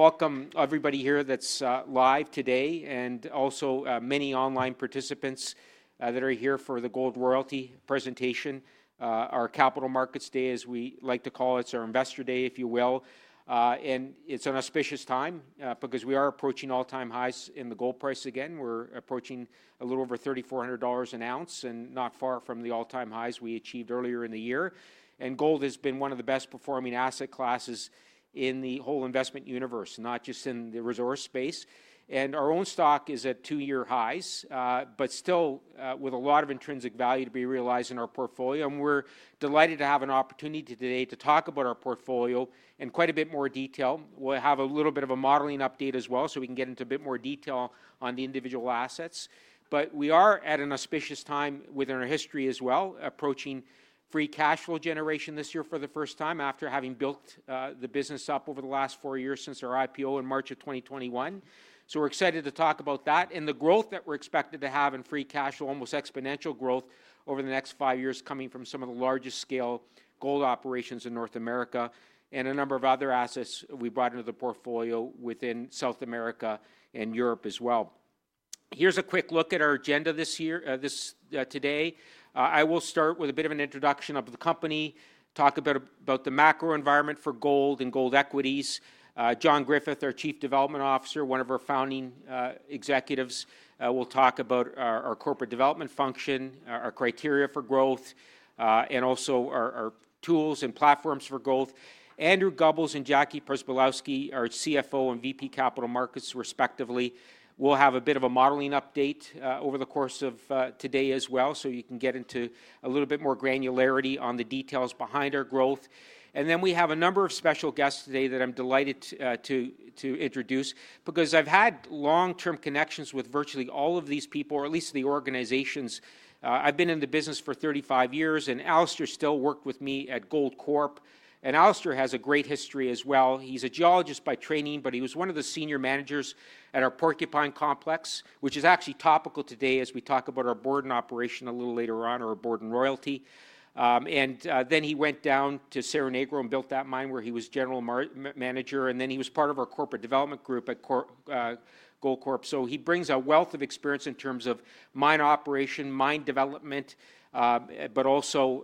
I want to welcome everybody here that's live today, and also many online participants that are here for the Gold Royalty presentation. Our Capital Markets Day, as we like to call it, is our Investor Day, if you will. It is an auspicious time because we are approaching all-time highs in the gold price again. We are approaching a little over $3,400 an ounce and not far from the all-time highs we achieved earlier in the year. Gold has been one of the best-performing asset classes in the whole investment universe, not just in the resource space. Our own stock is at two-year highs, but still with a lot of intrinsic value to be realized in our portfolio. We are delighted to have an opportunity today to talk about our portfolio in quite a bit more detail. We'll have a little bit of a modeling update as well so we can get into a bit more detail on the individual assets. We are at an auspicious time within our history as well, approaching free cash flow generation this year for the first time after having built the business up over the last four years since our IPO in March of 2021. We're excited to talk about that and the growth that we're expected to have in free cash flow, almost exponential growth over the next five years coming from some of the largest scale gold operations in North America and a number of other assets we brought into the portfolio within South America and Europe as well. Here's a quick look at our agenda this year, this today. I will start with a bit of an introduction of the company, talk about the macro environment for gold and gold equities. John Griffith, our Chief Development Officer, one of our founding executives, will talk about our corporate development function, our criteria for growth, and also our tools and platforms for growth. Andrew Goebbels and Jackie Perzbalowski, our CFO and VP Capital Markets, respectively, will have a bit of a modeling update over the course of today as well so you can get into a little bit more granularity on the details behind our growth. We have a number of special guests today that I'm delighted to introduce because I've had long-term connections with virtually all of these people, or at least the organizations. I've been in the business for 35 years, and Alastair Still worked with me at Goldcorp. Alastair has a great history as well. He is a geologist by training, but he was one of the senior managers at our Porcupine Complex, which is actually topical today as we talk about our Borden operation a little later on, our Borden royalty. He went down to Cerro Negro and built that mine where he was general manager, and then he was part of our corporate development group at Goldcorp. He brings a wealth of experience in terms of mine operation, mine development, but also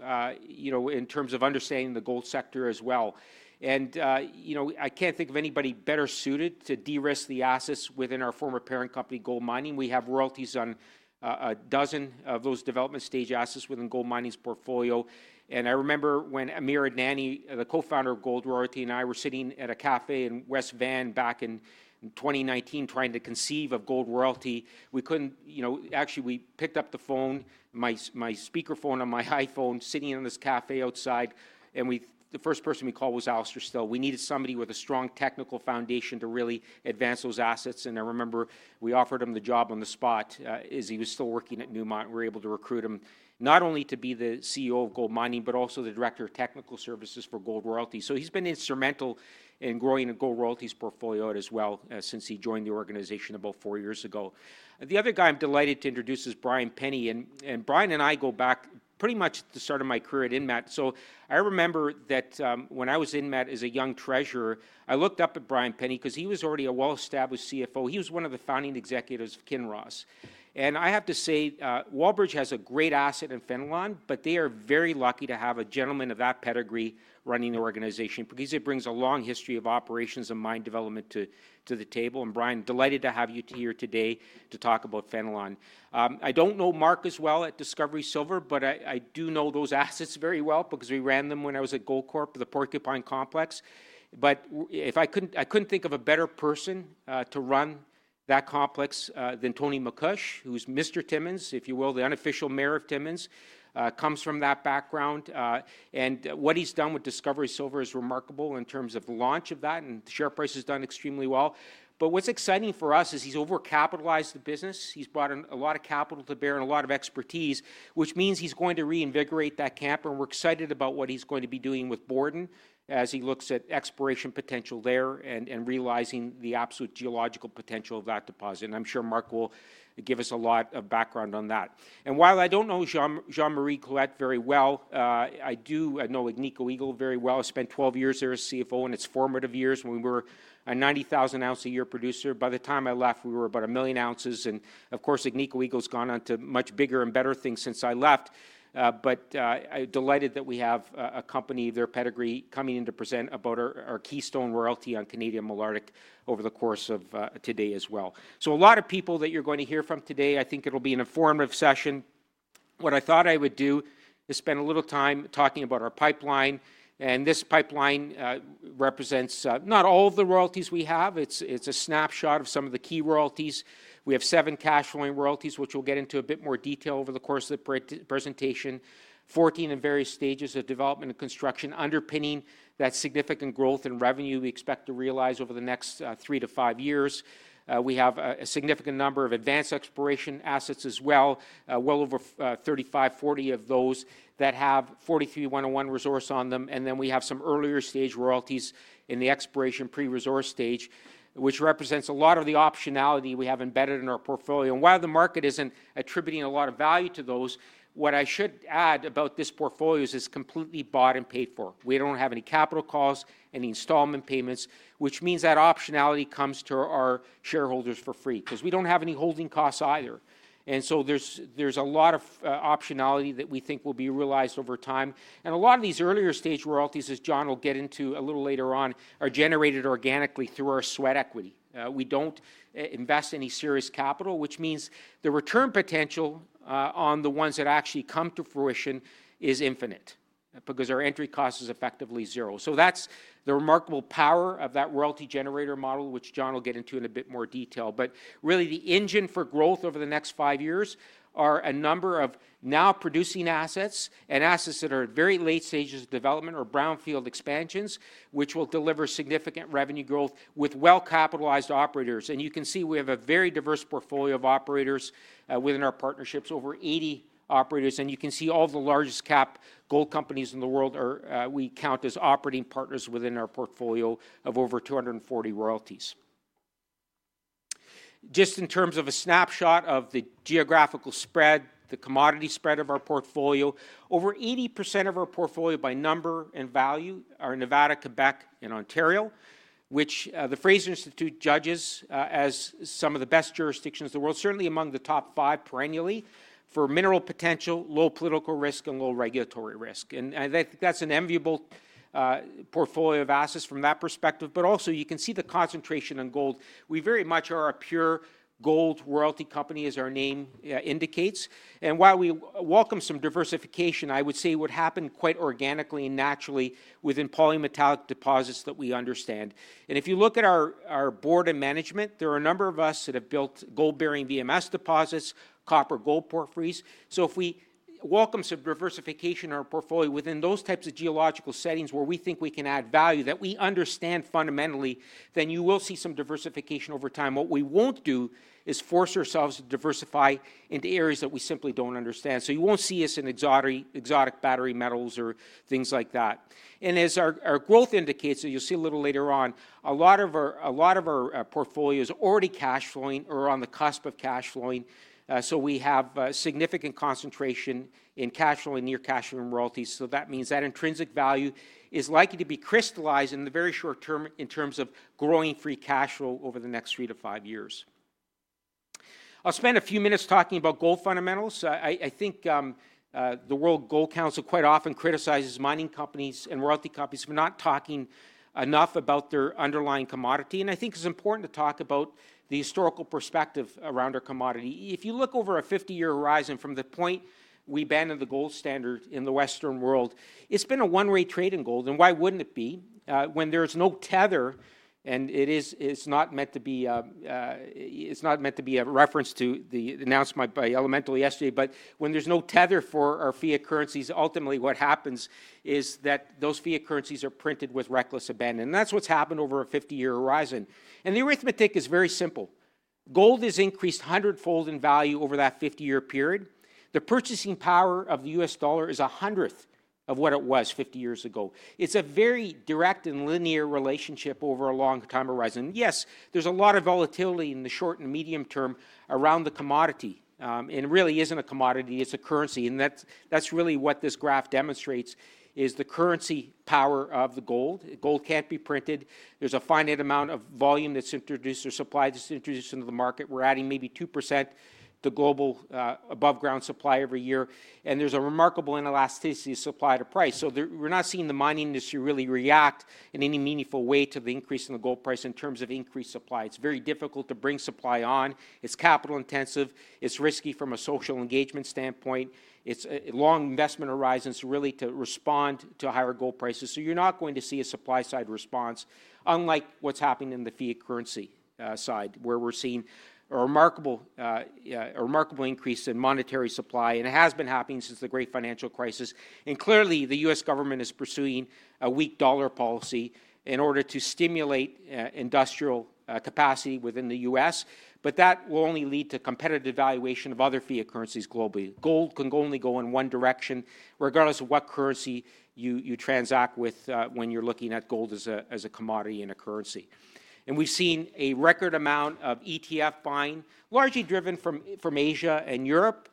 in terms of understanding the gold sector as well. I cannot think of anybody better suited to de-risk the assets within our former parent company, GoldMining. We have royalties on a dozen of those development-stage assets within GoldMining's portfolio. I remember when Amir Adnani, the co-founder of Gold Royalty, and I were sitting at a café in West Vancouver back in 2019 trying to conceive of Gold Royalty. We could not, actually, we picked up the phone, my speakerphone on my iPhone, sitting in this café outside, and the first person we called was Alastair Still. We needed somebody with a strong technical foundation to really advance those assets. I remember we offered him the job on the spot as he was still working at Newmont. We were able to recruit him not only to be the CEO of Gold Mining, but also the Director of Technical Services for Gold Royalty. He has been instrumental in growing Gold Royalty's portfolio as well since he joined the organization about four years ago. The other guy I am delighted to introduce is Brian Penny. Brian and I go back pretty much to the start of my career at Kinross. I remember that when I was at Kinross as a young treasurer, I looked up at Brian Penny because he was already a well-established CFO. He was one of the founding executives of Kinross. I have to say, Wallbridge has a great asset in Fenelon, but they are very lucky to have a gentleman of that pedigree running the organization because it brings a long history of operations and mine development to the table. Brian, delighted to have you here today to talk about Fenelon. I do not know Mark as well at Discovery Silver, but I do know those assets very well because we ran them when I was at Goldcorp, the Porcupine Complex. If I could not think of a better person to run that complex than Tony McCooch, who is Mr. Timmins, if you will, the unofficial mayor of Timmins, comes from that background. What he has done with Discovery Silver is remarkable in terms of the launch of that, and the share price has done extremely well. What is exciting for us is he has over-capitalized the business. He has brought in a lot of capital to bear and a lot of expertise, which means he is going to reinvigorate that camp. We are excited about what he is going to be doing with Borden as he looks at exploration potential there and realizing the absolute geological potential of that deposit. I am sure Mark will give us a lot of background on that. While I do not know Jean-Marie Clouet very well, I do know Agnico Eagle very well. I spent 12 years there as CFO in its formative years when we were a 90,000-ounce-a-year producer. By the time I left, we were about a million oz. Of course, Agnico Eagle has gone on to much bigger and better things since I left. I'm delighted that we have a company of their pedigree coming in to present about our Keystone Royalty on Canadian Malartic over the course of today as well. A lot of people that you're going to hear from today, I think it'll be an informative session. What I thought I would do is spend a little time talking about our pipeline. This pipeline represents not all of the royalties we have. It's a snapshot of some of the key royalties. We have seven cash flowing royalties, which we'll get into a bit more detail over the course of the presentation, 14 in various stages of development and construction underpinning that significant growth in revenue we expect to realize over the next three to five years. We have a significant number of advanced exploration assets as well, well over 3,540 of those that have 43-101 resource on them. We have some earlier stage royalties in the exploration pre-resource stage, which represents a lot of the optionality we have embedded in our portfolio. While the market isn't attributing a lot of value to those, what I should add about this portfolio is it's completely bought and paid for. We don't have any capital costs, any installment payments, which means that optionality comes to our shareholders for free because we don't have any holding costs either. There is a lot of optionality that we think will be realized over time. A lot of these earlier stage royalties, as John will get into a little later on, are generated organically through our sweat equity. We do not invest any serious capital, which means the return potential on the ones that actually come to fruition is infinite because our entry cost is effectively zero. That is the remarkable power of that royalty generator model, which John will get into in a bit more detail. Really, the engine for growth over the next five years are a number of now producing assets and assets that are at very late stages of development or brownfield expansions, which will deliver significant revenue growth with well-capitalized operators. You can see we have a very diverse portfolio of operators within our partnerships, over 80 operators. You can see all the largest cap gold companies in the world we count as operating partners within our portfolio of over 240 royalties. In terms of a snapshot of the geographical spread, the commodity spread of our portfolio, over 80% of our portfolio by number and value are Nevada, Quebec, and Ontario, which the Fraser Institute judges as some of the best jurisdictions in the world, certainly among the top five perennially for mineral potential, low political risk, and low regulatory risk. I think that's an enviable portfolio of assets from that perspective. Also, you can see the concentration on gold. We very much are a pure gold royalty company, as our name indicates. While we welcome some diversification, I would say it would happen quite organically and naturally within polymetallic deposits that we understand. If you look at our board and management, there are a number of us that have built gold-bearing VMS deposits, copper gold porphyries. If we welcome some diversification in our portfolio within those types of geological settings where we think we can add value that we understand fundamentally, then you will see some diversification over time. What we will not do is force ourselves to diversify into areas that we simply do not understand. You will not see us in exotic battery metals or things like that. As our growth indicates, you will see a little later on, a lot of our portfolios are already cash flowing or on the cusp of cash flowing. We have a significant concentration in cash flow and near cash flow royalties. That means that intrinsic value is likely to be crystallized in the very short term in terms of growing free cash flow over the next three to five years. I'll spend a few minutes talking about gold fundamentals. I think the World Gold Council quite often criticizes mining companies and royalty companies for not talking enough about their underlying commodity. I think it's important to talk about the historical perspective around our commodity. If you look over a 50-year horizon from the point we abandoned the gold standard in the Western world, it's been a one-way trade in gold. Why wouldn't it be when there's no tether? It's not meant to be a reference to the announcement by Elemental Altus Royalties yesterday. When there's no tether for our fiat currencies, ultimately what happens is that those fiat currencies are printed with reckless abandon. is what has happened over a 50-year horizon. The arithmetic is very simple. Gold has increased a hundredfold in value over that 50-year period. The purchasing power of the US dollar is a hundredth of what it was 50 years ago. It is a very direct and linear relationship over a long time horizon. Yes, there is a lot of volatility in the short and medium term around the commodity. It really is not a commodity; it is a currency. That is really what this graph demonstrates, the currency power of gold. Gold cannot be printed. There is a finite amount of volume that is introduced or supply that is introduced into the market. We are adding maybe 2% to global above-ground supply every year. There is a remarkable inelasticity of supply to price. We're not seeing the mining industry really react in any meaningful way to the increase in the gold price in terms of increased supply. It's very difficult to bring supply on. It's capital-intensive. It's risky from a social engagement standpoint. It's long investment horizons really to respond to higher gold prices. You're not going to see a supply-side response, unlike what's happening in the fiat currency side, where we're seeing a remarkable increase in monetary supply. It has been happening since the Great Financial Crisis. Clearly, the U.S. government is pursuing a weak dollar policy in order to stimulate industrial capacity within the U.S. That will only lead to competitive valuation of other fiat currencies globally. Gold can only go in one direction, regardless of what currency you transact with when you're looking at gold as a commodity and a currency. We have seen a record amount of ETF buying, largely driven from Asia and Europe,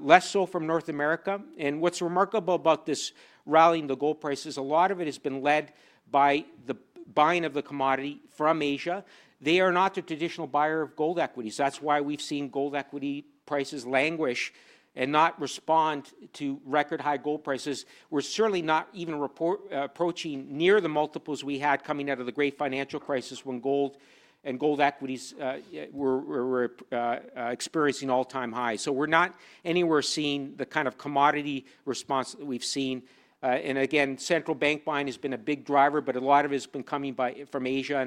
less so from North America. What is remarkable about this rally in the gold price is a lot of it has been led by the buying of the commodity from Asia. They are not the traditional buyer of gold equities. That is why we have seen gold equity prices languish and not respond to record-high gold prices. We are certainly not even approaching near the multiples we had coming out of the Great Financial Crisis when gold and gold equities were experiencing all-time highs. We are not anywhere seeing the kind of commodity response that we have seen. Central bank buying has been a big driver, but a lot of it has been coming from Asia.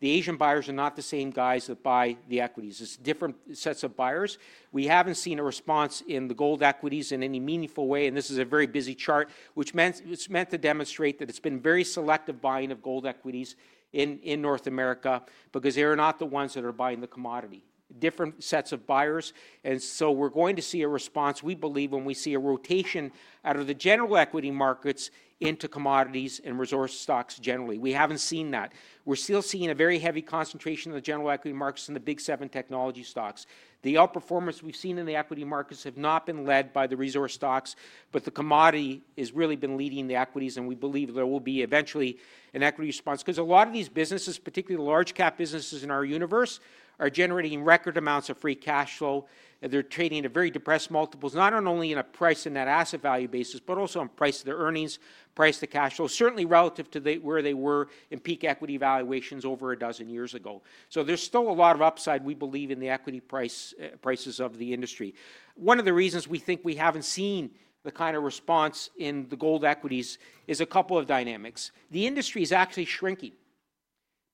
The Asian buyers are not the same guys that buy the equities. It is different sets of buyers. We haven't seen a response in the gold equities in any meaningful way. This is a very busy chart, which is meant to demonstrate that it's been very selective buying of gold equities in North America because they are not the ones that are buying the commodity. Different sets of buyers. We are going to see a response, we believe, when we see a rotation out of the general equity markets into commodities and resource stocks generally. We haven't seen that. We are still seeing a very heavy concentration of the general equity markets in the big seven technology stocks. The outperformance we've seen in the equity markets has not been led by the resource stocks, but the commodity has really been leading the equities. We believe there will be eventually an equity response because a lot of these businesses, particularly the large-cap businesses in our universe, are generating record amounts of free cash flow. They are trading at very depressed multiples, not only on a price and net asset value basis, but also in price to their earnings, price to cash flow, certainly relative to where they were in peak equity valuations over a dozen years ago. There is still a lot of upside, we believe, in the equity prices of the industry. One of the reasons we think we have not seen the kind of response in the gold equities is a couple of dynamics. The industry is actually shrinking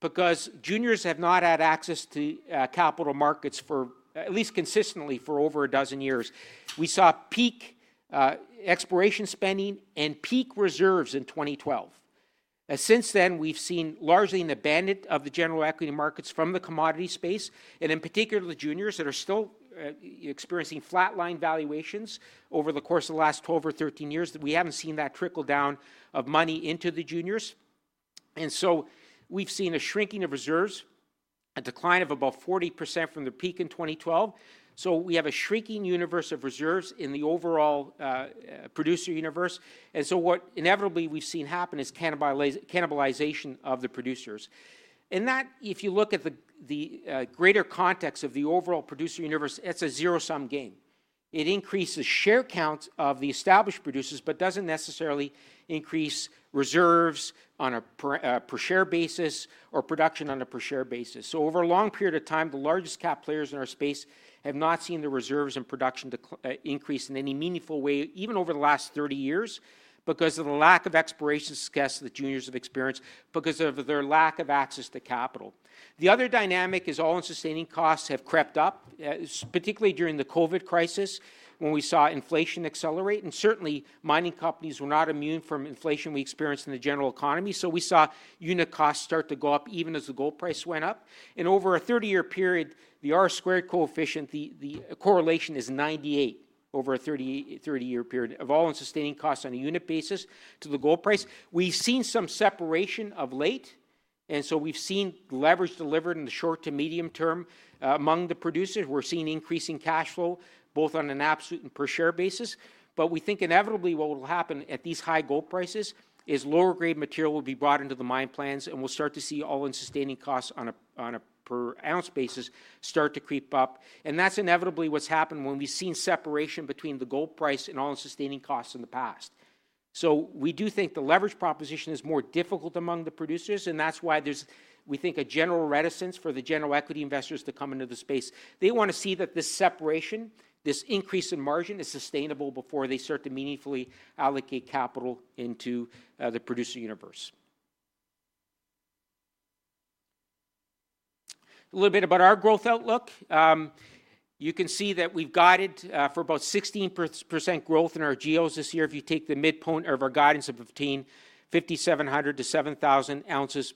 because juniors have not had access to capital markets, at least consistently, for over a dozen years. We saw peak exploration spending and peak reserves in 2012. Since then, we've seen largely an abandonment of the general equity markets from the commodity space, and in particular, the juniors that are still experiencing flatline valuations over the course of the last 12 or 13 years. We haven't seen that trickle down of money into the juniors. We have seen a shrinking of reserves, a decline of about 40% from the peak in 2012. We have a shrinking universe of reserves in the overall producer universe. What inevitably we've seen happen is cannibalization of the producers. If you look at the greater context of the overall producer universe, it's a zero-sum game. It increases share counts of the established producers but doesn't necessarily increase reserves on a per-share basis or production on a per-share basis. Over a long period of time, the largest cap players in our space have not seen the reserves and production increase in any meaningful way, even over the last 30 years, because of the lack of exploration success that the juniors have experienced because of their lack of access to capital. The other dynamic is all-in sustaining costs have crept up, particularly during the COVID crisis when we saw inflation accelerate. Certainly, mining companies were not immune from inflation we experienced in the general economy. We saw unit costs start to go up even as the gold price went up. Over a 30-year period, the R-squared coefficient, the correlation is 98% over a 30-year period of all-in sustaining costs on a unit basis to the gold price. We have seen some separation of late. We have seen leverage delivered in the short to medium term among the producers. We're seeing increasing cash flow both on an absolute and per-share basis. We think inevitably what will happen at these high gold prices is lower-grade material will be brought into the mine plans and we'll start to see all-in sustaining costs on a per-ounce basis start to creep up. That's inevitably what's happened when we've seen separation between the gold price and all-in sustaining costs in the past. We do think the leverage proposition is more difficult among the producers. That's why there's, we think, a general reticence for the general equity investors to come into the space. They want to see that this separation, this increase in margin is sustainable before they start to meaningfully allocate capital into the producer universe. A little bit about our growth outlook. You can see that we've guided for about 16% growth in our GEOs this year. If you take the midpoint of our guidance of 15,700-17,000 oz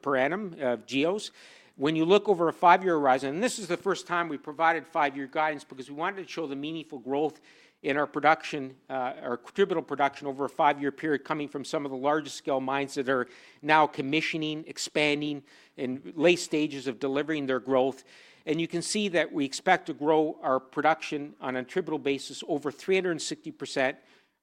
per annum of GEOs. When you look over a five-year horizon, and this is the first time we provided five-year guidance because we wanted to show the meaningful growth in our production or attributable production over a five-year period coming from some of the largest scale mines that are now commissioning, expanding, and late stages of delivering their growth. You can see that we expect to grow our production on an attributable basis over 360%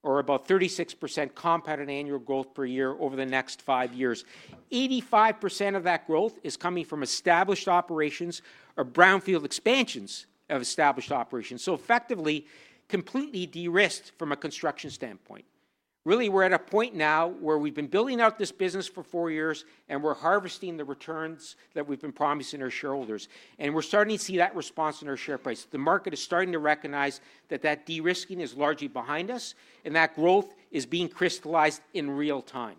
or about 36% compounded annual growth per year over the next five years. 85% of that growth is coming from established operations or brownfield expansions of established operations. Effectively, completely de-risked from a construction standpoint. Really, we're at a point now where we've been building out this business for four years and we're harvesting the returns that we've been promising our shareholders. We're starting to see that response in our share price. The market is starting to recognize that that de-risking is largely behind us and that growth is being crystallized in real time.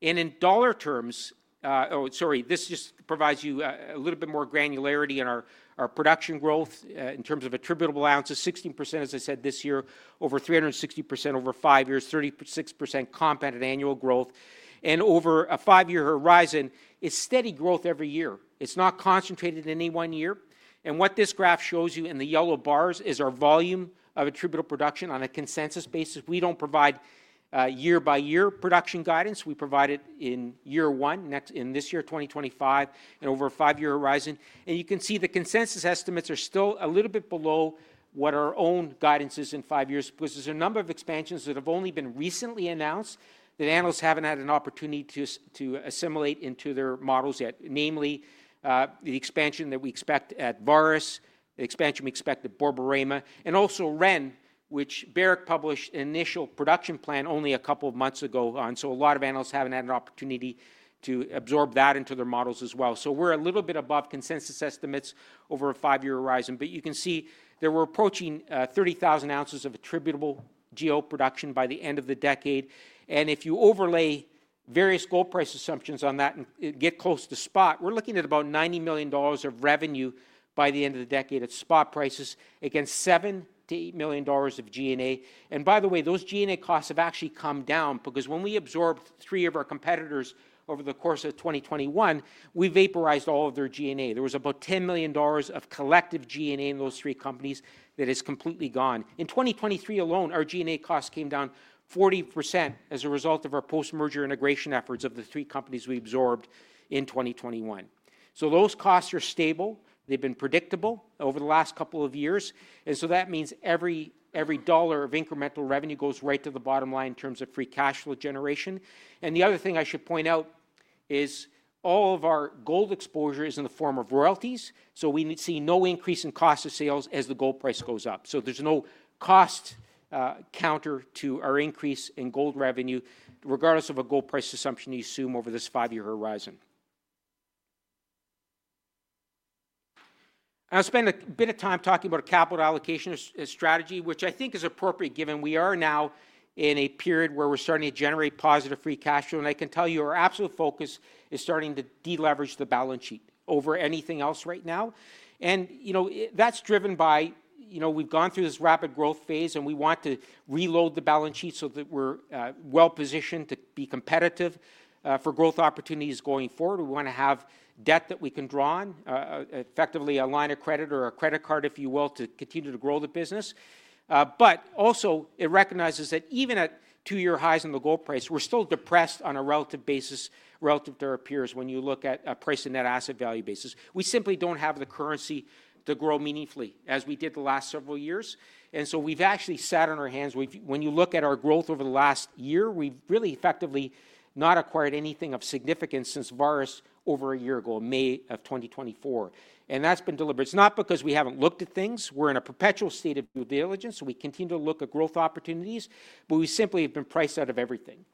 In dollar terms, oh, sorry, this just provides you a little bit more granularity in our production growth in terms of attributable oz, 16% as I said this year, over 360% over five years, 36% compounded annual growth. Over a five-year horizon, it's steady growth every year. It's not concentrated in any one year. What this graph shows you in the yellow bars is our volume of attributable production on a consensus basis. We do not provide year-by-year production guidance. We provide it in year one in this year, 2025, and over a five-year horizon. You can see the consensus estimates are still a little bit below what our own guidance is in five years because there's a number of expansions that have only been recently announced that analysts haven't had an opportunity to assimilate into their models yet, namely the expansion that we expect at Varus, the expansion we expect at Borborema, and also Wren, which Barrick published an initial production plan only a couple of months ago on. A lot of analysts haven't had an opportunity to absorb that into their models as well. We're a little bit above consensus estimates over a five-year horizon. You can see that we're approaching 30,000 oz of attributable GEO production by the end of the decade. If you overlay various gold price assumptions on that and get close to spot, we're looking at about $90 million of revenue by the end of the decade at spot prices against $7-$8 million of G&A. By the way, those G&A costs have actually come down because when we absorbed three of our competitors over the course of 2021, we vaporized all of their G&A. There was about $10 million of collective G&A in those three companies that is completely gone. In 2023 alone, our G&A costs came down 40% as a result of our post-merger integration efforts of the three companies we absorbed in 2021. Those costs are stable. They've been predictable over the last couple of years. That means every dollar of incremental revenue goes right to the bottom line in terms of free cash flow generation. The other thing I should point out is all of our gold exposure is in the form of royalties. We see no increase in cost of sales as the gold price goes up. There is no cost counter to our increase in gold revenue, regardless of a gold price assumption you assume over this five-year horizon. I'll spend a bit of time talking about a capital allocation strategy, which I think is appropriate given we are now in a period where we're starting to generate positive free cash flow. I can tell you our absolute focus is starting to de-leverage the balance sheet over anything else right now. That is driven by we've gone through this rapid growth phase and we want to reload the balance sheet so that we're well-positioned to be competitive for growth opportunities going forward. We want to have debt that we can draw on, effectively a line of credit or a credit card, if you will, to continue to grow the business. It also recognizes that even at two-year highs in the gold price, we're still depressed on a relative basis relative to our peers when you look at price to net asset value basis. We simply do not have the currency to grow meaningfully as we did the last several years. We have actually sat on our hands. When you look at our growth over the last year, we have really effectively not acquired anything of significance since Varus over a year ago, May of 2024. That has been deliberate. It is not because we have not looked at things. We are in a perpetual state of due diligence. We continue to look at growth opportunities, but we simply have been priced out of everything.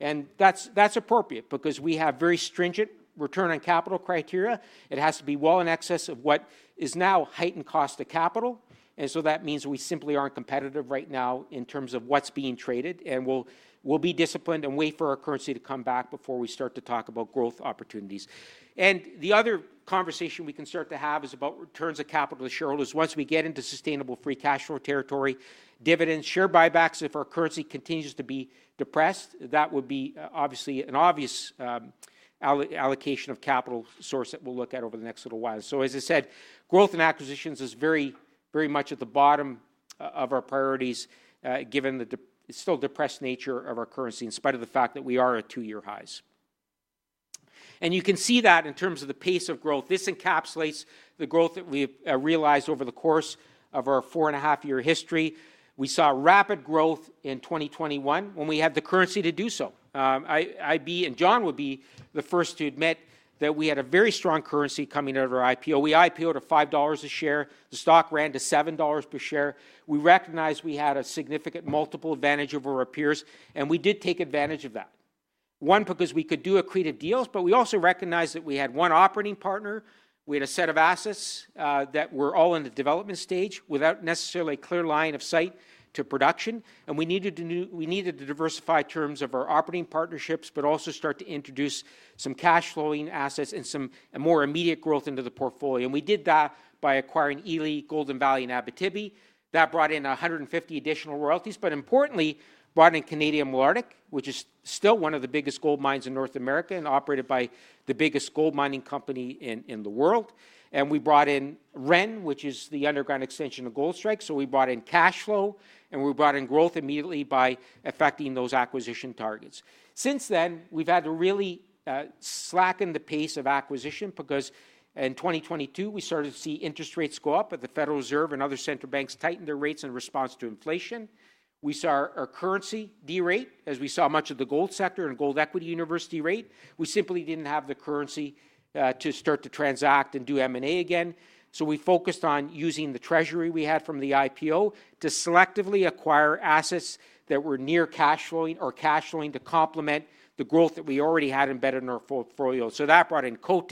That is appropriate because we have very stringent return on capital criteria. It has to be well in excess of what is now heightened cost of capital. That means we simply are not competitive right now in terms of what is being traded. We will be disciplined and wait for our currency to come back before we start to talk about growth opportunities. The other conversation we can start to have is about returns of capital to shareholders once we get into sustainable free cash flow territory, dividends, share buybacks. If our currency continues to be depressed, that would be obviously an obvious allocation of capital source that we will look at over the next little while. As I said, growth and acquisitions is very, very much at the bottom of our priorities given the still depressed nature of our currency in spite of the fact that we are at two-year highs. You can see that in terms of the pace of growth. This encapsulates the growth that we've realized over the course of our four-and-a-half-year history. We saw rapid growth in 2021 when we had the currency to do so. IB and John would be the first to admit that we had a very strong currency coming out of our IPO. We IPO'd at $5 a share. The stock ran to $7 per share. We recognized we had a significant multiple advantage over our peers, and we did take advantage of that. One, because we could do accretive deals, but we also recognized that we had one operating partner. We had a set of assets that were all in the development stage without necessarily a clear line of sight to production. We needed to diversify in terms of our operating partnerships, but also start to introduce some cash-flowing assets and some more immediate growth into the portfolio. We did that by acquiring Ely, Golden Valley, and Abitibi. That brought in 150 additional royalties, but importantly, brought in Canadian Malartic, which is still one of the biggest gold mines in North America and operated by the biggest gold mining company in the world. We brought in Wren, which is the underground extension of Goldstrike. We brought in cash flow, and we brought in growth immediately by effecting those acquisition targets. Since then, we've had to really slacken the pace of acquisition because in 2022, we started to see interest rates go up, but the Federal Reserve and other central banks tightened their rates in response to inflation. We saw our currency derate, as we saw much of the gold sector and Gold Royalty derate. We simply didn't have the currency to start to transact and do M&A again. We focused on using the treasury we had from the IPO to selectively acquire assets that were near cash flowing or cash flowing to complement the growth that we already had embedded in our portfolio. That brought in Cote,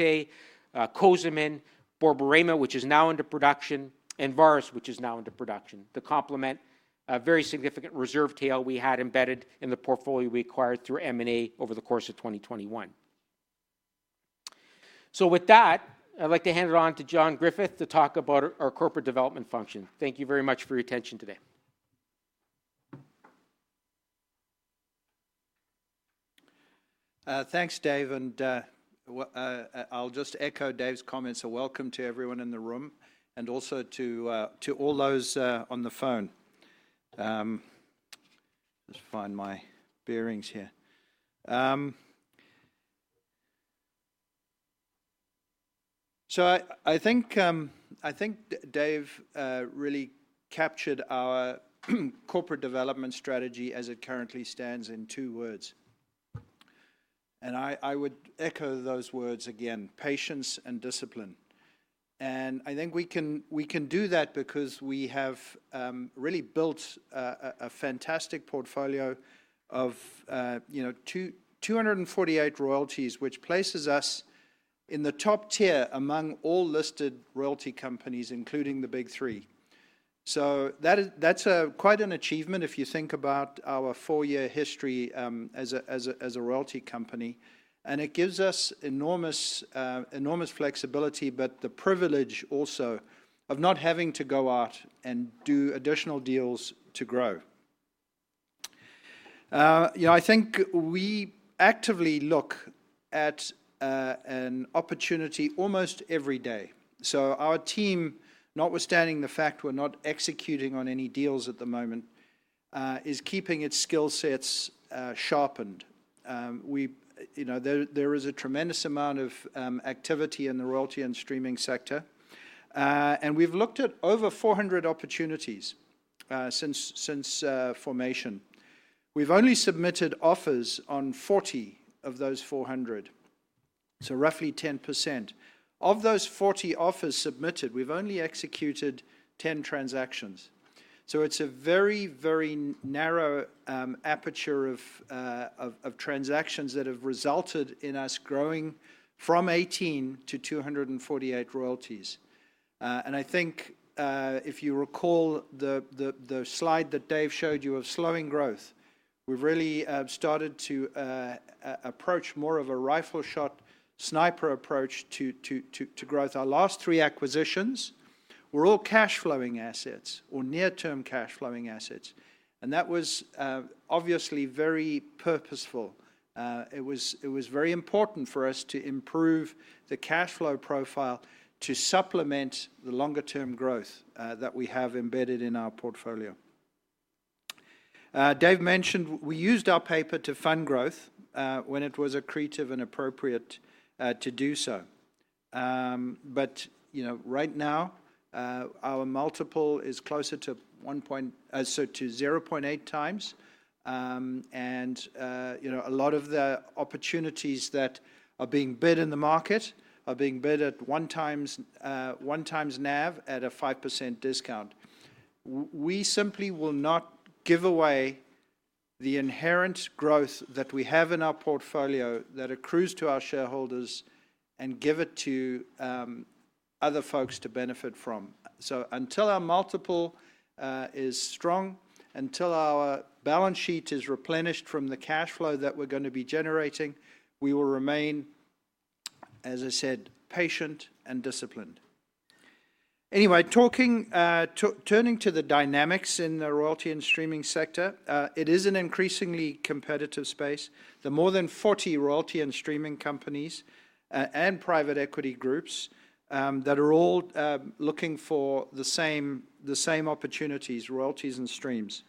Cozemin, Borborema, which is now under production, and Varus, which is now under production to complement a very significant reserve tail we had embedded in the portfolio we acquired through M&A over the course of 2021. With that, I'd like to hand it on to John Griffith to talk about our corporate development function. Thank you very much for your attention today. Thanks, Dave. I'll just echo Dave's comments. A welcome to everyone in the room and also to all those on the phone. Let's find my bearings here. I think Dave really captured our corporate development strategy as it currently stands in two words. I would echo those words again, patience and discipline. I think we can do that because we have really built a fantastic portfolio of 248 royalties, which places us in the top tier among all listed royalty companies, including the big three. That's quite an achievement if you think about our four-year history as a royalty company. It gives us enormous flexibility, but the privilege also of not having to go out and do additional deals to grow. I think we actively look at an opportunity almost every day. Our team, notwithstanding the fact we're not executing on any deals at the moment, is keeping its skill sets sharpened. There is a tremendous amount of activity in the royalty and streaming sector. We've looked at over 400 opportunities since formation. We've only submitted offers on 40 of those 400, so roughly 10%. Of those 40 offers submitted, we've only executed 10 transactions. It's a very, very narrow aperture of transactions that have resulted in us growing from 18 to 248 royalties. I think if you recall the slide that Dave showed you of slowing growth, we've really started to approach more of a rifle shot sniper approach to growth. Our last three acquisitions were all cash flowing assets or near-term cash flowing assets. That was obviously very purposeful. It was very important for us to improve the cash flow profile to supplement the longer-term growth that we have embedded in our portfolio. Dave mentioned we used our paper to fund growth when it was accretive and appropriate to do so. Right now, our multiple is closer to 0.8x. A lot of the opportunities that are being bid in the market are being bid at one times NAV at a 5% discount. We simply will not give away the inherent growth that we have in our portfolio that accrues to our shareholders and give it to other folks to benefit from. Until our multiple is strong, until our balance sheet is replenished from the cash flow that we are going to be generating, we will remain, as I said, patient and disciplined. Anyway, turning to the dynamics in the royalty and streaming sector, it is an increasingly competitive space. There are more than 40 royalty and streaming companies and private equity groups that are all looking for the same opportunities, royalties and streams.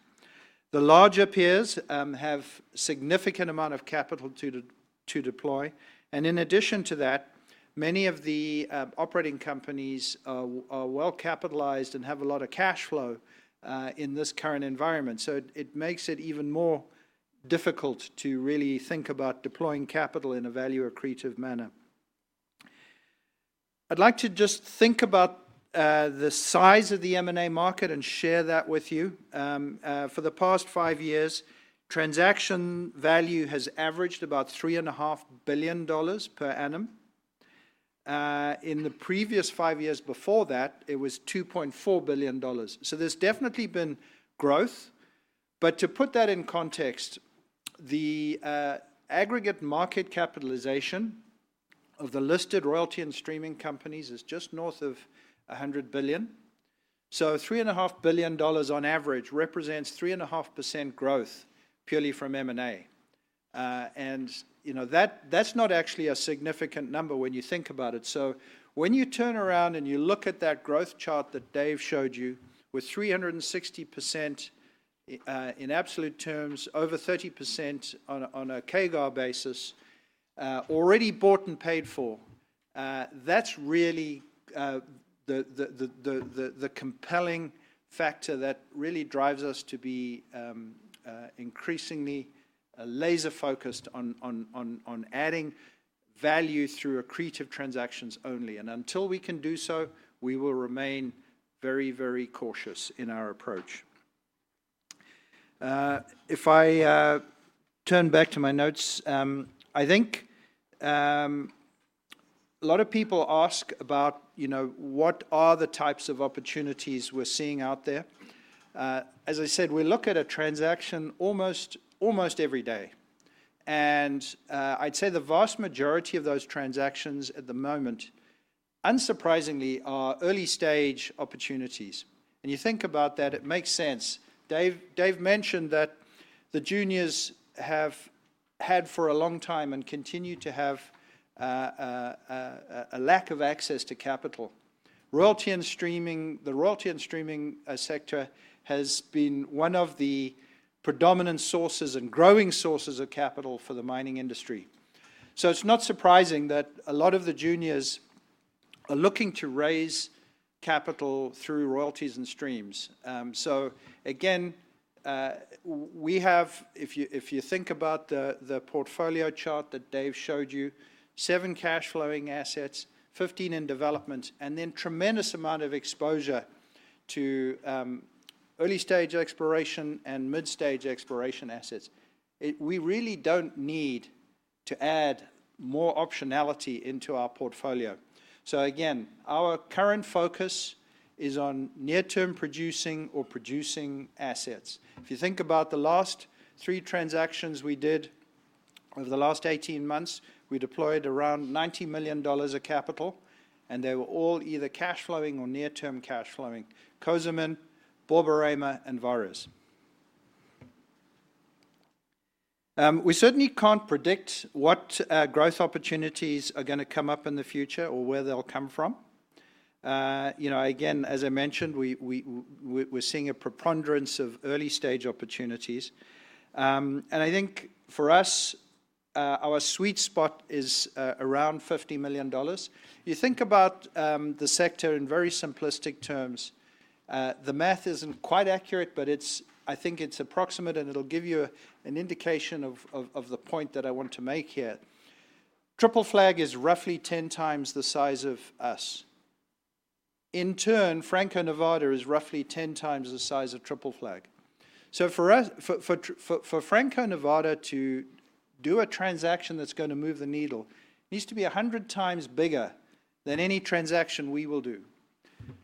The larger peers have a significant amount of capital to deploy. In addition to that, many of the operating companies are well capitalized and have a lot of cash flow in this current environment. It makes it even more difficult to really think about deploying capital in a value-accretive manner. I'd like to just think about the size of the M&A market and share that with you. For the past five years, transaction value has averaged about $3.5 billion per annum. In the previous five years before that, it was $2.4 billion. There has definitely been growth. To put that in context, the aggregate market capitalization of the listed royalty and streaming companies is just north of $100 billion. $3.5 billion on average represents 3.5% growth purely from M&A. That is not actually a significant number when you think about it. When you turn around and you look at that growth chart that Dave showed you with 360% in absolute terms, over 30% on a CAGR basis, already bought and paid for, that is really the compelling factor that really drives us to be increasingly laser-focused on adding value through accretive transactions only. Until we can do so, we will remain very, very cautious in our approach. If I turn back to my notes, I think a lot of people ask about what are the types of opportunities we are seeing out there. As I said, we look at a transaction almost every day. I would say the vast majority of those transactions at the moment, unsurprisingly, are early-stage opportunities. You think about that, it makes sense. Dave mentioned that the juniors have had for a long time and continue to have a lack of access to capital. The royalty and streaming sector has been one of the predominant sources and growing sources of capital for the mining industry. It is not surprising that a lot of the juniors are looking to raise capital through royalties and streams. Again, we have, if you think about the portfolio chart that Dave showed you, seven cash flowing assets, 15 in development, and then a tremendous amount of exposure to early-stage exploration and mid-stage exploration assets. We really do not need to add more optionality into our portfolio. Our current focus is on near-term producing or producing assets. If you think about the last three transactions we did over the last 18 months, we deployed around $90 million of capital, and they were all either cash flowing or near-term cash flowing: Cozemin, Borborema, and Varus. We certainly can't predict what growth opportunities are going to come up in the future or where they'll come from. Again, as I mentioned, we're seeing a preponderance of early-stage opportunities. I think for us, our sweet spot is around $50 million. If you think about the sector in very simplistic terms, the math isn't quite accurate, but I think it's approximate, and it'll give you an indication of the point that I want to make here. Triple Flag is roughly 10x the size of us. In turn, Franco-Nevada is roughly 10x the size of Triple Flag. For Franco-Nevada to do a transaction that's going to move the needle, it needs to be 100x bigger than any transaction we will do.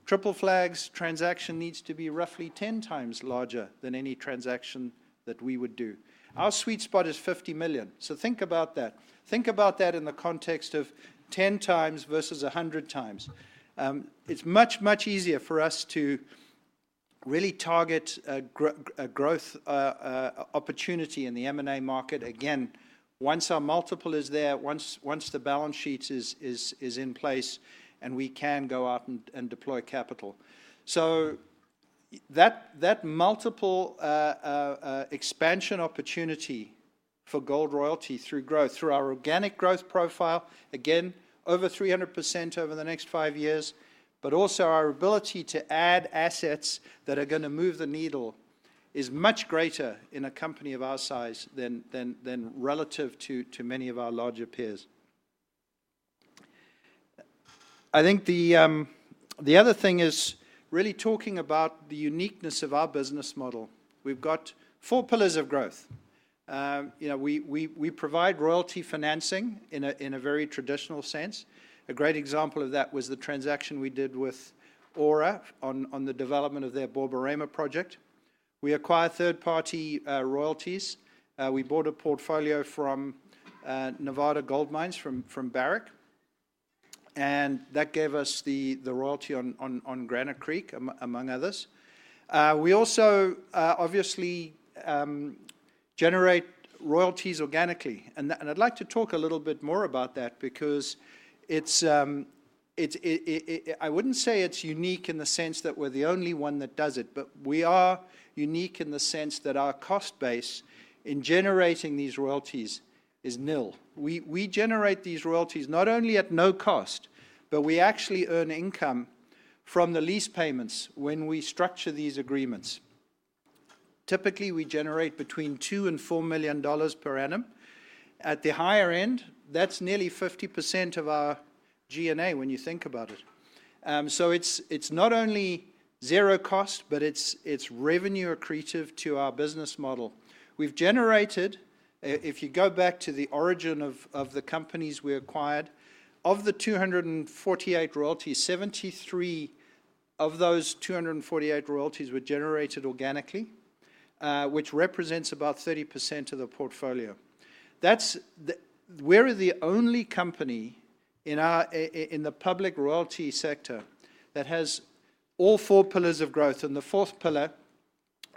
Triple Flag's transaction needs to be roughly 10x larger than any transaction that we would do. Our sweet spot is $50 million. Think about that. Think about that in the context of 10x versus 100x. It's much, much easier for us to really target a growth opportunity in the M&A market, again, once our multiple is there, once the balance sheet is in place, and we can go out and deploy capital. That multiple expansion opportunity for Gold Royalty through growth, through our organic growth profile, again, over 300% over the next five years, but also our ability to add assets that are going to move the needle is much greater in a company of our size than relative to many of our larger peers. I think the other thing is really talking about the uniqueness of our business model. We've got four pillars of growth. We provide royalty financing in a very traditional sense. A great example of that was the transaction we did with Aura on the development of their Borborema project. We acquire third-party royalties. We bought a portfolio from Nevada Gold Mines from Barrick. That gave us the royalty on Granite Creek, among others. We also obviously generate royalties organically. I'd like to talk a little bit more about that because I wouldn't say it's unique in the sense that we're the only one that does it, but we are unique in the sense that our cost base in generating these royalties is nil. We generate these royalties not only at no cost, but we actually earn income from the lease payments when we structure these agreements. Typically, we generate between $2 million and $4 million per annum. At the higher end, that's nearly 50% of our G&A when you think about it. It's not only zero cost, but it's revenue-accretive to our business model. If you go back to the origin of the companies we acquired, of the 248 royalties, 73 of those 248 royalties were generated organically, which represents about 30% of the portfolio. We're the only company in the public royalty sector that has all four pillars of growth. The fourth pillar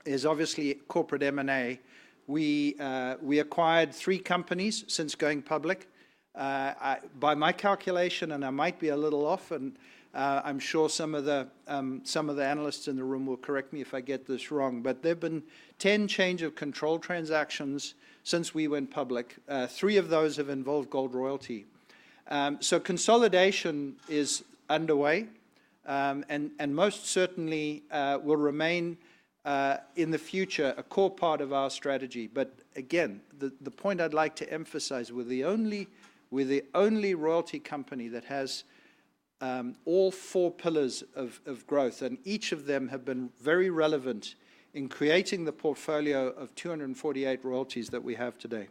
is obviously corporate M&A. We acquired three companies since going public. By my calculation, and I might be a little off, and I'm sure some of the analysts in the room will correct me if I get this wrong, but there have been 10 change-of-control transactions since we went public. Three of those have involved Gold Royalty. Consolidation is underway and most certainly will remain in the future a core part of our strategy. Again, the point I'd like to emphasize, we're the only royalty company that has all four pillars of growth. Each of them have been very relevant in creating the portfolio of 248 royalties that we have today.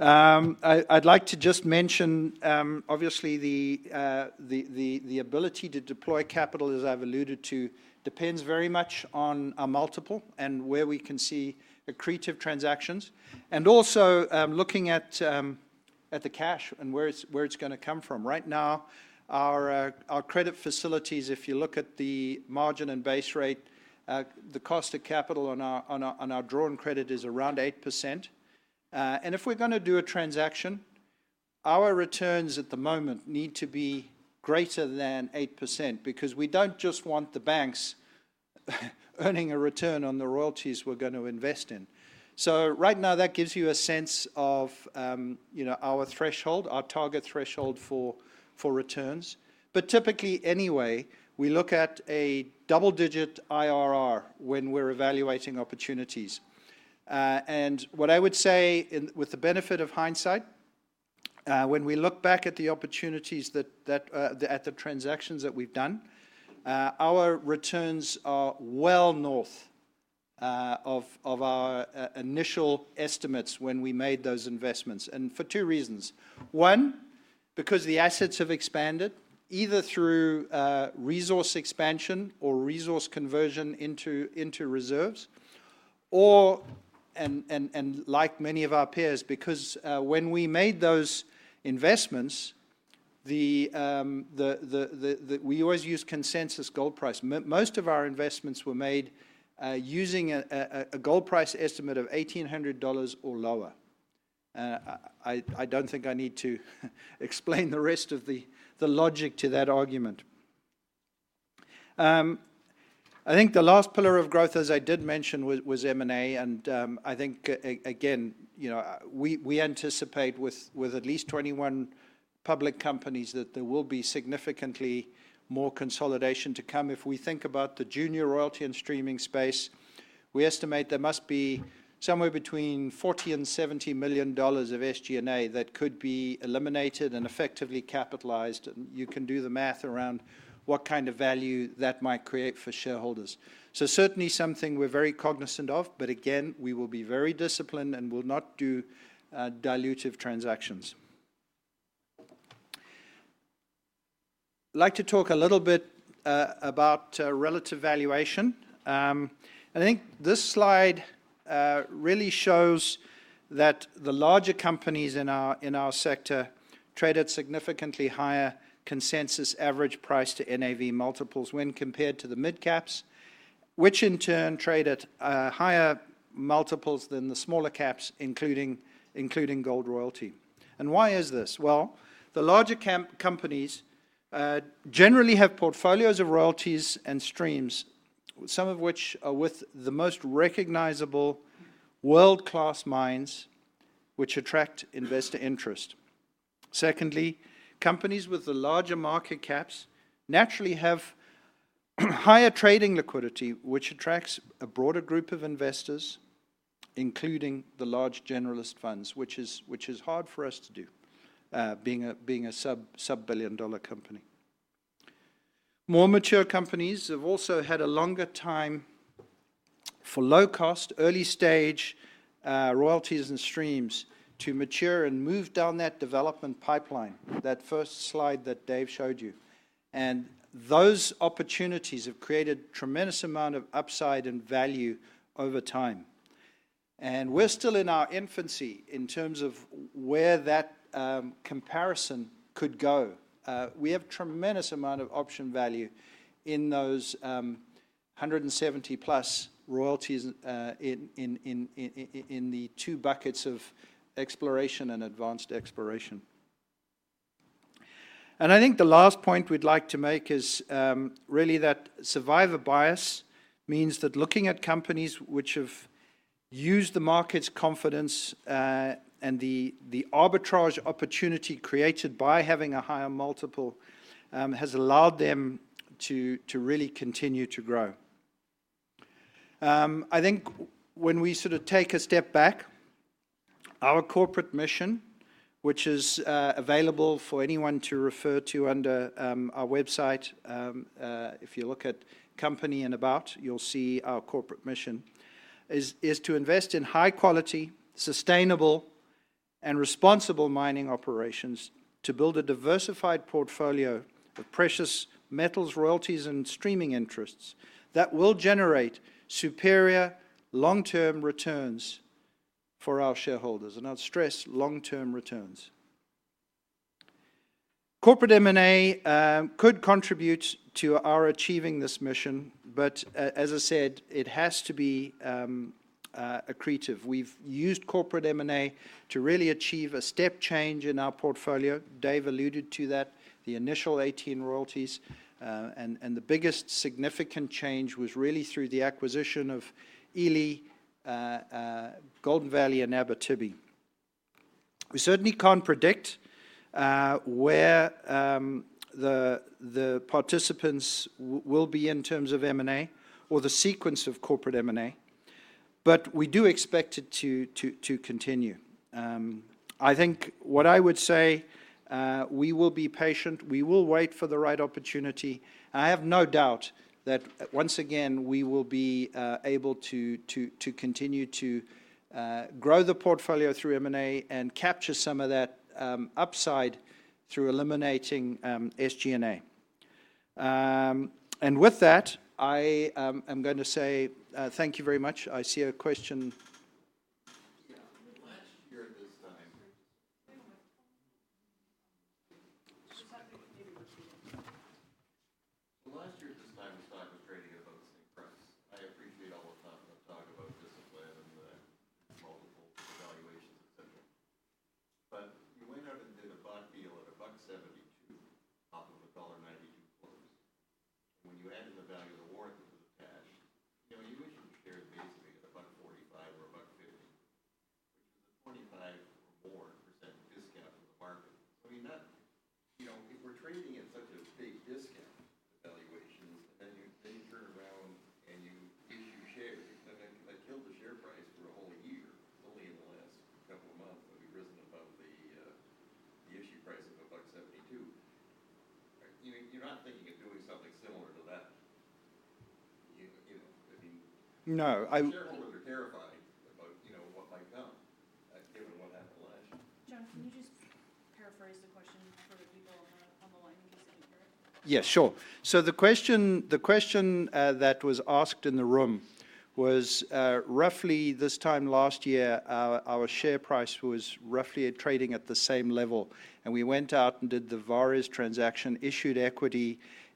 I'd like to just mention, obviously, the ability to deploy capital, as I've alluded to, depends very much on our multiple and where we can see accretive transactions. Also looking at the cash and where it's going to come from. Right now, our credit facilities, if you look at the margin and base rate, the cost of capital on our drawn credit is around 8%. If we're going to do a transaction, our returns at the moment need to be greater than 8% because we don't just want the banks earning a return on the royalties we're going to invest in. Right now, that gives you a sense of our target threshold for returns. Typically, anyway, we look at a double-digit IRR when we're evaluating opportunities. What I would say, with the benefit of hindsight, when we look back at the opportunities at the transactions that we've done, our returns are well north of our initial estimates when we made those investments. For two reasons. One, because the assets have expanded, either through resource expansion or resource conversion into reserves. Like many of our peers, because when we made those investments, we always use consensus gold price. Most of our investments were made using a gold price estimate of $1,800 or lower. I do not think I need to explain the rest of the logic to that argument. I think the last pillar of growth, as I did mention, was M&A. I think, again, we anticipate with at least 21 public companies that there will be significantly more consolidation to come. If we think about the junior royalty and streaming space, we estimate there must be somewhere between $40 million and $70 million of SG&A that could be eliminated and effectively capitalized. You can do the math around what kind of value that might create for shareholders. Certainly something we're very cognizant of. Again, we will be very disciplined and will not do dilutive transactions. I'd like to talk a little bit about relative valuation. I think this slide really shows that the larger companies in our sector traded significantly higher consensus average price to NAV multiples when compared to the mid-caps, which in turn traded higher multiples than the smaller caps, including Gold Royalty. Why is this? The larger companies generally have portfolios of royalties and streams, some of which are with the most recognizable world-class mines, which attract investor interest. Secondly, companies with the larger market caps naturally have higher trading liquidity, which attracts a broader group of investors, including the large generalist funds, which is hard for us to do being a sub-billion-dollar company. More mature companies have also had a longer time for low-cost, early-stage royalties and streams to mature and move down that development pipeline, that first slide that Dave showed you. Those opportunities have created a tremendous amount of upside and value over time. We are still in our infancy in terms of where that comparison could go. We have a tremendous amount of option value in those 170-plus royalties in the two buckets of exploration and advanced exploration. I think the last point we'd like to make is really that survivor bias means that looking at companies which have used the market's confidence and the arbitrage opportunity created by having a higher multiple has allowed them to really continue to grow. I think when we sort of take a step back, our corporate mission, which is available for anyone to refer to under our website, if you look at company and about, you'll see our corporate mission, is to invest in high-quality, sustainable, and responsible mining operations to build a diversified portfolio of precious metals, royalties, and streaming interests that will generate superior long-term returns for our shareholders. I'll stress long-term returns. Corporate M&A could contribute to our achieving this mission, but as I said, it has to be accretive. We've used corporate M&A to really achieve a step change in our portfolio. Dave alluded to that, the initial 18 royalties. The biggest significant change was really through the acquisition of Ely, Golden Valley, and Abitibi. We certainly cannot predict where the participants will be in terms of M&A or the sequence of corporate M&A, but we do expect it to continue. I think what I would say, we will be patient. We will wait for the right opportunity. I have no doubt that, once again, we will be able to continue to grow the portfolio through M&A and capture some of that upside through eliminating SG&A. With that, I am going to say thank you very much. I see a question.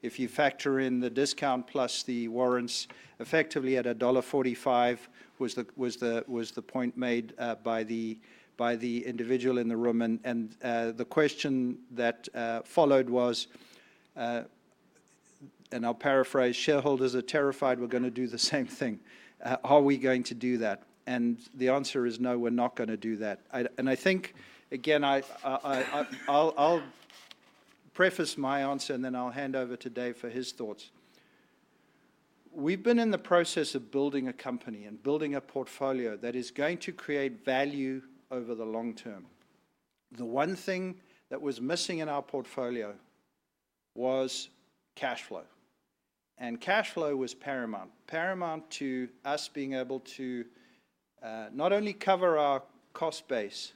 If you factor in the discount plus the warrants, effectively at $1.45 was the point made by the individual in the room. The question that followed was, and I'll paraphrase, shareholders are terrified we're going to do the same thing. Are we going to do that? The answer is no, we're not going to do that. I think, again, I'll preface my answer and then I'll hand over to Dave for his thoughts. We've been in the process of building a company and building a portfolio that is going to create value over the long term. The one thing that was missing in our portfolio was cash flow. Cash flow was paramount, paramount to us being able to not only cover our cost base,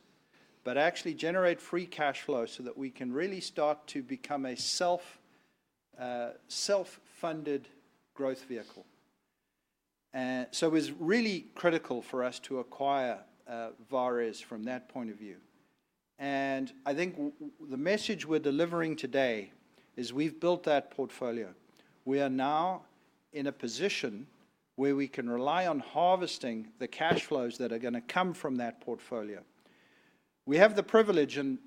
but actually generate free cash flow so that we can really start to become a self-funded growth vehicle. It was really critical for us to acquire Varus from that point of view. I think the message we're delivering today is we've built that portfolio. We are now in a position where we can rely on harvesting the cash flows that are going to come from that portfolio. We have the privilege, and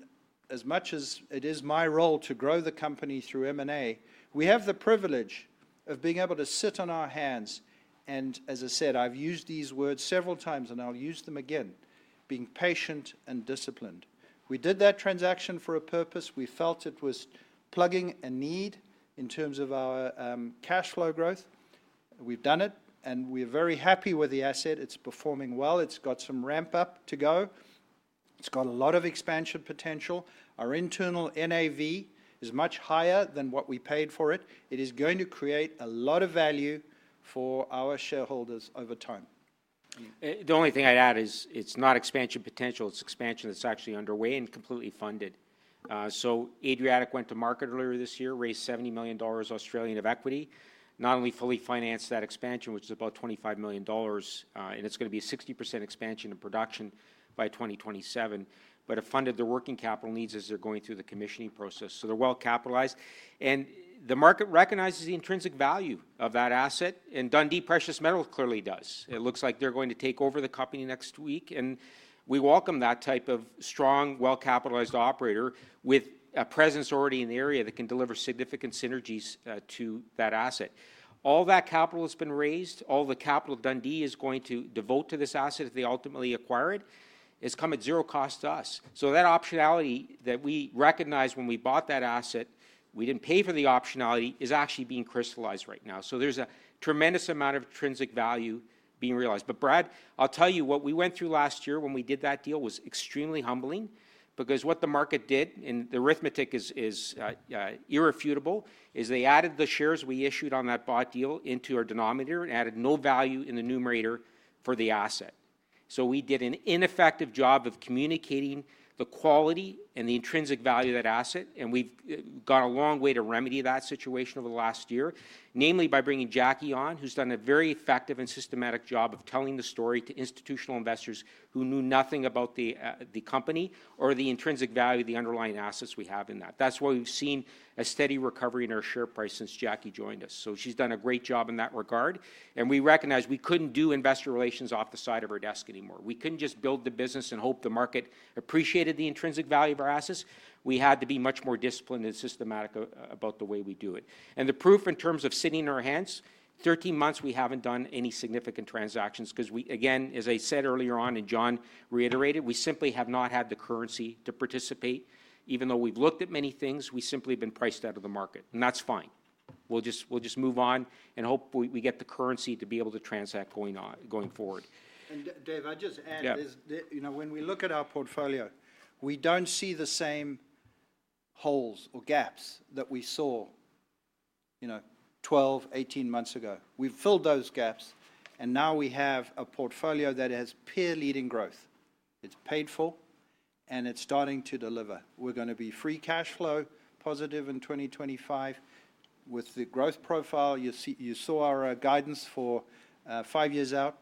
as much as it is my role to grow the company through M&A, we have the privilege of being able to sit on our hands. As I said, I've used these words several times, and I'll use them again, being patient and disciplined. We did that transaction for a purpose. We felt it was plugging a need in terms of our cash flow growth. We've done it, and we're very happy with the asset. It's performing well. It's got some ramp up to go. It's got a lot of expansion potential. Our internal NAV is much higher than what we paid for it. It is going to create a lot of value for our shareholders over time. The only thing I'd add is it's not expansion potential. It's expansion that's actually underway and completely funded. Adriatic went to market earlier this year, raised 70 million Australian dollars of equity, not only fully financed that expansion, which is about 25 million dollars, and it's going to be a 60% expansion in production by 2027, but have funded the working capital needs as they're going through the commissioning process. They're well capitalized. The market recognizes the intrinsic value of that asset. Dundee Precious Metals clearly does. It looks like they're going to take over the company next week. We welcome that type of strong, well-capitalized operator with a presence already in the area that can deliver significant synergies to that asset. All that capital that's been raised, all the capital Dundee is going to devote to this asset if they ultimately acquire it, has come at zero cost to us. That optionality that we recognized when we bought that asset, we didn't pay for the optionality, is actually being crystallized right now. There's a tremendous amount of intrinsic value being realized. Brad, I'll tell you what we went through last year when we did that deal was extremely humbling because what the market did, and the arithmetic is irrefutable, is they added the shares we issued on that bought deal into our denominator and added no value in the numerator for the asset. We did an ineffective job of communicating the quality and the intrinsic value of that asset. We have gone a long way to remedy that situation over the last year, namely by bringing Jackie on, who's done a very effective and systematic job of telling the story to institutional investors who knew nothing about the company or the intrinsic value of the underlying assets we have in that. That is why we have seen a steady recovery in our share price since Jackie joined us. She has done a great job in that regard. We recognize we could not do investor relations off the side of our desk anymore. We could not just build the business and hope the market appreciated the intrinsic value of our assets. We had to be much more disciplined and systematic about the way we do it. The proof in terms of sitting on our hands, 13 months we have not done any significant transactions because we, again, as I said earlier on and John reiterated, we simply have not had the currency to participate. Even though we have looked at many things, we simply have been priced out of the market. That is fine. We will just move on and hope we get the currency to be able to transact going forward. Dave, I'll just add, when we look at our portfolio, we do not see the same holes or gaps that we saw 12, 18 months ago. We have filled those gaps, and now we have a portfolio that has peer-leading growth. It is paid for, and it is starting to deliver. We are going to be free cash flow positive in 2025 with the growth profile. You saw our guidance for five years out.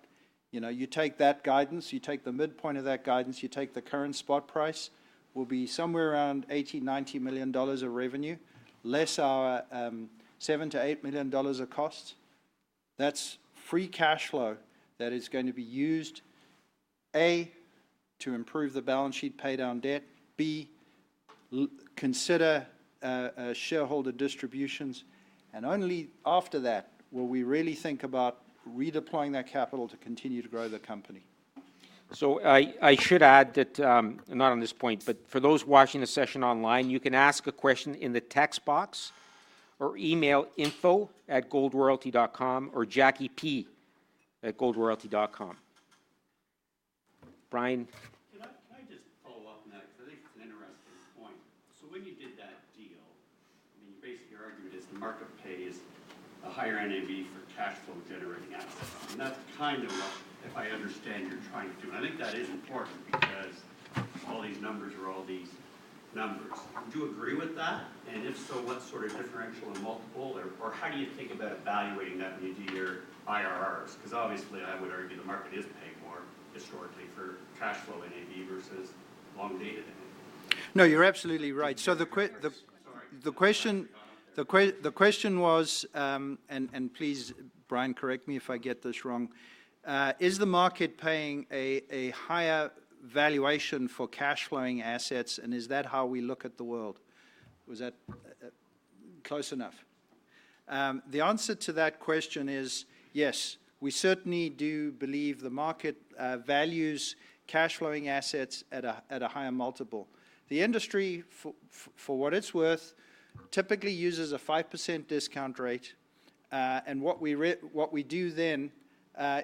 You take that guidance, you take the midpoint of that guidance, you take the current spot price, we will be somewhere around $80 million-$90 million of revenue, less our $7 million-$8 million of costs. That is free cash flow that is going to be used, A, to improve the balance sheet pay down debt, B, consider shareholder distributions. Only after that will we really think about redeploying that capital to continue to grow the company. I should add that, not on this point, but for those watching the session online, you can ask a question in the text box or email info@goldroyalty.com or JackieP@goldroyalty.com. Brian. Can I just follow up on that? Because I think it's an interesting point. When you did that deal, I mean, your basic argument is the market pays a higher NAV for cash flow generating assets. That's kind of what, if I understand, you're trying to do. I think that is important because all these numbers are all these numbers. Do you agree with that? If so, what sort of differential and multiple? How do you think about evaluating that when you do your IRRs? Obviously, I would argue the market is paying more historically for cash flow NAV versus long-dated NAV. No, you're absolutely right. The question was, and please, Brian, correct me if I get this wrong, is the market paying a higher valuation for cash flowing assets? Is that how we look at the world? Was that close enough? The answer to that question is yes. We certainly do believe the market values cash flowing assets at a higher multiple. The industry, for what it's worth, typically uses a 5% discount rate. What we do then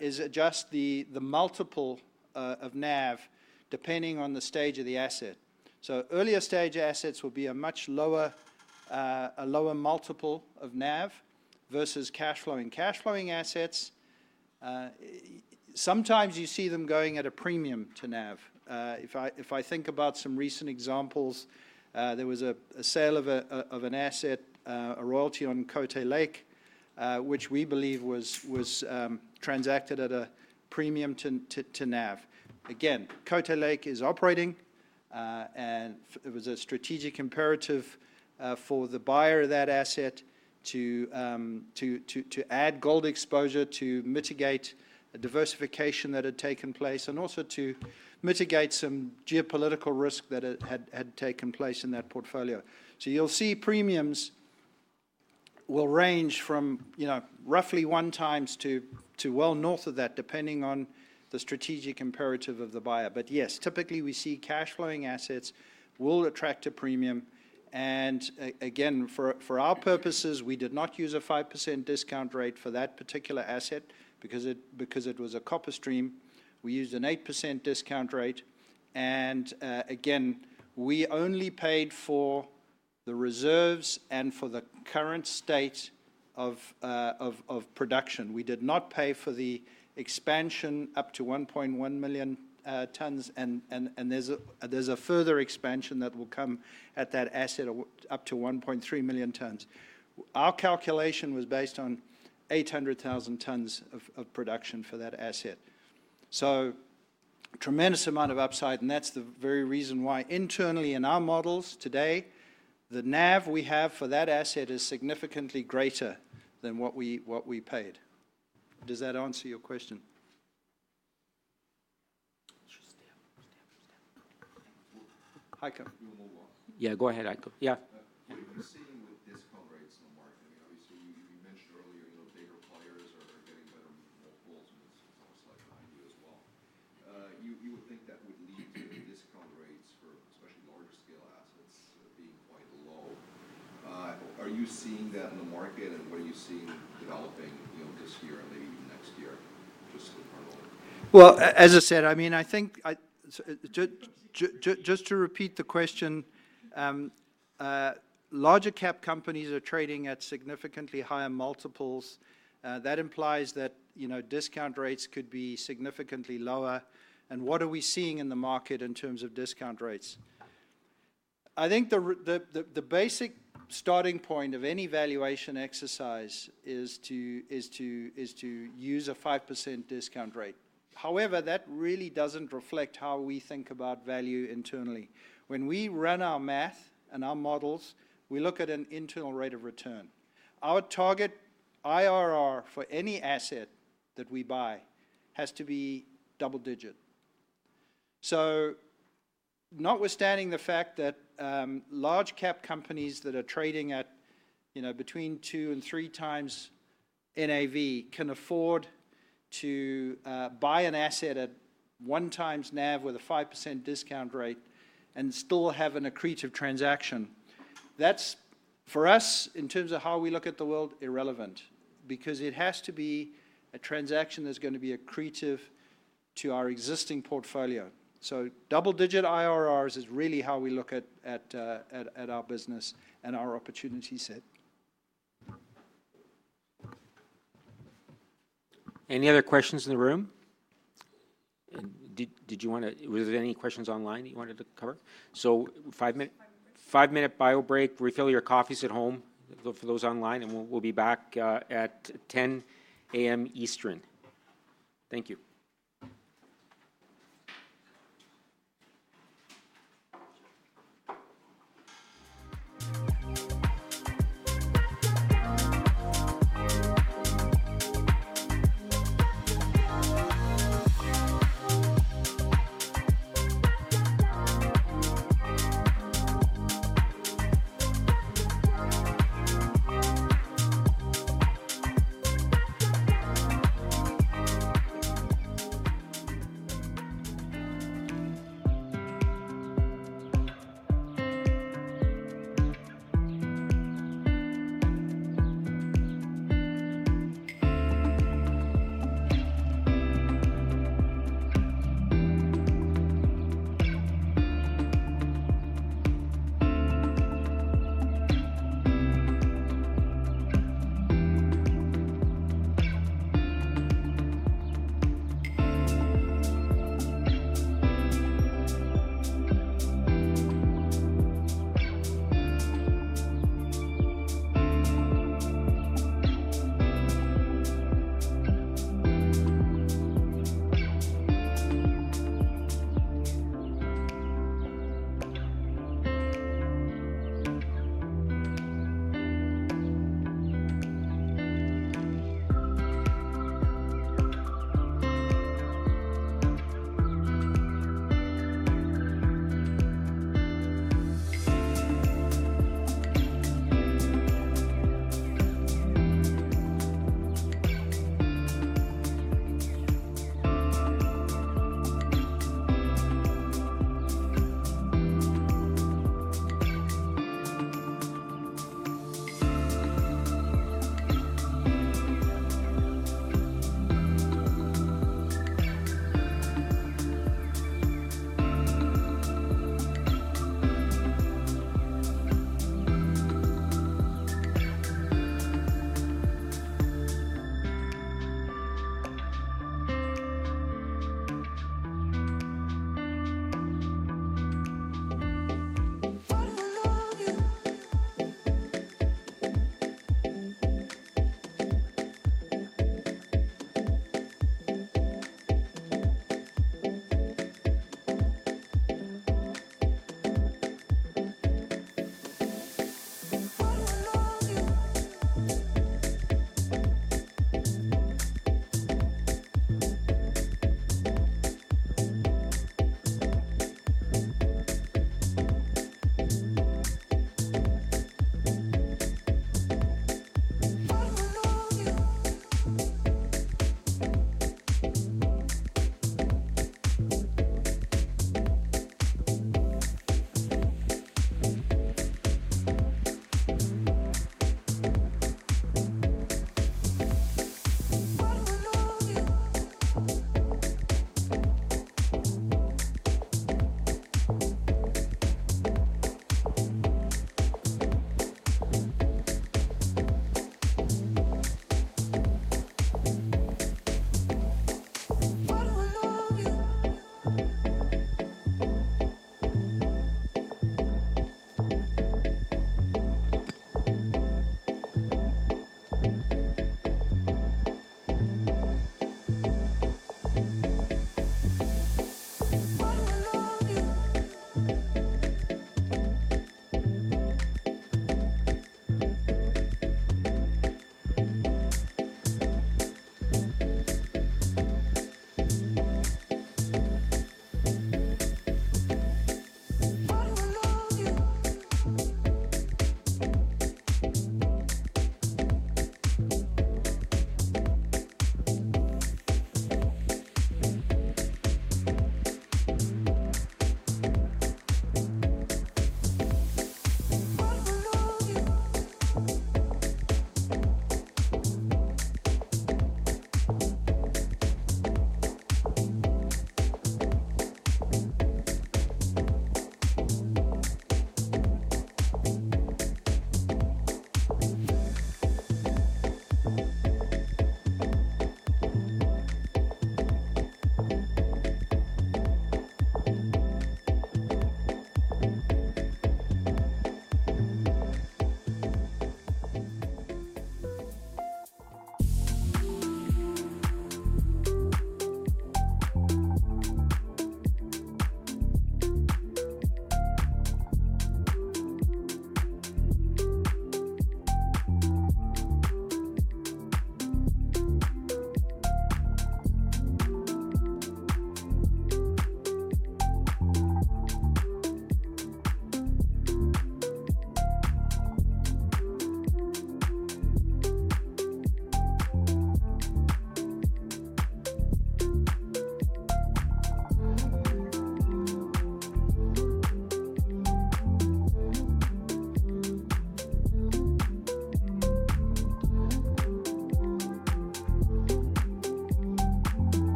is adjust the multiple of NAV depending on the stage of the asset. Earlier stage assets will be a much lower multiple of NAV versus cash flowing assets. Sometimes you see them going at a premium to NAV. If I think about some recent examples, there was a sale of an asset, a royalty on Cote Lake, which we believe was transacted at a premium to NAV. Again, Cote Lake is operating, and it was a strategic imperative for the buyer of that asset to add gold exposure to mitigate a diversification that had taken place and also to mitigate some geopolitical risk that had taken place in that portfolio. You'll see premiums will range from roughly one times to well north of that, depending on the strategic imperative of the buyer. Yes, typically we see cash flowing assets will attract a premium. Again, for our purposes, we did not use a 5% discount rate for that particular asset because it was a copper stream. We used an 8% discount rate. Again, we only paid for the reserves and for the current state of production. We did not pay for the expansion up to 1.1 million tons. There's a further expansion that will come at that asset up to 1.3 million tons. Our calculation was based on 800,000 tons of production for that asset. Tremendous amount of upside. That is the very reason why internally in our models today, the NAV we have for that asset is significantly greater than what we paid. Does that answer your question? Yeah, go ahead, Aiko. Yeah. We've been seeing with discount rates in the market, I mean, obviously, you mentioned earlier bigger players are getting better multiples, and it's almost like an idea as well. You would think that would lead to discount rates for especially larger scale assets being quite low. Are you seeing that in the market, and what are you seeing developing this year and maybe even next year just to kind of? As I said, I mean, I think just to repeat the question, larger cap companies are trading at significantly higher multiples. That implies that discount rates could be significantly lower. What are we seeing in the market in terms of discount rates? I think the basic starting point of any valuation exercise is to use a 5% discount rate. However, that really does not reflect how we think about value internally. When we run our math and our models, we look at an internal rate of return. Our target IRR for any asset that we buy has to be double digit. Notwithstanding the fact that large cap companies that are trading at between two and three times NAV can afford to buy an asset at one times NAV with a 5% discount rate and still have an accretive transaction, that's for us, in terms of how we look at the world, irrelevant because it has to be a transaction that's going to be accretive to our existing portfolio. Double digit IRRs is really how we look at our business and our opportunity set. Any other questions in the room? Did you want to, was there any questions online that you wanted to cover? Five minutes? Five minutes. Five minute bio break. Refill your coffees at home for those online, and we'll be back at 10:00 A.M. Eastern. Thank you.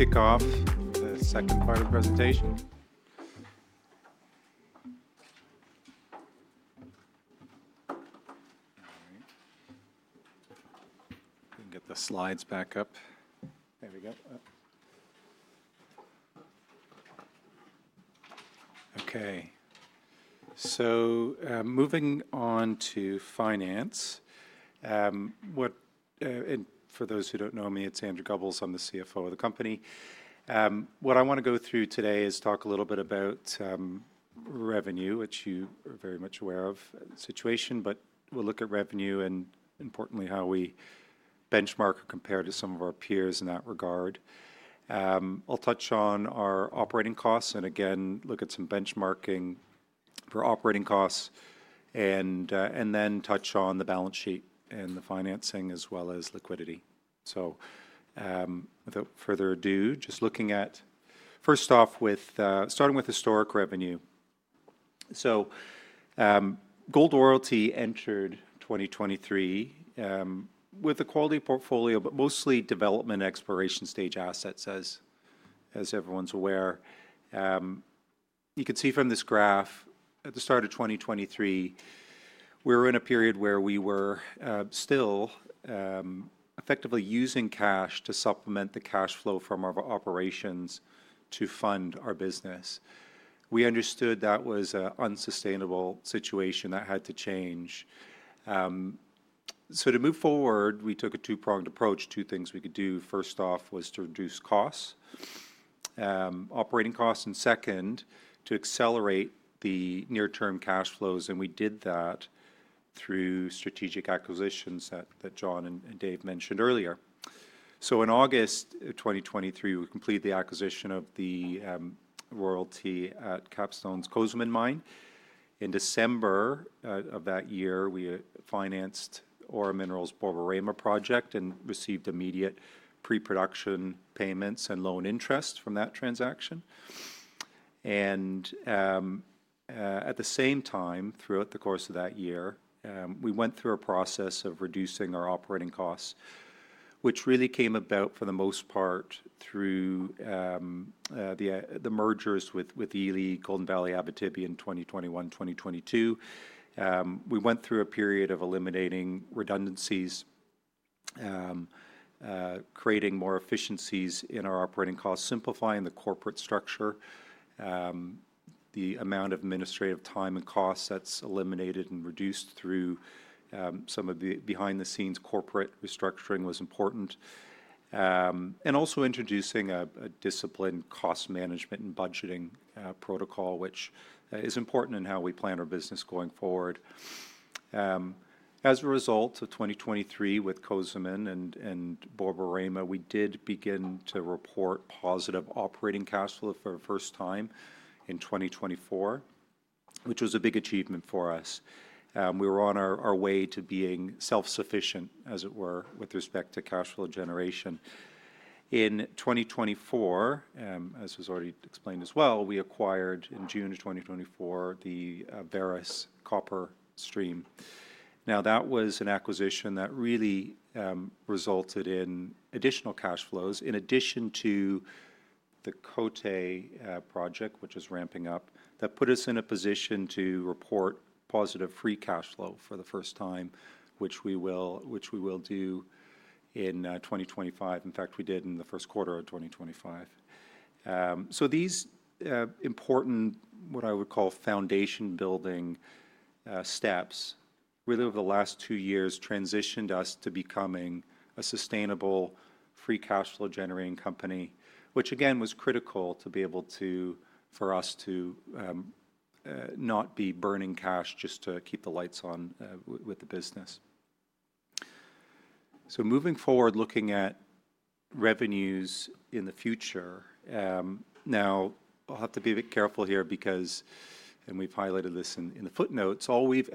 Okay, everyone, we're going to kick off the second part of the presentation. All right. We can get the slides back up. There we go. Okay. So moving on to finance. And for those who don't know me, it's Andrew Goebbels. I'm the CFO of the company. What I want to go through today is talk a little bit about revenue, which you are very much aware of, situation. But we'll look at revenue and, importantly, how we benchmark or compare to some of our peers in that regard. I'll touch on our operating costs and, again, look at some benchmarking for operating costs and then touch on the balance sheet and the financing as well as liquidity. Without further ado, just looking at, first off, starting with historic revenue. Gold Royalty entered 2023 with a quality portfolio, but mostly development exploration stage assets, as everyone's aware. You can see from this graph, at the start of 2023, we were in a period where we were still effectively using cash to supplement the cash flow from our operations to fund our business. We understood that was an unsustainable situation that had to change. To move forward, we took a two-pronged approach. Two things we could do. First off was to reduce costs, operating costs. Second, to accelerate the near-term cash flows. We did that through strategic acquisitions that John and Dave mentioned earlier. In August of 2023, we completed the acquisition of the royalty at Capstone Copper's Cozemin mine. In December of that year, we financed Aura Minerals' Borborema project and received immediate pre-production payments and loan interest from that transaction. At the same time, throughout the course of that year, we went through a process of reducing our operating costs, which really came about for the most part through the mergers with Ely, Golden Valley, Abitibi in 2021, 2022. We went through a period of eliminating redundancies, creating more efficiencies in our operating costs, simplifying the corporate structure. The amount of administrative time and costs that is eliminated and reduced through some of the behind-the-scenes corporate restructuring was important. Also, introducing a disciplined cost management and budgeting protocol, which is important in how we plan our business going forward. As a result of 2023 with Cozemin and Borborema, we did begin to report positive operating cash flow for the first time in 2024, which was a big achievement for us. We were on our way to being self-sufficient, as it were, with respect to cash flow generation. In 2024, as was already explained as well, we acquired in June of 2024 the Varus Copper Stream. Now, that was an acquisition that really resulted in additional cash flows in addition to the Cote project, which is ramping up, that put us in a position to report positive free cash flow for the first time, which we will do in 2025. In fact, we did in the first quarter of 2025. These important, what I would call foundation-building steps, really over the last two years, transitioned us to becoming a sustainable free cash flow generating company, which, again, was critical to be able to, for us to not be burning cash just to keep the lights on with the business. Moving forward, looking at revenues in the future. Now, I'll have to be a bit careful here because, and we've highlighted this in the footnotes, all we've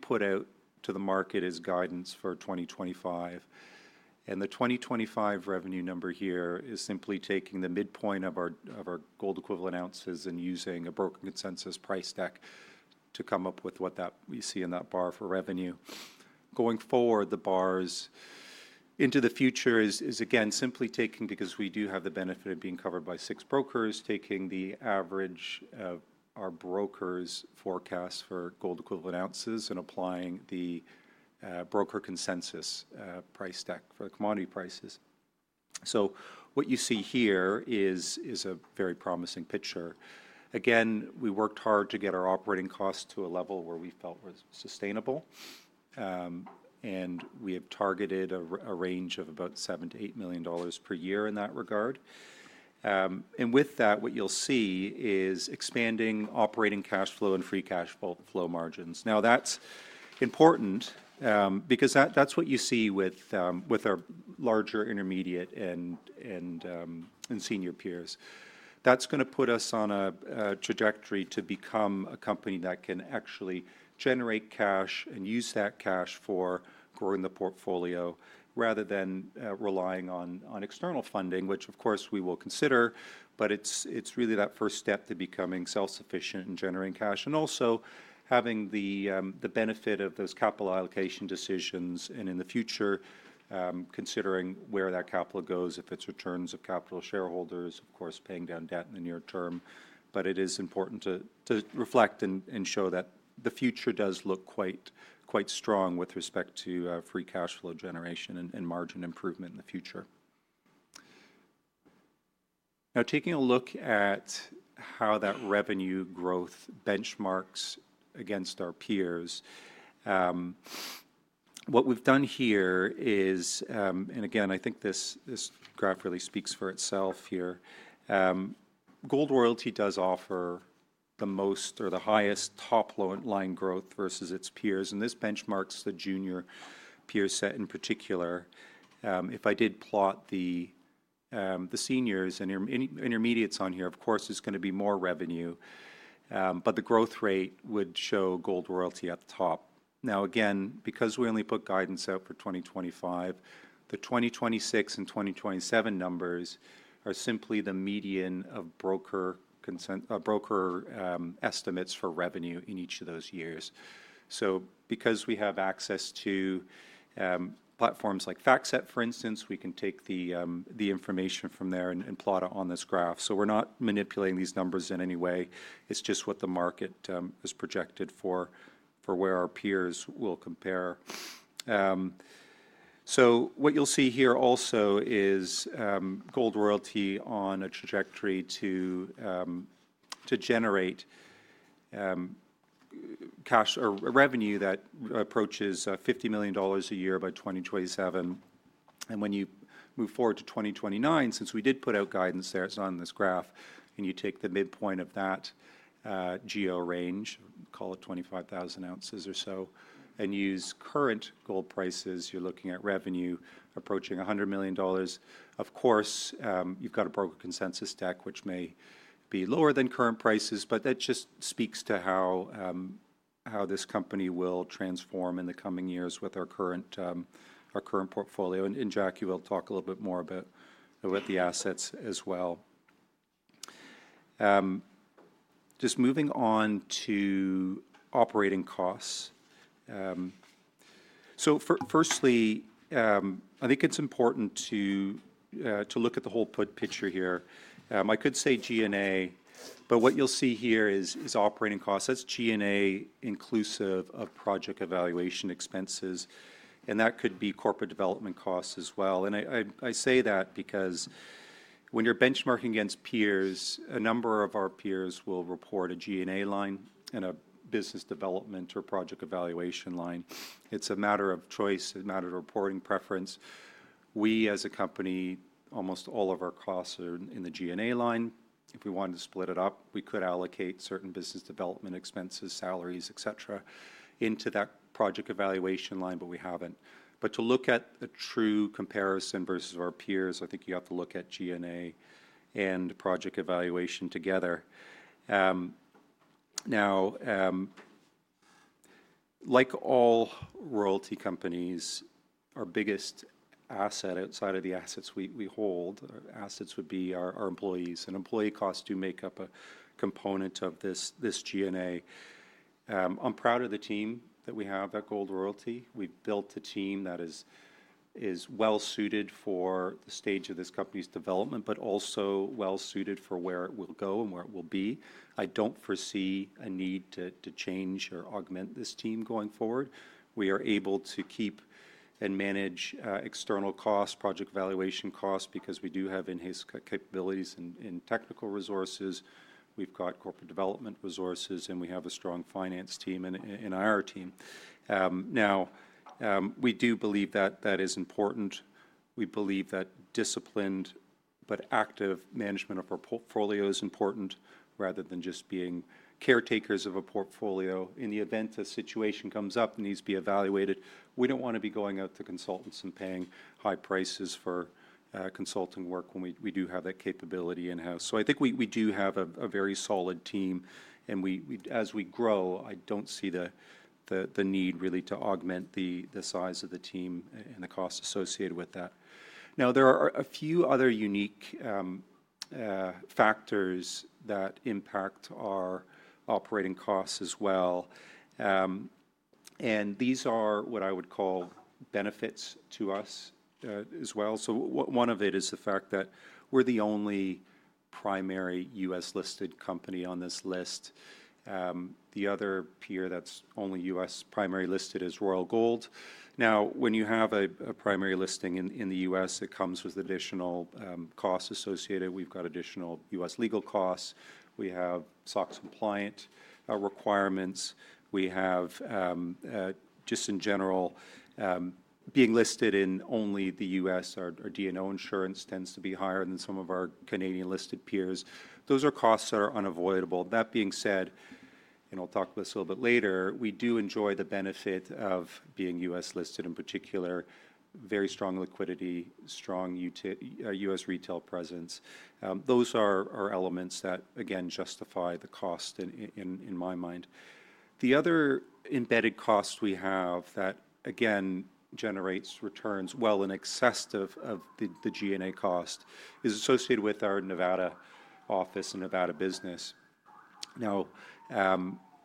put out to the market is guidance for 2025. The 2025 revenue number here is simply taking the midpoint of our gold equivalent oz and using a broker consensus price deck to come up with what that we see in that bar for revenue. Going forward, the bars into the future is, again, simply taking because we do have the benefit of being covered by six brokers, taking the average of our brokers' forecasts for gold equivalent oz and applying the broker consensus price deck for the commodity prices. What you see here is a very promising picture. Again, we worked hard to get our operating costs to a level where we felt were sustainable. We have targeted a range of about $7-$8 million per year in that regard. With that, what you'll see is expanding operating cash flow and free cash flow margins. That is important because that is what you see with our larger intermediate and senior peers. That is going to put us on a trajectory to become a company that can actually generate cash and use that cash for growing the portfolio rather than relying on external funding, which, of course, we will consider. It is really that first step to becoming self-sufficient and generating cash and also having the benefit of those capital allocation decisions. In the future, considering where that capital goes, if it is returns of capital to shareholders, of course, paying down debt in the near term. It is important to reflect and show that the future does look quite strong with respect to free cash flow generation and margin improvement in the future. Now, taking a look at how that revenue growth benchmarks against our peers, what we've done here is, and again, I think this graph really speaks for itself here. Gold Royalty does offer the most or the highest top line growth versus its peers. This benchmarks the junior peer set in particular. If I did plot the seniors and intermediates on here, of course, there's going to be more revenue. The growth rate would show Gold Royalty at the top. Now, again, because we only put guidance out for 2025, the 2026 and 2027 numbers are simply the median of broker estimates for revenue in each of those years. Because we have access to platforms like FactSet, for instance, we can take the information from there and plot it on this graph. We are not manipulating these numbers in any way. It is just what the market is projected for, for where our peers will compare. What you will see here also is Gold Royalty on a trajectory to generate cash or revenue that approaches $50 million a year by 2027. When you move forward to 2029, since we did put out guidance there, it is on this graph, and you take the midpoint of that GEO range, call it 25,000 oz or so, and use current gold prices, you are looking at revenue approaching $100 million. Of course, you have a broker consensus deck, which may be lower than current prices, but that just speaks to how this company will transform in the coming years with our current portfolio. Jackie will talk a little bit more about the assets as well. Just moving on to operating costs. Firstly, I think it's important to look at the whole picture here. I could say G&A, but what you'll see here is operating costs. That's G&A inclusive of project evaluation expenses. That could be corporate development costs as well. I say that because when you're benchmarking against peers, a number of our peers will report a G&A line and a business development or project evaluation line. It's a matter of choice. It's a matter of reporting preference. We, as a company, almost all of our costs are in the G&A line. If we wanted to split it up, we could allocate certain business development expenses, salaries, etc., into that project evaluation line, but we haven't. To look at a true comparison versus our peers, I think you have to look at G&A and project evaluation together. Now, like all royalty companies, our biggest asset outside of the assets we hold, assets would be our employees. Employee costs do make up a component of this G&A. I'm proud of the team that we have at Gold Royalty. We've built a team that is well-suited for the stage of this company's development, but also well-suited for where it will go and where it will be. I don't foresee a need to change or augment this team going forward. We are able to keep and manage external costs, project evaluation costs, because we do have in-house capabilities and technical resources. We've got corporate development resources, and we have a strong finance team in our team. We do believe that that is important. We believe that disciplined but active management of our portfolio is important rather than just being caretakers of a portfolio. In the event a situation comes up and needs to be evaluated, we do not want to be going out to consultants and paying high prices for consulting work when we do have that capability in-house. I think we do have a very solid team. As we grow, I do not see the need really to augment the size of the team and the cost associated with that. There are a few other unique factors that impact our operating costs as well. These are what I would call benefits to us as well. One of it is the fact that we are the only primary U.S.-listed company on this list. The other peer that is only U.S. primary listed is Royal Gold. Now, when you have a primary listing in the U.S., it comes with additional costs associated. We've got additional U.S. legal costs. We have SOX compliant requirements. We have, just in general, being listed in only the U.S., our D&O insurance tends to be higher than some of our Canadian-listed peers. Those are costs that are unavoidable. That being said, and I'll talk about this a little bit later, we do enjoy the benefit of being U.S.-listed in particular, very strong liquidity, strong U.S. retail presence. Those are elements that, again, justify the cost in my mind. The other embedded cost we have that, again, generates returns well in excess of the G&A cost is associated with our Nevada office and Nevada business. Now,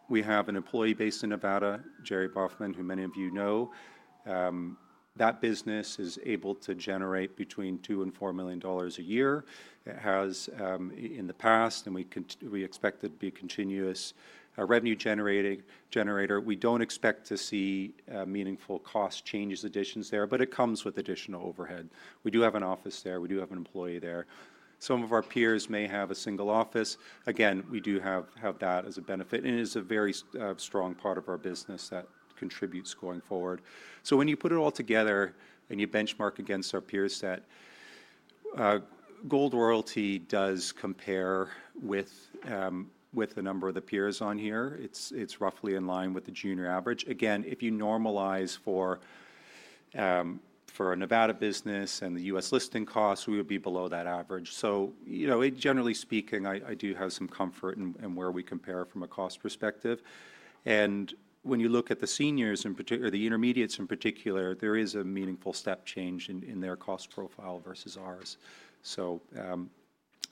we have an employee based in Nevada, Jerry Boffman, who many of you know. That business is able to generate between $2 million and $4 million a year. It has, in the past, and we expect it to be a continuous revenue generator. We do not expect to see meaningful cost changes, additions there, but it comes with additional overhead. We do have an office there. We do have an employee there. Some of our peers may have a single office. Again, we do have that as a benefit. It is a very strong part of our business that contributes going forward. When you put it all together and you benchmark against our peer set, Gold Royalty does compare with a number of the peers on here. It is roughly in line with the junior average. If you normalize for a Nevada business and the U.S. listing costs, we would be below that average. Generally speaking, I do have some comfort in where we compare from a cost perspective. When you look at the seniors in particular, the intermediates in particular, there is a meaningful step change in their cost profile versus ours. That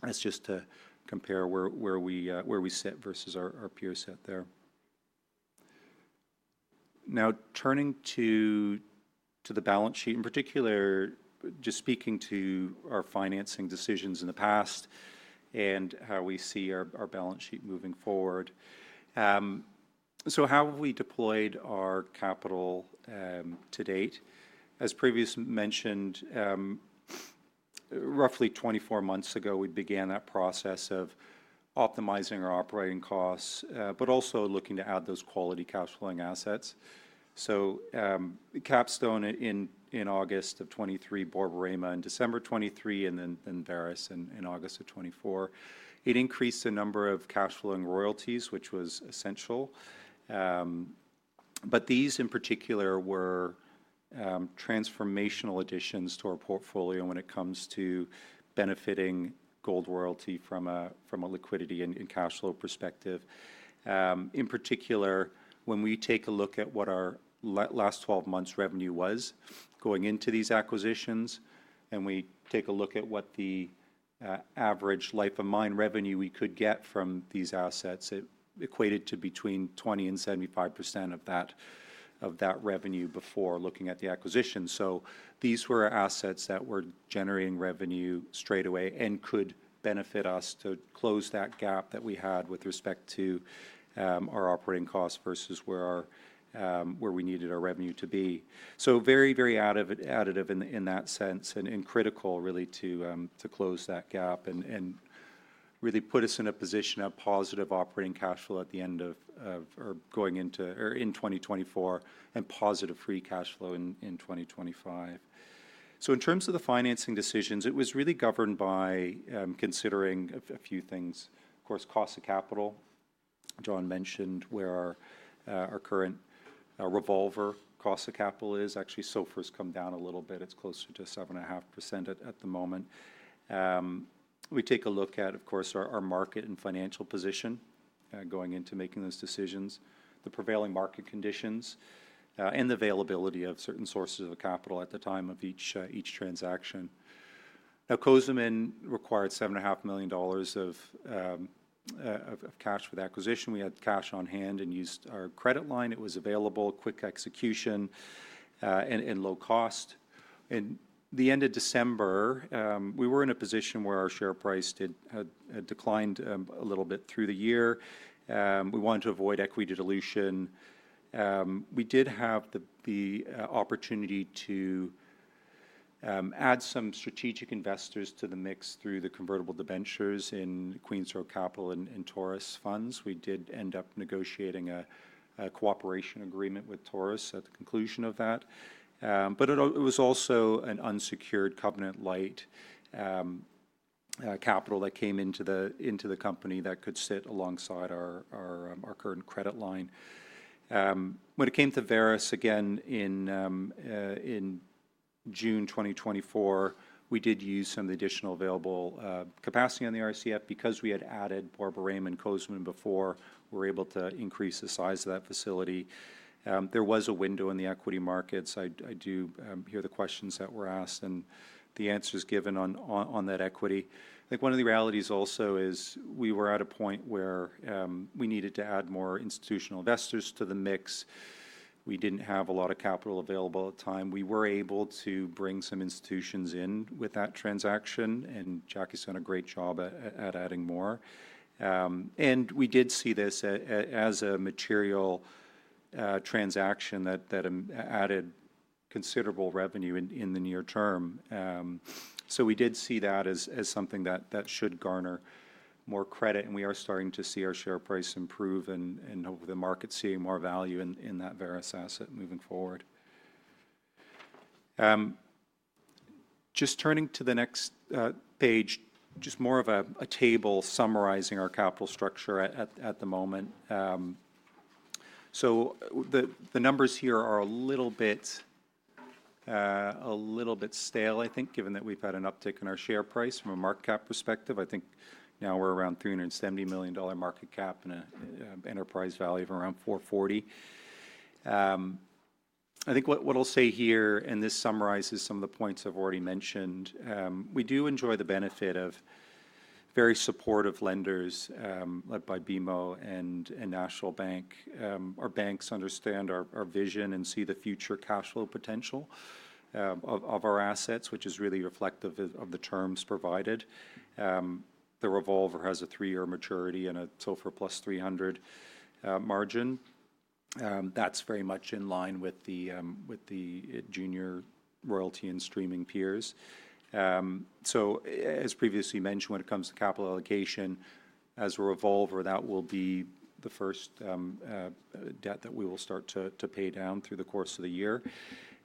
is just to compare where we sit versus our peer set there. Now, turning to the balance sheet in particular, just speaking to our financing decisions in the past and how we see our balance sheet moving forward. How have we deployed our capital to date? As previously mentioned, roughly 24 months ago, we began that process of optimizing our operating costs, but also looking to add those quality cash flowing assets. Capstone in August of 2023, Borborema in December 2023, and then Varus in August of 2024. It increased the number of cash flowing royalties, which was essential. These, in particular, were transformational additions to our portfolio when it comes to benefiting Gold Royalty from a liquidity and cash flow perspective. In particular, when we take a look at what our last 12 months' revenue was going into these acquisitions, and we take a look at what the average life of mine revenue we could get from these assets, it equated to between 20-75% of that revenue before looking at the acquisition. These were assets that were generating revenue straight away and could benefit us to close that gap that we had with respect to our operating costs versus where we needed our revenue to be. Very, very additive in that sense and critical really to close that gap and really put us in a position of positive operating cash flow at the end of or going into or in 2024 and positive free cash flow in 2025. In terms of the financing decisions, it was really governed by considering a few things. Of course, cost of capital, John mentioned, where our current revolver cost of capital is. Actually, SOFR has come down a little bit. It is closer to 7.5% at the moment. We take a look at, of course, our market and financial position going into making those decisions, the prevailing market conditions, and the availability of certain sources of capital at the time of each transaction. Now, Cozemin required $7.5 million of cash with acquisition. We had cash on hand and used our credit line. It was available, quick execution, and low cost. At the end of December, we were in a position where our share price had declined a little bit through the year. We wanted to avoid equity dilution. We did have the opportunity to add some strategic investors to the mix through the convertible debentures in Queensroad Capital and Taurus Funds. We did end up negotiating a cooperation agreement with Taurus at the conclusion of that. It was also an unsecured covenant light capital that came into the company that could sit alongside our current credit line. When it came to Varus, again, in June 2024, we did use some of the additional available capacity on the RCF because we had added Borborema and Cozemin before. We were able to increase the size of that facility. There was a window in the equity markets. I do hear the questions that were asked, and the answer is given on that equity. I think one of the realities also is we were at a point where we needed to add more institutional investors to the mix. We did not have a lot of capital available at the time. We were able to bring some institutions in with that transaction, and Jackie's done a great job at adding more. We did see this as a material transaction that added considerable revenue in the near term. We did see that as something that should garner more credit. We are starting to see our share price improve and hopefully the market seeing more value in that Varus asset moving forward. Just turning to the next page, just more of a table summarizing our capital structure at the moment. The numbers here are a little bit stale, I think, given that we've had an uptick in our share price from a market cap perspective. I think now we're around $370 million market cap and an enterprise value of around $440 million. I think what I'll say here, and this summarizes some of the points I've already mentioned. We do enjoy the benefit of very supportive lenders led by BMO and National Bank. Our banks understand our vision and see the future cash flow potential of our assets, which is really reflective of the terms provided. The revolver has a three-year maturity and a SOFR plus 300 margin. That's very much in line with the junior royalty and streaming peers. As previously mentioned, when it comes to capital allocation, as a revolver, that will be the first debt that we will start to pay down through the course of the year.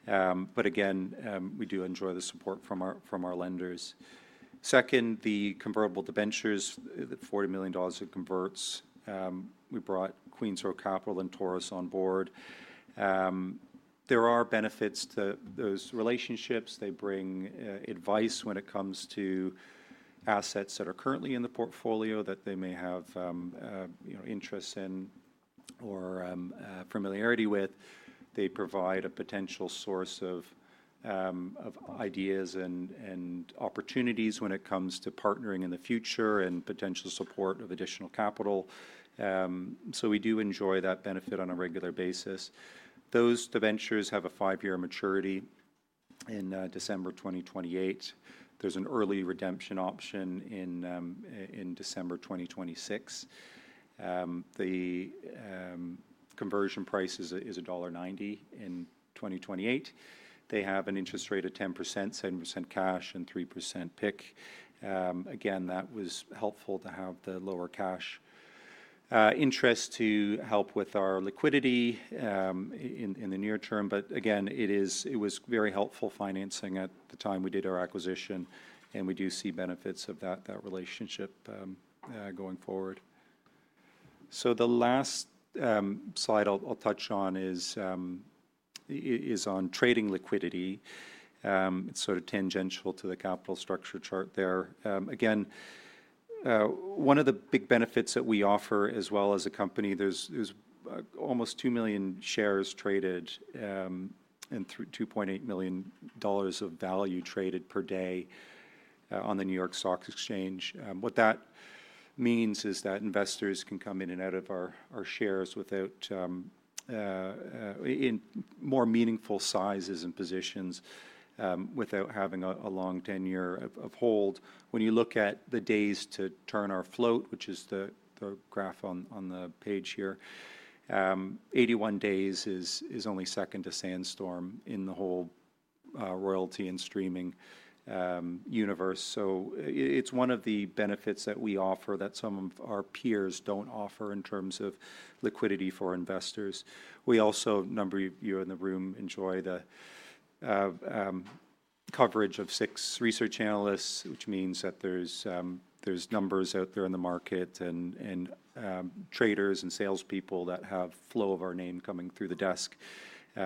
Again, we do enjoy the support from our lenders. Second, the convertible debentures, the $40 million that converts, we brought Queensroad Capital and Taurus on board. There are benefits to those relationships. They bring advice when it comes to assets that are currently in the portfolio that they may have interest in or familiarity with. They provide a potential source of ideas and opportunities when it comes to partnering in the future and potential support of additional capital. We do enjoy that benefit on a regular basis. Those debentures have a five-year maturity in December 2028. There is an early redemption option in December 2026. The conversion price is $1.90 in 2028. They have an interest rate of 10%, 7% cash, and 3% pick. Again, that was helpful to have the lower cash interest to help with our liquidity in the near term. Again, it was very helpful financing at the time we did our acquisition, and we do see benefits of that relationship going forward. The last slide I'll touch on is on trading liquidity. It's sort of tangential to the capital structure chart there. Again, one of the big benefits that we offer as well as a company, there's almost 2 million shares traded and $2.8 million of value traded per day on the New York Stock Exchange. What that means is that investors can come in and out of our shares in more meaningful sizes and positions without having a long tenure of hold. When you look at the days to turn our float, which is the graph on the page here, 81 days is only second to Sandstorm in the whole royalty and streaming universe. It is one of the benefits that we offer that some of our peers do not offer in terms of liquidity for investors. Also, a number of you in the room enjoy the coverage of six research analysts, which means that there are numbers out there in the market and traders and salespeople that have flow of our name coming through the desk,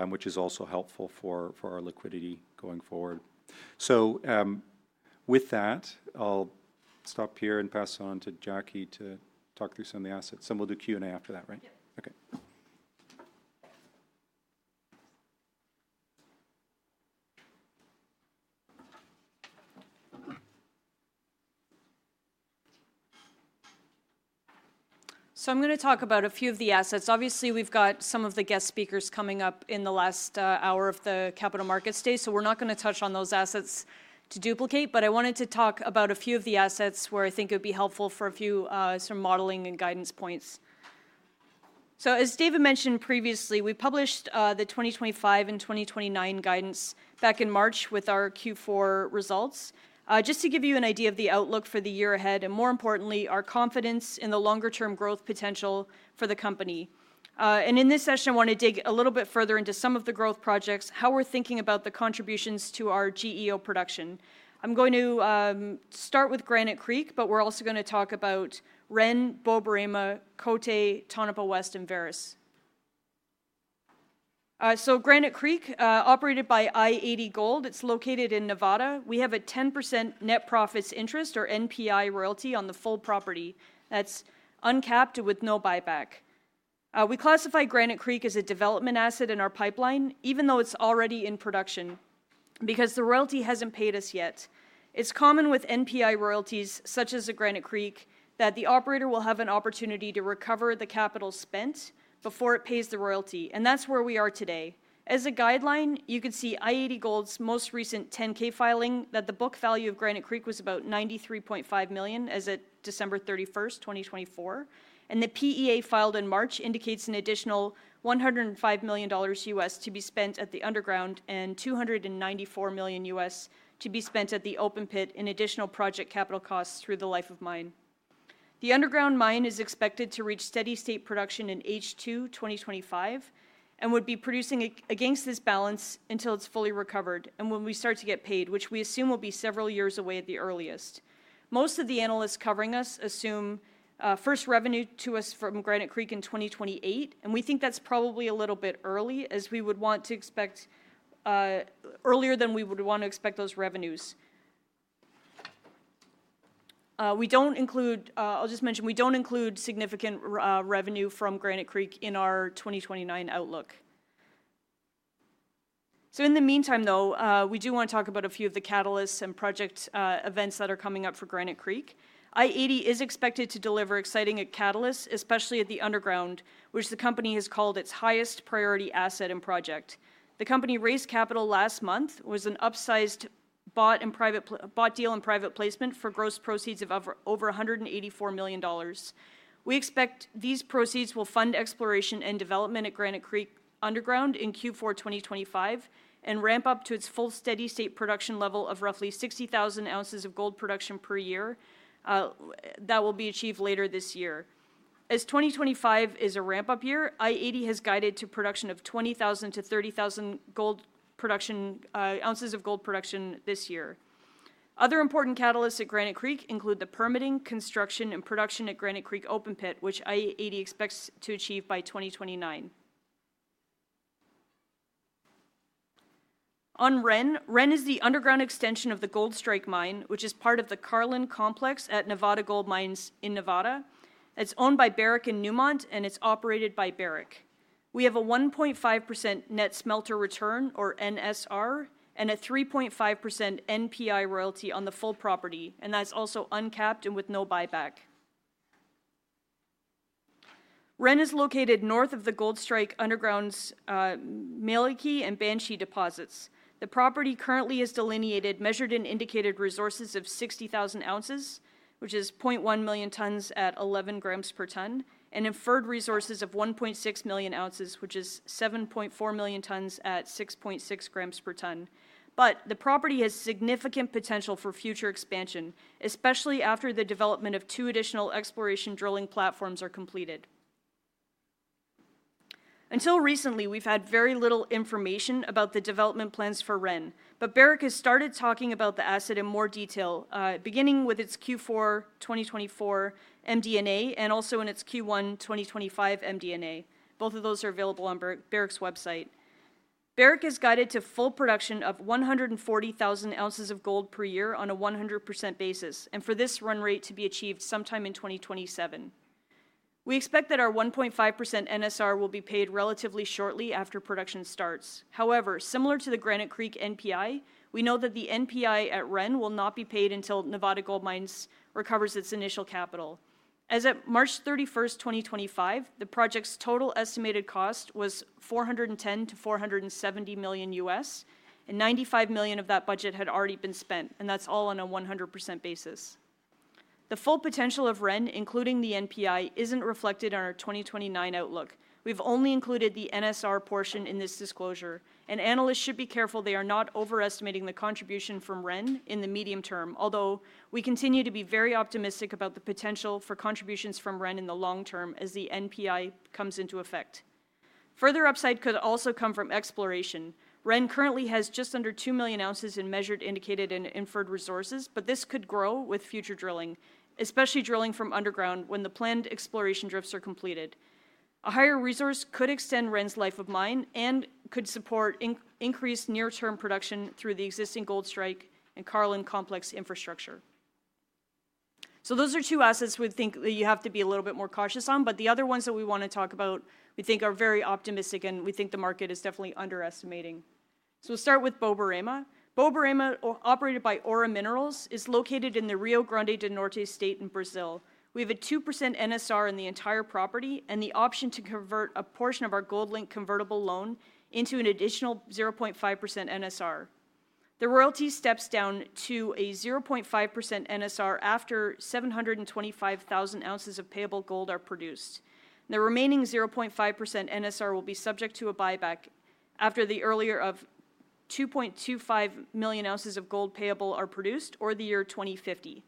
which is also helpful for our liquidity going forward. With that, I will stop here and pass on to Jackie to talk through some of the assets. We will do Q&A after that, right? Yep. Okay. I'm going to talk about a few of the assets. Obviously, we've got some of the guest speakers coming up in the last hour of the capital markets day. We're not going to touch on those assets to duplicate. I wanted to talk about a few of the assets where I think it would be helpful for a few sort of modeling and guidance points. As David mentioned previously, we published the 2025 and 2029 guidance back in March with our Q4 results, just to give you an idea of the outlook for the year ahead and, more importantly, our confidence in the longer-term growth potential for the company. In this session, I want to dig a little bit further into some of the growth projects, how we're thinking about the contributions to our GEO production. I'm going to start with Granite Creek, but we're also going to talk about Wren, Borborema, Cote, Tonopah West, and Varus. Granite Creek, operated by i-80 Gold, it's located in Nevada. We have a 10% net profits interest or NPI royalty on the full property. That's uncapped with no buyback. We classify Granite Creek as a development asset in our pipeline, even though it's already in production because the royalty hasn't paid us yet. It's common with NPI royalties such as Granite Creek that the operator will have an opportunity to recover the capital spent before it pays the royalty. That's where we are today. As a guideline, you can see i-80 Gold's most recent 10-K filing that the book value of Granite Creek was about $93.5 million as of December 31, 2024. The PEA filed in March indicates an additional $105 million to be spent at the underground and $294 million to be spent at the open pit in additional project capital costs through the life of mine. The underground mine is expected to reach steady state production in H2 2025 and would be producing against this balance until it is fully recovered and when we start to get paid, which we assume will be several years away at the earliest. Most of the analysts covering us assume first revenue to us from Granite Creek in 2028, and we think that is probably a little bit early as we would not want to expect those revenues earlier than that. We do not include, I will just mention, we do not include significant revenue from Granite Creek in our 2029 outlook. In the meantime, though, we do want to talk about a few of the catalysts and project events that are coming up for Granite Creek. i-80 is expected to deliver exciting catalysts, especially at the underground, which the company has called its highest priority asset and project. The company raised capital last month. It was an upsized bought deal and private placement for gross proceeds of over $184 million. We expect these proceeds will fund exploration and development at Granite Creek Underground in Q4 2025 and ramp up to its full steady state production level of roughly 60,000 oz of gold production per year. That will be achieved later this year. As 2025 is a ramp-up year, i-80 has guided to production of 20,000-30,000 oz of gold production this year. Other important catalysts at Granite Creek include the permitting, construction, and production at Granite Creek Open Pit, which i-80 expects to achieve by 2029. On Wren, Wren is the underground extension of the Goldstrike Mine, which is part of the Carlin Complex at Nevada Gold Mines in Nevada. It's owned by Barrick and Newmont, and it's operated by Barrick. We have a 1.5% net smelter return, or NSR, and a 3.5% NPI royalty on the full property. That's also uncapped and with no buyback. Wren is located north of the Goldstrike Underground's Malikey and Banshee deposits. The property currently is delineated, measured and indicated resources of 60,000 oz, which is 0.1 million tons at 11 grams per ton, and inferred resources of 1.6 million oz, which is 7.4 million tons at 6.6 grams per ton. The property has significant potential for future expansion, especially after the development of two additional exploration drilling platforms are completed. Until recently, we've had very little information about the development plans for Wren, but Barrick has started talking about the asset in more detail, beginning with its Q4 2024 MD&A and also in its Q1 2025 MD&A. Both of those are available on Barrick's website. Barrick has guided to full production of 140,000 oz of gold per year on a 100% basis, and for this run rate to be achieved sometime in 2027. We expect that our 1.5% NSR will be paid relatively shortly after production starts. However, similar to the Granite Creek NPI, we know that the NPI at Wren will not be paid until Nevada Gold Mines recovers its initial capital. As of March 31, 2025, the project's total estimated cost was $410 million-$470 million, and $95 million of that budget had already been spent, and that's all on a 100% basis. The full potential of Wren, including the NPI, isn't reflected on our 2029 outlook. We've only included the NSR portion in this disclosure. Analysts should be careful they are not overestimating the contribution from Wren in the medium term, although we continue to be very optimistic about the potential for contributions from Wren in the long term as the NPI comes into effect. Further upside could also come from exploration. Wren currently has just under 2 million oz in measured, indicated, and inferred resources, but this could grow with future drilling, especially drilling from underground when the planned exploration drifts are completed. A higher resource could extend Wren's life of mine and could support increased near-term production through the existing Goldstrike and Carlin Complex infrastructure. Those are two assets we think that you have to be a little bit more cautious on, but the other ones that we want to talk about, we think are very optimistic, and we think the market is definitely underestimating. We'll start with Borborema. Borborema, operated by Aura Minerals, is located in the Rio Grande do Norte state in Brazil. We have a 2% NSR in the entire property and the option to convert a portion of our GoldLink convertible loan into an additional 0.5% NSR. The royalty steps down to a 0.5% NSR after 725,000 oz of payable gold are produced. The remaining 0.5% NSR will be subject to a buyback after the earlier of 2.25 million oz of gold payable are produced or the year 2050.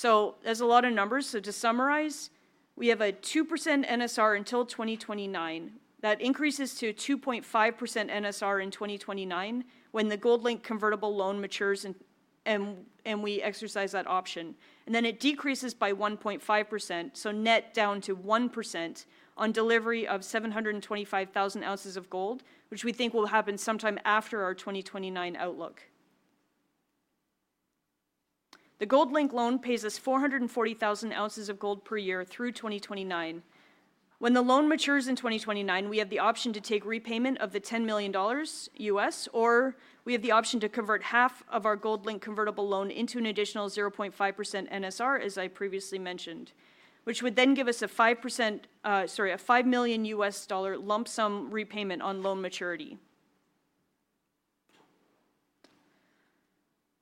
That is a lot of numbers. To summarize, we have a 2% NSR until 2029. That increases to 2.5% NSR in 2029 when the GoldLink convertible loan matures and we exercise that option. It then decreases by 1.5%, so net down to 1% on delivery of 725,000 oz of gold, which we think will happen sometime after our 2029 outlook. The GoldLink loan pays us 440,000 oz of gold per year through 2029. When the loan matures in 2029, we have the option to take repayment of the $10 million US, or we have the option to convert half of our GoldLink convertible loan into an additional 0.5% NSR, as I previously mentioned, which would then give us a $5 million US lump sum repayment on loan maturity.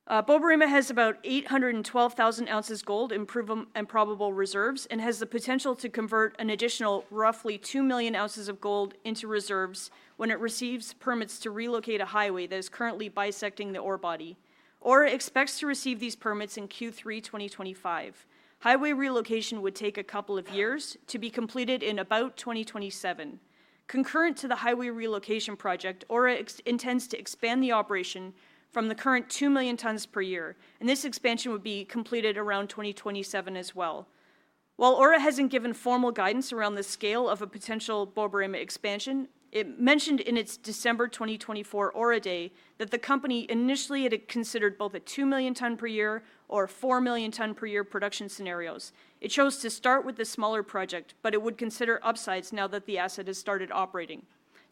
Borborema has about 812,000 oz of gold in probable reserves and has the potential to convert an additional roughly 2 million oz of gold into reserves when it receives permits to relocate a highway that is currently bisecting the ore body. Aura expects to receive these permits in Q3 2025. Highway relocation would take a couple of years to be completed in about 2027. Concurrent to the highway relocation project, Aura intends to expand the operation from the current 2 million tons per year. This expansion would be completed around 2027 as well. While Aura hasn't given formal guidance around the scale of a potential Borborema expansion, it mentioned in its December 2024 Aura Day that the company initially had considered both a 2 million ton per year or 4 million ton per year production scenarios. It chose to start with the smaller project, but it would consider upsides now that the asset has started operating.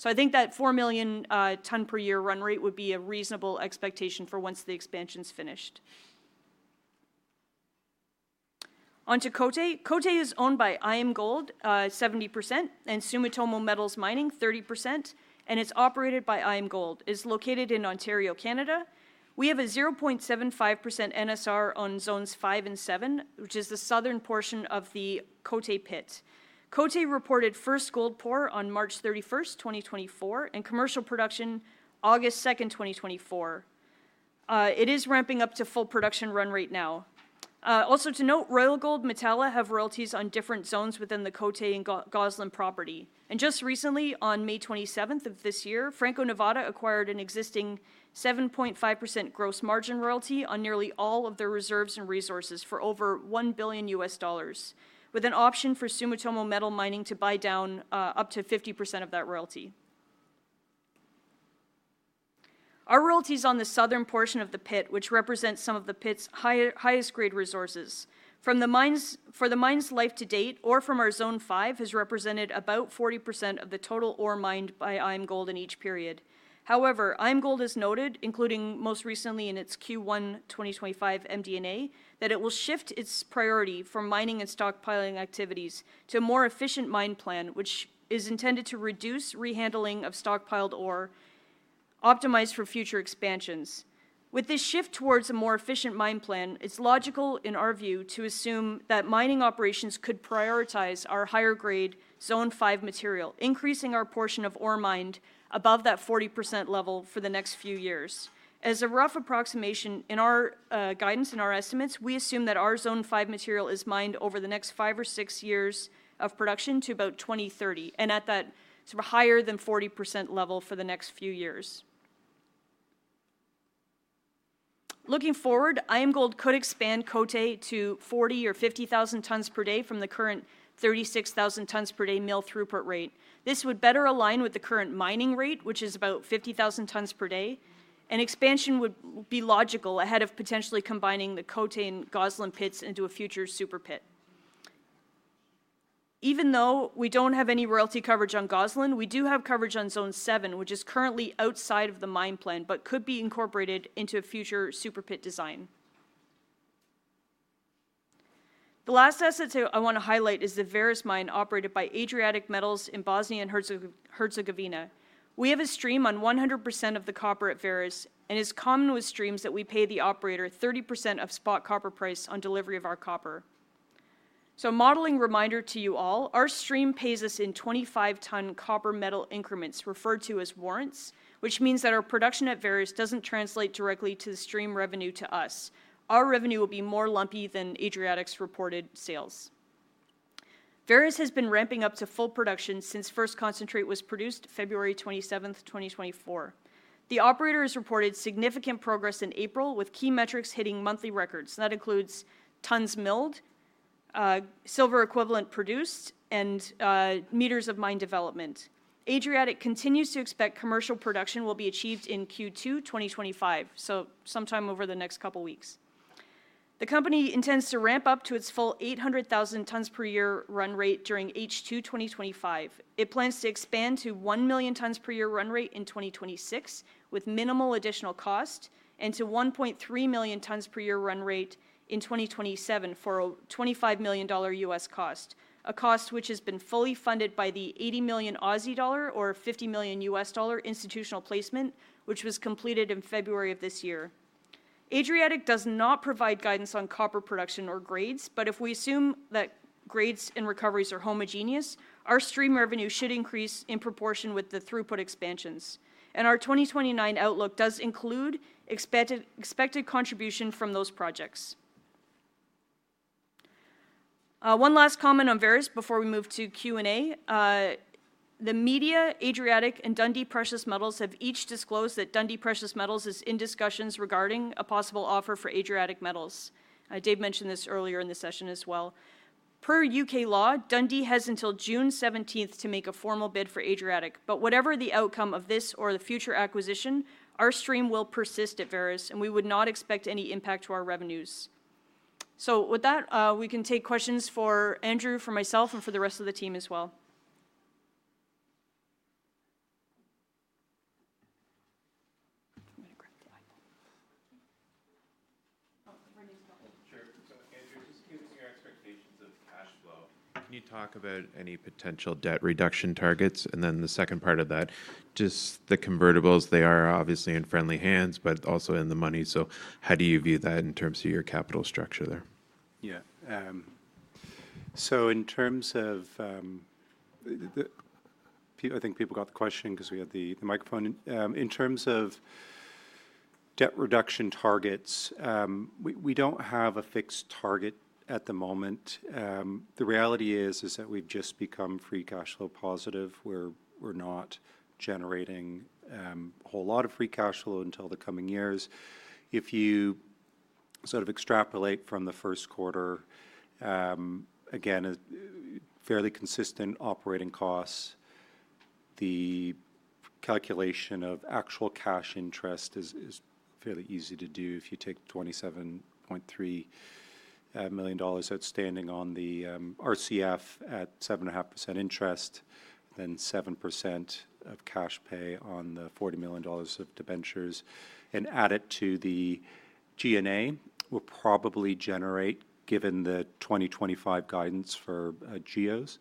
I think that 4 million ton per year run rate would be a reasonable expectation for once the expansion's finished. Onto Cote. Cote is owned by IAMGOLD, 70%, and Sumitomo Metal Mining, 30%, and it's operated by IAMGOLD. It's located in Ontario, Canada. We have a 0.75% NSR on zones five and seven, which is the southern portion of the Cote pit. Cote reported first gold pour on March 31, 2024, and commercial production August 2, 2024. It is ramping up to full production run rate now. Also to note, Royal Gold and Metalla have royalties on different zones within the Cote and Goslin property. Just recently, on May 27 of this year, Franco-Nevada acquired an existing 7.5% gross margin royalty on nearly all of their reserves and resources for over $1 billion, with an option for Sumitomo Metal Mining to buy down up to 50% of that royalty. Our royalties are on the southern portion of the pit, which represents some of the pit's highest grade resources. For the mine's life to date, ore from our zone five has represented about 40% of the total ore mined by IAMGOLD in each period. However, IAMGOLD has noted, including most recently in its Q1 2025 MD&A, that it will shift its priority from mining and stockpiling activities to a more efficient mine plan, which is intended to reduce rehandling of stockpiled ore, optimized for future expansions. With this shift towards a more efficient mine plan, it's logical, in our view, to assume that mining operations could prioritize our higher grade zone five material, increasing our portion of ore mined above that 40% level for the next few years. As a rough approximation, in our guidance and our estimates, we assume that our zone five material is mined over the next five or six years of production to about 2030, and at that sort of higher than 40% level for the next few years. Looking forward, IAMGOLD could expand Cote to 40,000 or 50,000 tons per day from the current 36,000 tons per day mill throughput rate. This would better align with the current mining rate, which is about 50,000 tons per day. An expansion would be logical ahead of potentially combining the Cote and Goslin pits into a future super pit. Even though we do not have any royalty coverage on Goslin, we do have coverage on zone seven, which is currently outside of the mine plan, but could be incorporated into a future super pit design. The last asset I want to highlight is the Varus mine operated by Adriatic Metals in Bosnia and Herzegovina. We have a stream on 100% of the copper at Varus and, as is common with streams, we pay the operator 30% of spot copper price on delivery of our copper. A modeling reminder to you all, our stream pays us in 25-ton copper metal increments referred to as warrants, which means that our production at Varus does not translate directly to the stream revenue to us. Our revenue will be more lumpy than Adriatic's reported sales. Varus has been ramping up to full production since first concentrate was produced February 27, 2024. The operator has reported significant progress in April with key metrics hitting monthly records. That includes tons milled, silver equivalent produced, and meters of mine development. Adriatic continues to expect commercial production will be achieved in Q2 2025, so sometime over the next couple of weeks. The company intends to ramp up to its full 800,000 tons per year run rate during H2 2025. It plans to expand to 1 million tons per year run rate in 2026 with minimal additional cost and to 1.3 million tons per year run rate in 2027 for a $25 million US cost, a cost which has been fully funded by the 80 million Aussie dollar or $50 million US institutional placement, which was completed in February of this year. Adriatic does not provide guidance on copper production or grades, but if we assume that grades and recoveries are homogeneous, our stream revenue should increase in proportion with the throughput expansions. Our 2029 outlook does include expected contribution from those projects. One last comment on Varus before we move to Q&A. The media, Adriatic, and Dundee Precious Metals have each disclosed that Dundee Precious Metals is in discussions regarding a possible offer for Adriatic Metals. Dave mentioned this earlier in the session as well. Per U.K. law, Dundee has until June 17 to make a formal bid for Adriatic. Whatever the outcome of this or the future acquisition, our stream will persist at Varus, and we would not expect any impact to our revenues. With that, we can take questions for Andrew, for myself, and for the rest of the team as well. Sure. Andrew, just given your expectations of cash flow, can you talk about any potential debt reduction targets? The second part of that, just the convertibles, they are obviously in friendly hands, but also in the money. How do you view that in terms of your capital structure there? Yeah. In terms of, I think people got the question because we had the microphone. In terms of debt reduction targets, we do not have a fixed target at the moment. The reality is that we've just become free cash flow positive. We're not generating a whole lot of free cash flow until the coming years. If you sort of extrapolate from the first quarter, again, fairly consistent operating costs, the calculation of actual cash interest is fairly easy to do. If you take $27.3 million outstanding on the RCF at 7.5% interest, then 7% of cash pay on the $40 million of debentures, and add it to the G&A, we'll probably generate, given the 2025 guidance for GEOs,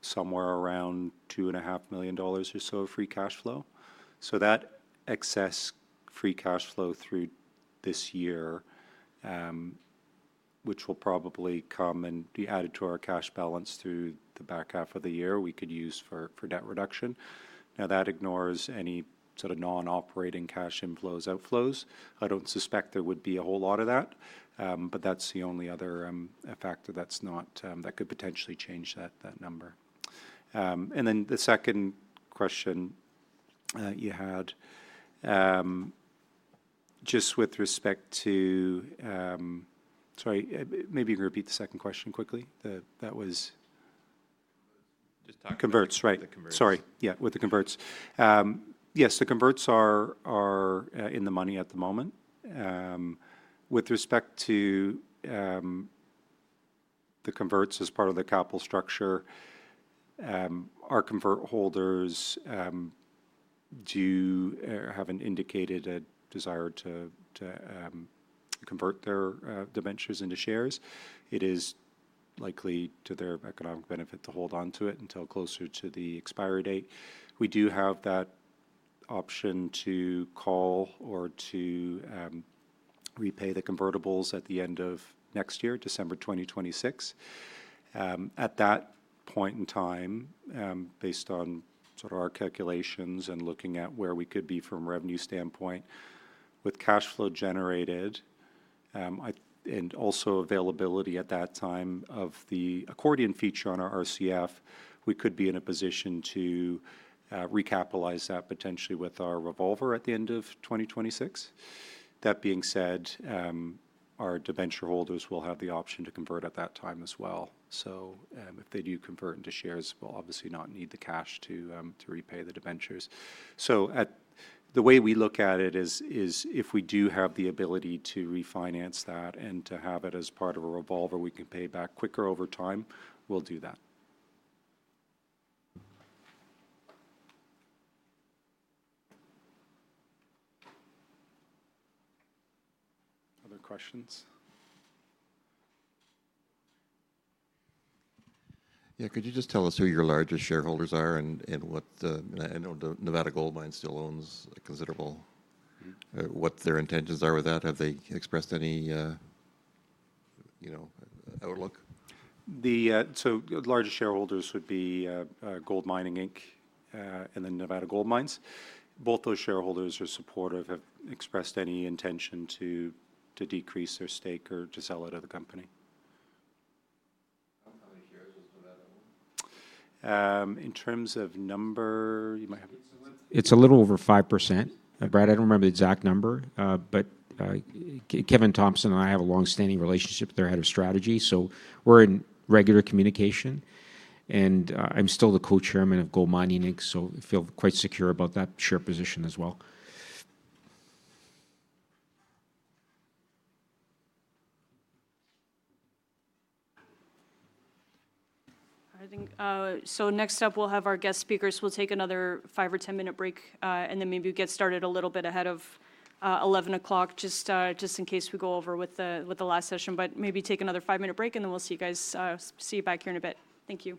somewhere around $2.5 million or so of free cash flow. That excess free cash flow through this year, which will probably come and be added to our cash balance through the back half of the year, we could use for debt reduction. Now, that ignores any sort of non-operating cash inflows, outflows. I don't suspect there would be a whole lot of that, but that's the only other factor that could potentially change that number. The second question you had, just with respect to, sorry, maybe you can repeat the second question quickly. That was converts. Just talking about converts. Right. Sorry. Yeah, with the converts. Yes, the converts are in the money at the moment. With respect to the converts as part of the capital structure, our convert holders do have an indicated desire to convert their debentures into shares. It is likely to their economic benefit to hold onto it until closer to the expiry date. We do have that option to call or to repay the convertibles at the end of next year, December 2026. At that point in time, based on sort of our calculations and looking at where we could be from a revenue standpoint, with cash flow generated and also availability at that time of the accordion feature on our RCF, we could be in a position to recapitalize that potentially with our revolver at the end of 2026. That being said, our debenture holders will have the option to convert at that time as well. If they do convert into shares, we'll obviously not need the cash to repay the debentures. The way we look at it is if we do have the ability to refinance that and to have it as part of a revolver we can pay back quicker over time, we'll do that. Other questions? Yeah. Could you just tell us who your largest shareholders are and what the, I know Nevada Gold Mines still owns a considerable, what their intentions are with that? Have they expressed any outlook? The largest shareholders would be Gold Mining Inc. and then Nevada Gold Mines. Both those shareholders are supportive, have not expressed any intention to decrease their stake or to sell it to the company. How many shares does Nevada own? In terms of number, you might have, it is a little over 5%. I do not remember the exact number, but Kevin Thompson and I have a long-standing relationship with their head of strategy. We are in regular communication. I am still the co-chairman of Gold Mining Inc., so I feel quite secure about that share position as well. Next up, we will have our guest speakers. We'll take another five- or ten-minute break, and then maybe we'll get started a little bit ahead of 11:00, just in case we go over with the last session. Maybe take another five-minute break, and then we'll see you guys back here in a bit. Thank you.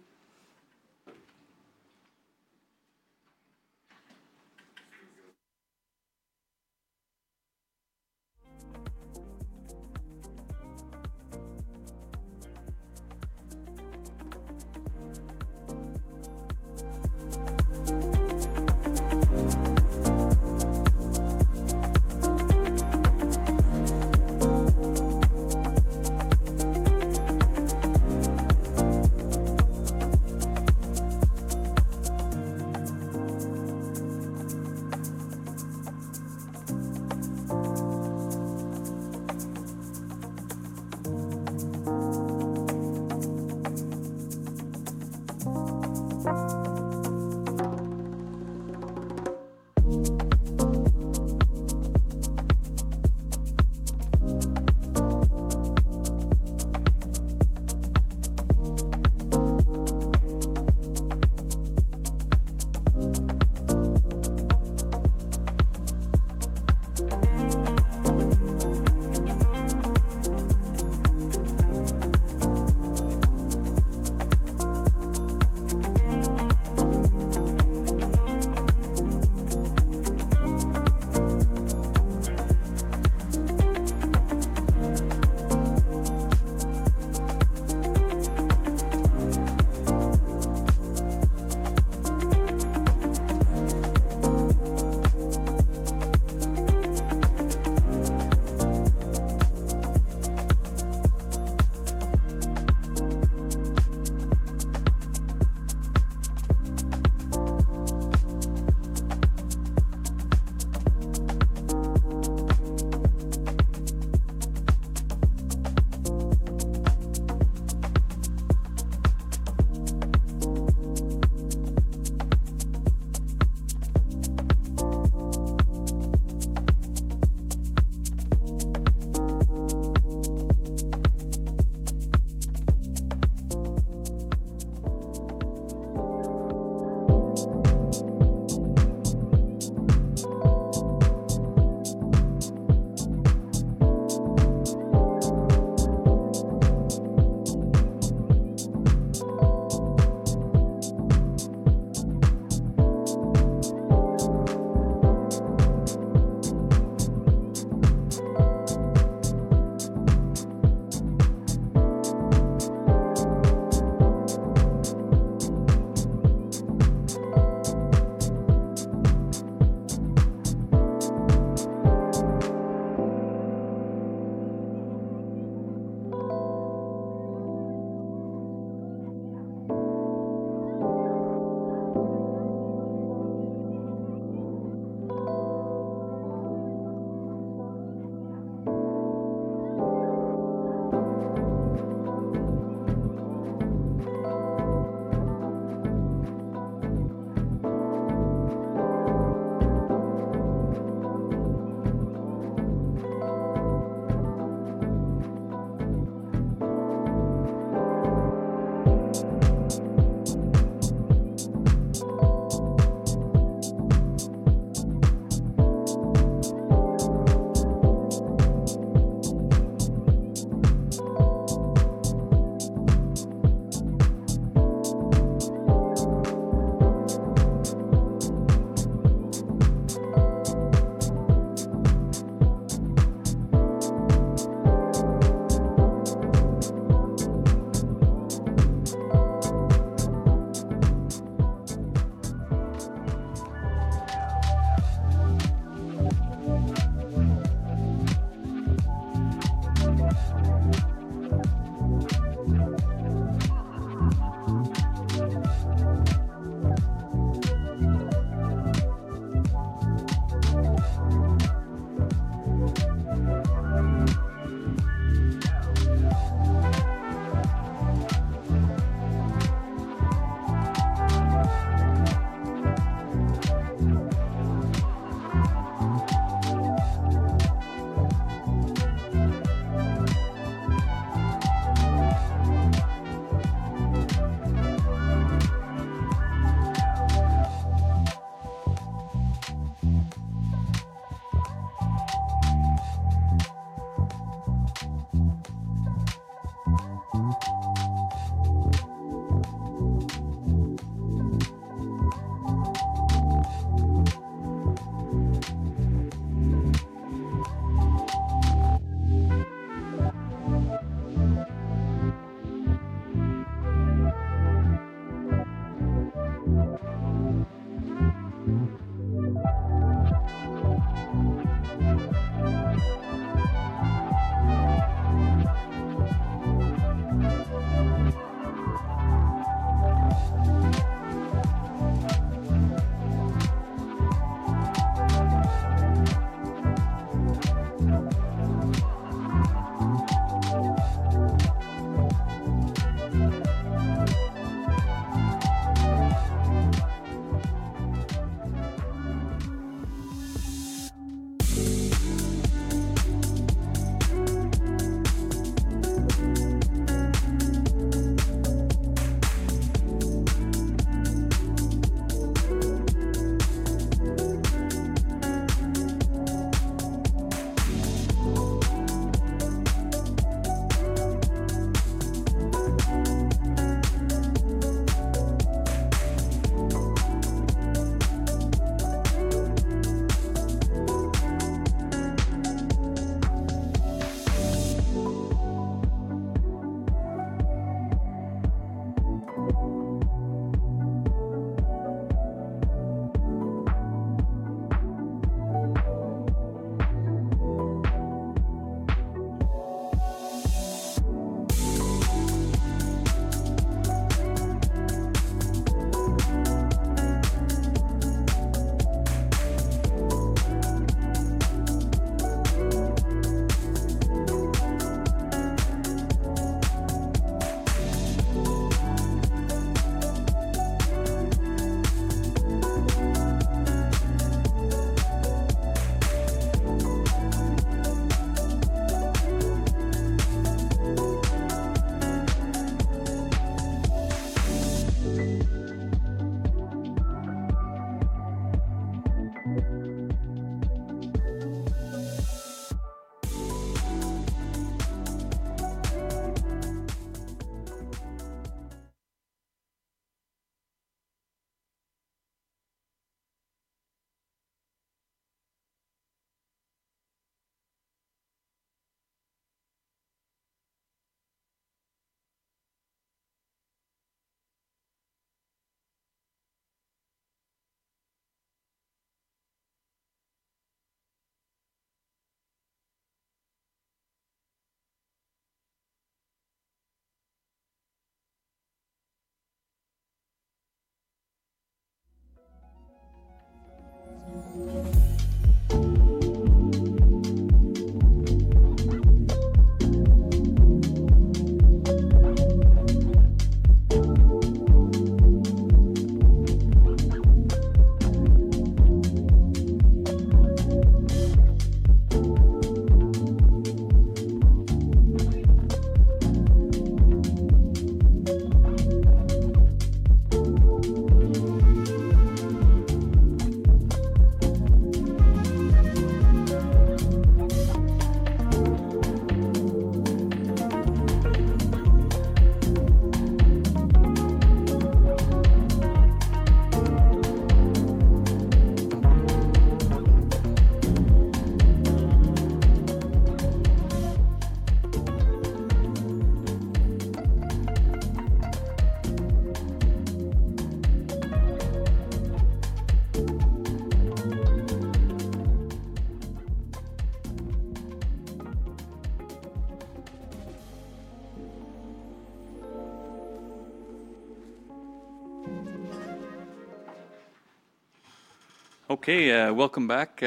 Okay. Welcome back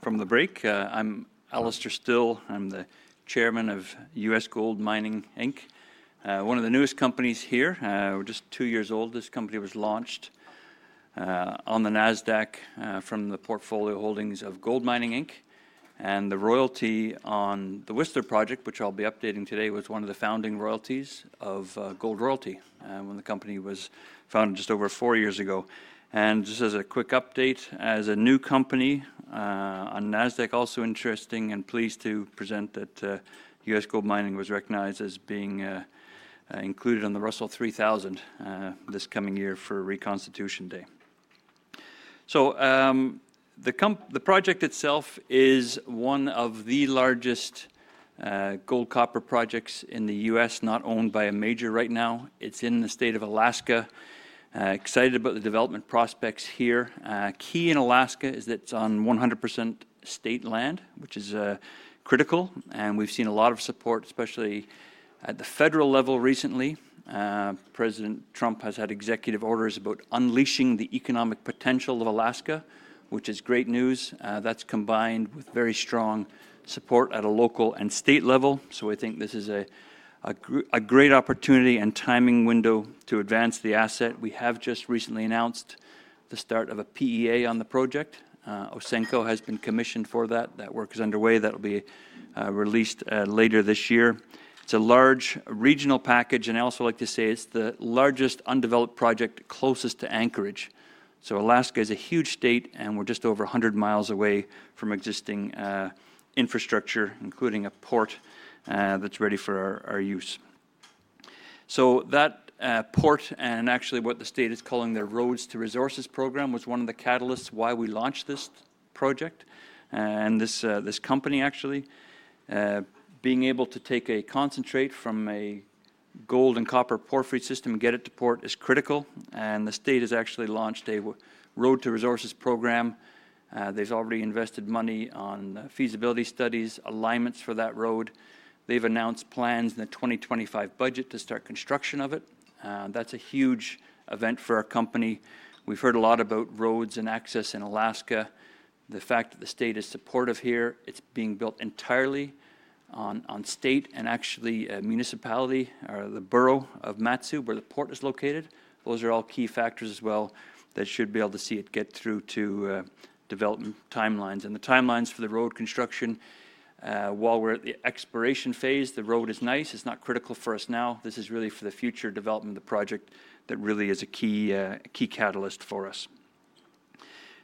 from the break. I'm Alastair Still. I'm the Chairman of US GoldMining Inc., one of the newest companies here. We're just two years old. This company was launched on the Nasdaq from the portfolio holdings of GoldMining Inc. The royalty on the Whistler project, which I'll be updating today, was one of the founding royalties of Gold Royalty when the company was founded just over four years ago. Just as a quick update, as a new company on Nasdaq, also interesting and pleased to present that US GoldMining was recognized as being included on the Russell 3000 this coming year for Reconstitution Day. The project itself is one of the largest gold copper projects in the U.S., not owned by a major right now. It is in the state of Alaska. Excited about the development prospects here. Key in Alaska is that it is on 100% state land, which is critical. We have seen a lot of support, especially at the federal level recently. President Trump has had executive orders about unleashing the economic potential of Alaska, which is great news. That is combined with very strong support at a local and state level. I think this is a great opportunity and timing window to advance the asset. We have just recently announced the start of a PEA on the project. Osenko has been commissioned for that. That work is underway. That'll be released later this year. It's a large regional package. I also like to say it's the largest undeveloped project closest to Anchorage. Alaska is a huge state, and we're just over 100 mi away from existing infrastructure, including a port that's ready for our use. That port and actually what the state is calling their Roads to Resources program was one of the catalysts why we launched this project. This company, actually, being able to take a concentrate from a gold and copper porphyry system and get it to port is critical. The state has actually launched a Road to Resources program. They've already invested money on feasibility studies, alignments for that road. They've announced plans in the 2025 budget to start construction of it. That's a huge event for our company. We've heard a lot about roads and access in Alaska. The fact that the state is supportive here, it's being built entirely on state and actually municipality or the borough of Matsu, where the port is located. Those are all key factors as well that should be able to see it get through to development timelines. The timelines for the road construction, while we're at the exploration phase, the road is nice. It's not critical for us now. This is really for the future development of the project that really is a key catalyst for us.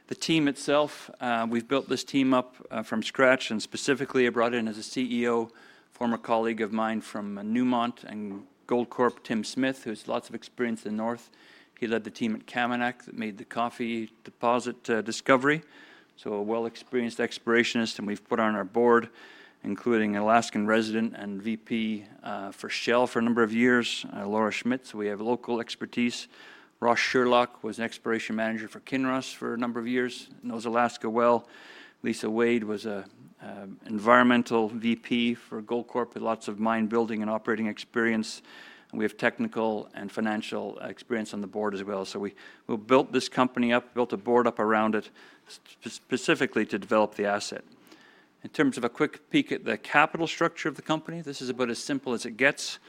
The team itself, we've built this team up from scratch and specifically brought in as a CEO, former colleague of mine from Newmont and Goldcorp, Tim Smith, who has lots of experience in the north. He led the team at Kaminak that made the Coffee deposit discovery. A well-experienced explorationist. We have put on our board, including an Alaskan resident and VP for Shell for a number of years, Laura Schmidt. We have local expertise. Ross Sherlock was an exploration manager for Kinross for a number of years. Knows Alaska well. Lisa Wade was an environmental VP for Goldcorp with lots of mine building and operating experience. We have technical and financial experience on the board as well. We built this company up, built a board up around it specifically to develop the asset. In terms of a quick peek at the capital structure of the company, this is about as simple as it gets.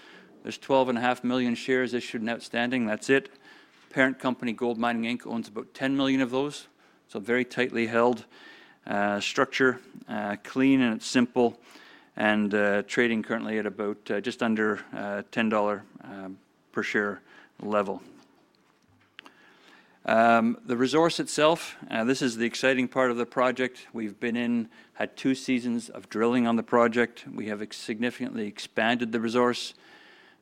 There are 12.5 million shares issued and outstanding. That's it. Parent company Gold Mining owns about 10 million of those. So very tightly held structure, clean and simple, and trading currently at about just under $10 per share level. The resource itself, this is the exciting part of the project. We've been in, had two seasons of drilling on the project. We have significantly expanded the resource,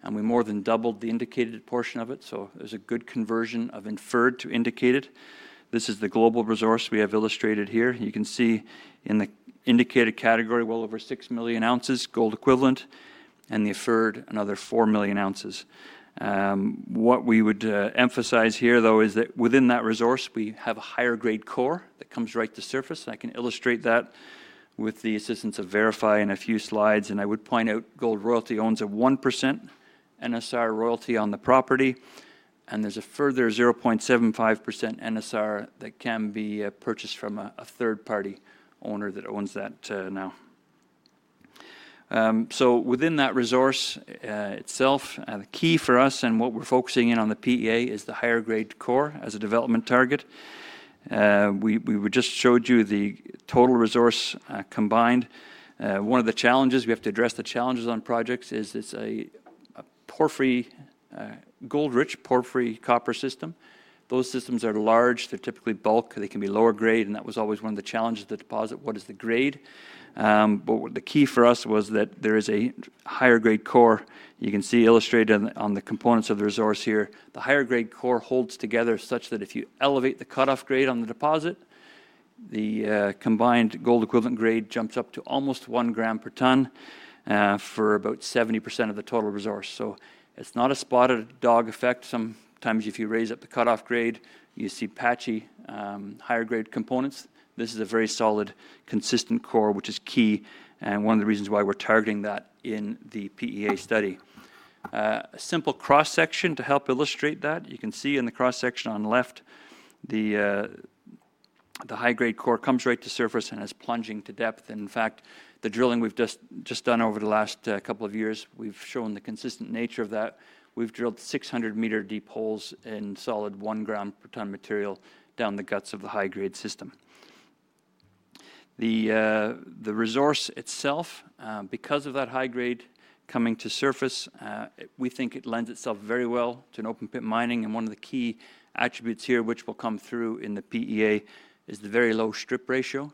and we more than doubled the indicated portion of it. So there's a good conversion of inferred to indicated. This is the global resource we have illustrated here. You can see in the indicated category, well over 6 million oz, gold equivalent, and the inferred, another 4 million oz. What we would emphasize here, though, is that within that resource, we have a higher grade core that comes right to surface. I can illustrate that with the assistance of Verify and a few slides. I would point out Gold Royalty owns a 1% NSR royalty on the property. There is a further 0.75% NSR that can be purchased from a third-party owner that owns that now. Within that resource itself, the key for us and what we are focusing in on the PEA is the higher grade core as a development target. We just showed you the total resource combined. One of the challenges we have to address on projects is it is a porphyry, gold-rich porphyry copper system. Those systems are large. They are typically bulk. They can be lower grade. That was always one of the challenges of the deposit, what is the grade. The key for us was that there is a higher grade core. You can see illustrated on the components of the resource here. The higher grade core holds together such that if you elevate the cutoff grade on the deposit, the combined gold equivalent grade jumps up to almost 1 gram per ton for about 70% of the total resource. It is not a spotted dog effect. Sometimes if you raise up the cutoff grade, you see patchy higher grade components. This is a very solid, consistent core, which is key and one of the reasons why we are targeting that in the PEA study. A simple cross-section to help illustrate that. You can see in the cross-section on the left, the high-grade core comes right to surface and is plunging to depth. In fact, the drilling we have just done over the last couple of years, we have shown the consistent nature of that. We have drilled 600-meter deep holes in solid one gram per ton material down the guts of the high-grade system. The resource itself, because of that high grade coming to surface, we think it lends itself very well to open-pit mining. One of the key attributes here, which will come through in the PEA, is the very low strip ratio.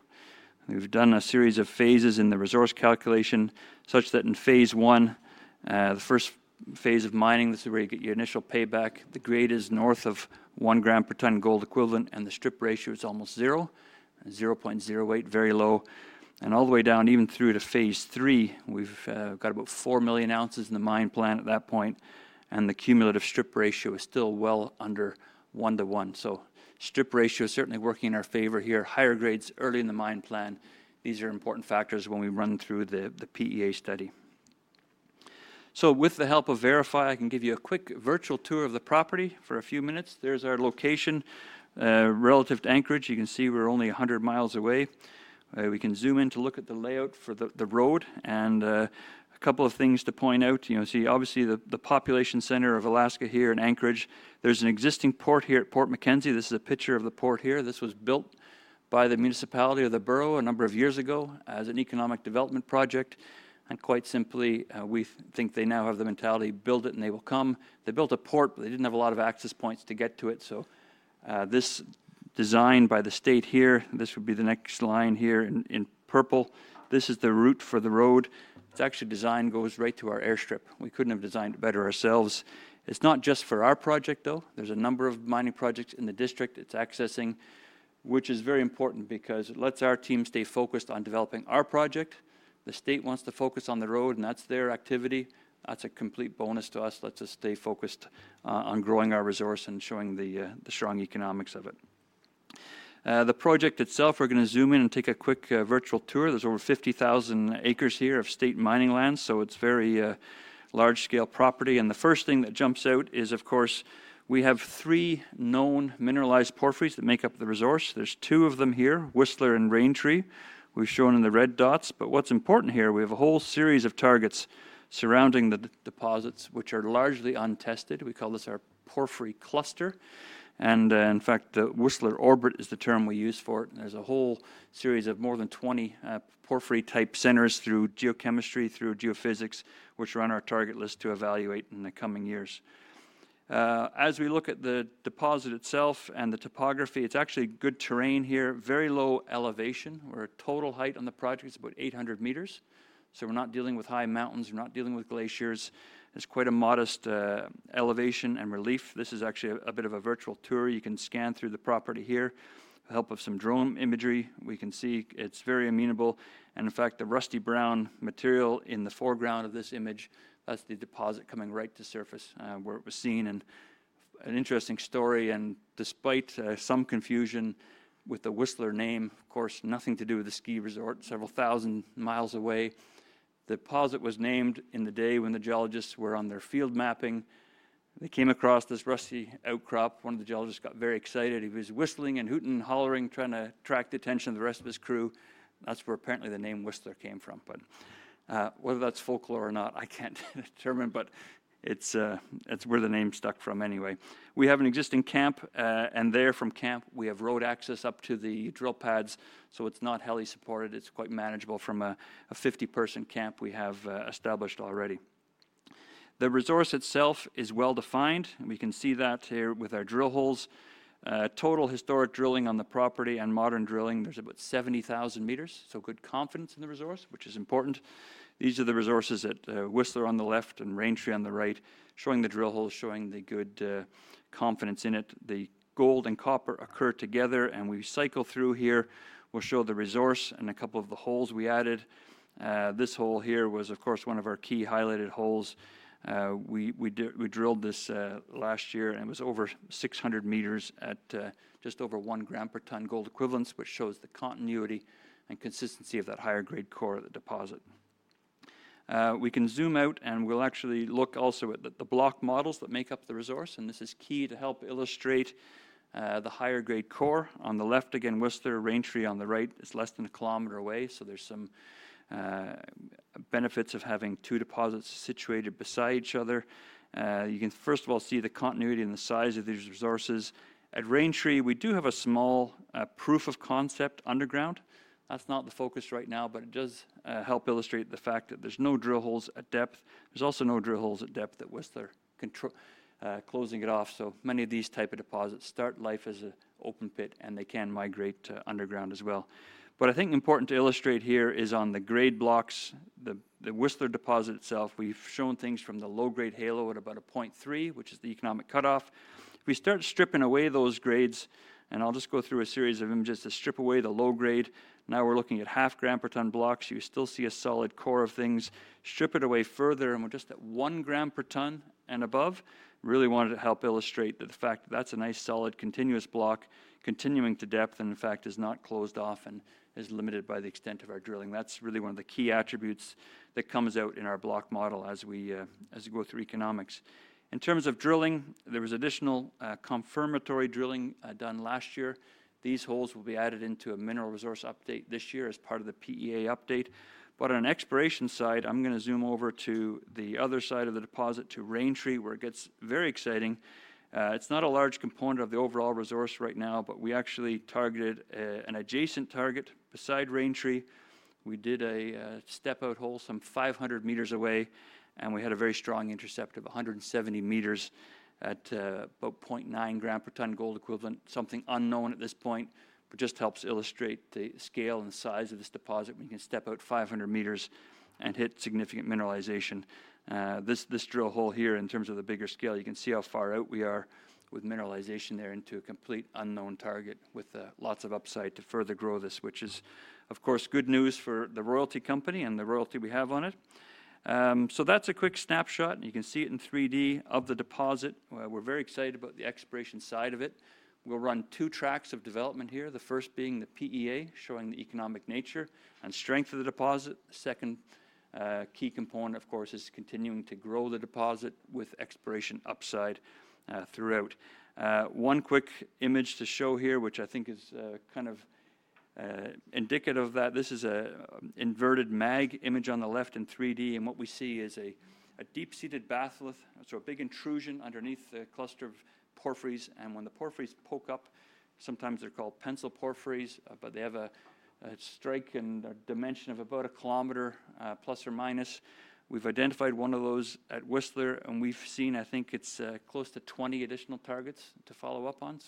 We have done a series of phases in the resource calculation such that in phase one, the first phase of mining, this is where you get your initial payback, the grade is north of one gram per ton gold equivalent, and the strip ratio is almost zero, 0.08, very low. All the way down, even through to phase three, we've got about 4 million oz in the mine plan at that point. The cumulative strip ratio is still well under one to one. Strip ratio is certainly working in our favor here. Higher grades early in the mine plan, these are important factors when we run through the PEA study. With the help of Verify, I can give you a quick virtual tour of the property for a few minutes. There's our location relative to Anchorage. You can see we're only 100 mi away. We can zoom in to look at the layout for the road. A couple of things to point out. You see, obviously, the population center of Alaska here in Anchorage, there's an existing port here at Port MacKenzie. This is a picture of the port here. This was built by the municipality or the borough a number of years ago as an economic development project. Quite simply, we think they now have the mentality to build it and they will come. They built a port, but they did not have a lot of access points to get to it. This design by the state here, this would be the next line here in purple. This is the route for the road. It is actually designed, goes right to our airstrip. We could not have designed it better ourselves. It is not just for our project, though. There are a number of mining projects in the district it is accessing, which is very important because it lets our team stay focused on developing our project. The state wants to focus on the road, and that is their activity. That is a complete bonus to us. It lets us stay focused on growing our resource and showing the strong economics of it. The project itself, we're going to zoom in and take a quick virtual tour. There are over 50,000 acres here of state mining land. It is a very large-scale property. The first thing that jumps out is, of course, we have three known mineralized porphyries that make up the resource. There are two of them here, Whistler and Rain Tree. We have shown them in the red dots. What is important here, we have a whole series of targets surrounding the deposits, which are largely untested. We call this our porphyry cluster. In fact, the Whistler orbit is the term we use for it. There is a whole series of more than 20 porphyry-type centers through geochemistry, through geophysics, which are on our target list to evaluate in the coming years. As we look at the deposit itself and the topography, it's actually good terrain here, very low elevation. Our total height on the project is about 800 meters. We're not dealing with high mountains. We're not dealing with glaciers. It's quite a modest elevation and relief. This is actually a bit of a virtual tour. You can scan through the property here with the help of some drone imagery. We can see it's very amenable. In fact, the rusty brown material in the foreground of this image, that's the deposit coming right to surface where it was seen. An interesting story. Despite some confusion with the Whistler name, of course, nothing to do with the ski resort, several thousand miles away. The deposit was named in the day when the geologists were on their field mapping. They came across this rusty outcrop. One of the geologists got very excited. He was whistling and hooting and hollering, trying to attract the attention of the rest of his crew. That is where apparently the name Whistler came from. Whether that is folklore or not, I cannot determine. It is where the name stuck from anyway. We have an existing camp. There from camp, we have road access up to the drill pads. It is not heavily supported. It is quite manageable from a 50-person camp we have established already. The resource itself is well-defined. We can see that here with our drill holes. Total historic drilling on the property and modern drilling, there is about 70,000 meters. Good confidence in the resource, which is important. These are the resources at Whistler on the left and Rain Tree on the right, showing the drill holes, showing the good confidence in it. The gold and copper occur together. We cycle through here. We'll show the resource and a couple of the holes we added. This hole here was, of course, one of our key highlighted holes. We drilled this last year, and it was over 600 meters at just over one gram per ton gold equivalence, which shows the continuity and consistency of that higher grade core of the deposit. We can zoom out, and we'll actually look also at the block models that make up the resource. This is key to help illustrate the higher grade core. On the left, again, Whistler, Rain Tree on the right. It's less than a kilometer away. There are some benefits of having two deposits situated beside each other. You can, first of all, see the continuity and the size of these resources. At Rain Tree, we do have a small proof of concept underground. That's not the focus right now, but it does help illustrate the fact that there's no drill holes at depth. There's also no drill holes at depth at Whistler closing it off. Many of these types of deposits start life as an open pit, and they can migrate to underground as well. I think important to illustrate here is on the grade blocks, the Whistler deposit itself, we've shown things from the low-grade halo at about a 0.3, which is the economic cutoff. We start stripping away those grades, and I'll just go through a series of images to strip away the low grade. Now we're looking at half gram per ton blocks. You still see a solid core of things. Strip it away further, and we're just at one gram per ton and above. Really wanted to help illustrate the fact that that's a nice solid continuous block continuing to depth and, in fact, is not closed off and is limited by the extent of our drilling. That's really one of the key attributes that comes out in our block model as we go through economics. In terms of drilling, there was additional confirmatory drilling done last year. These holes will be added into a mineral resource update this year as part of the PEA update. On an exploration side, I'm going to zoom over to the other side of the deposit to Rain Tree, where it gets very exciting. It's not a large component of the overall resource right now, but we actually targeted an adjacent target beside Rain Tree. We did a step-out hole some 500 meters away, and we had a very strong intercept of 170 meters at about 0.9 gram per ton gold equivalent, something unknown at this point, but just helps illustrate the scale and size of this deposit. We can step out 500 meters and hit significant mineralization. This drill hole here, in terms of the bigger scale, you can see how far out we are with mineralization there into a complete unknown target with lots of upside to further grow this, which is, of course, good news for the royalty company and the royalty we have on it. That is a quick snapshot. You can see it in 3D of the deposit. We are very excited about the exploration side of it. We will run two tracks of development here, the first being the PEA showing the economic nature and strength of the deposit. The second key component, of course, is continuing to grow the deposit with exploration upside throughout. One quick image to show here, which I think is kind of indicative of that. This is an inverted mag image on the left in 3D. What we see is a deep-seated batholith, so a big intrusion underneath the cluster of porphyries. When the porphyries poke up, sometimes they're called pencil porphyries, but they have a strike and dimension of about a kilometer plus or minus. We've identified one of those at Whistler, and we've seen, I think it's close to 20 additional targets to follow up on.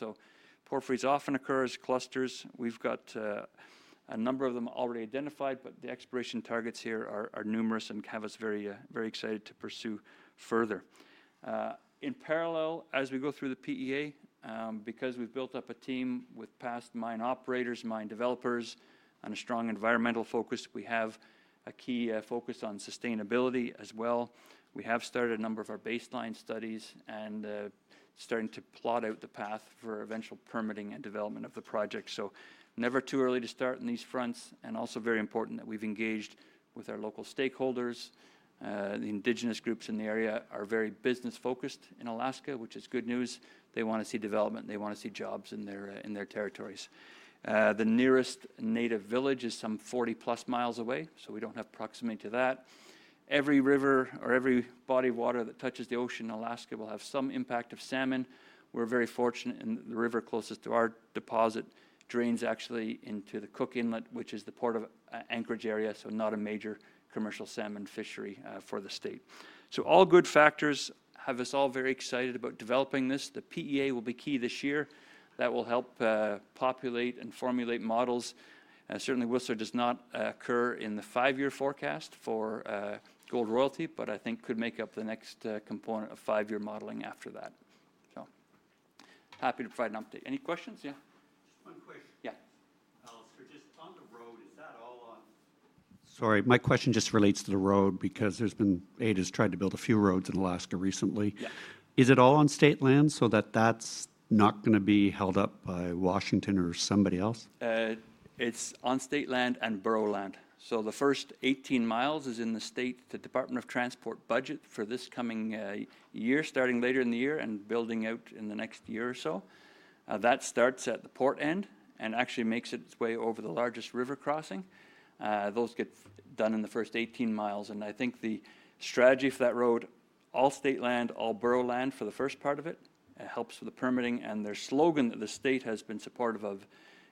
Porphyries often occur as clusters. We've got a number of them already identified, but the exploration targets here are numerous and have us very excited to pursue further. In parallel, as we go through the PEA, because we've built up a team with past mine operators, mine developers, and a strong environmental focus, we have a key focus on sustainability as well. We have started a number of our baseline studies and starting to plot out the path for eventual permitting and development of the project. Never too early to start on these fronts. Also very important that we've engaged with our local stakeholders. The indigenous groups in the area are very business-focused in Alaska, which is good news. They want to see development. They want to see jobs in their territories. The nearest native village is some 40-plus miles away, so we do not have proximity to that. Every river or every body of water that touches the ocean in Alaska will have some impact of salmon. We're very fortunate in the river closest to our deposit drains actually into the Cook Inlet, which is the port of Anchorage area, so not a major commercial salmon fishery for the state. All good factors have us all very excited about developing this. The PEA will be key this year. That will help populate and formulate models. Certainly, Whistler does not occur in the five-year forecast for Gold Royalty, but I think could make up the next component of five-year modeling after that. Happy to provide an update. Any questions? Yeah. Just one question. Just on the road, is that all on—sorry. My question just relates to the road because Ada has tried to build a few roads in Alaska recently. Is it all on state land so that that's not going to be held up by Washington or somebody else? It's on state land and borough land. The first 18 mi is in the state Department of Transport budget for this coming year, starting later in the year and building out in the next year or so. That starts at the port end and actually makes its way over the largest river crossing. Those get done in the first 18 mi. I think the strategy for that road, all state land, all borough land for the first part of it, helps with the permitting. Their slogan that the state has been supportive of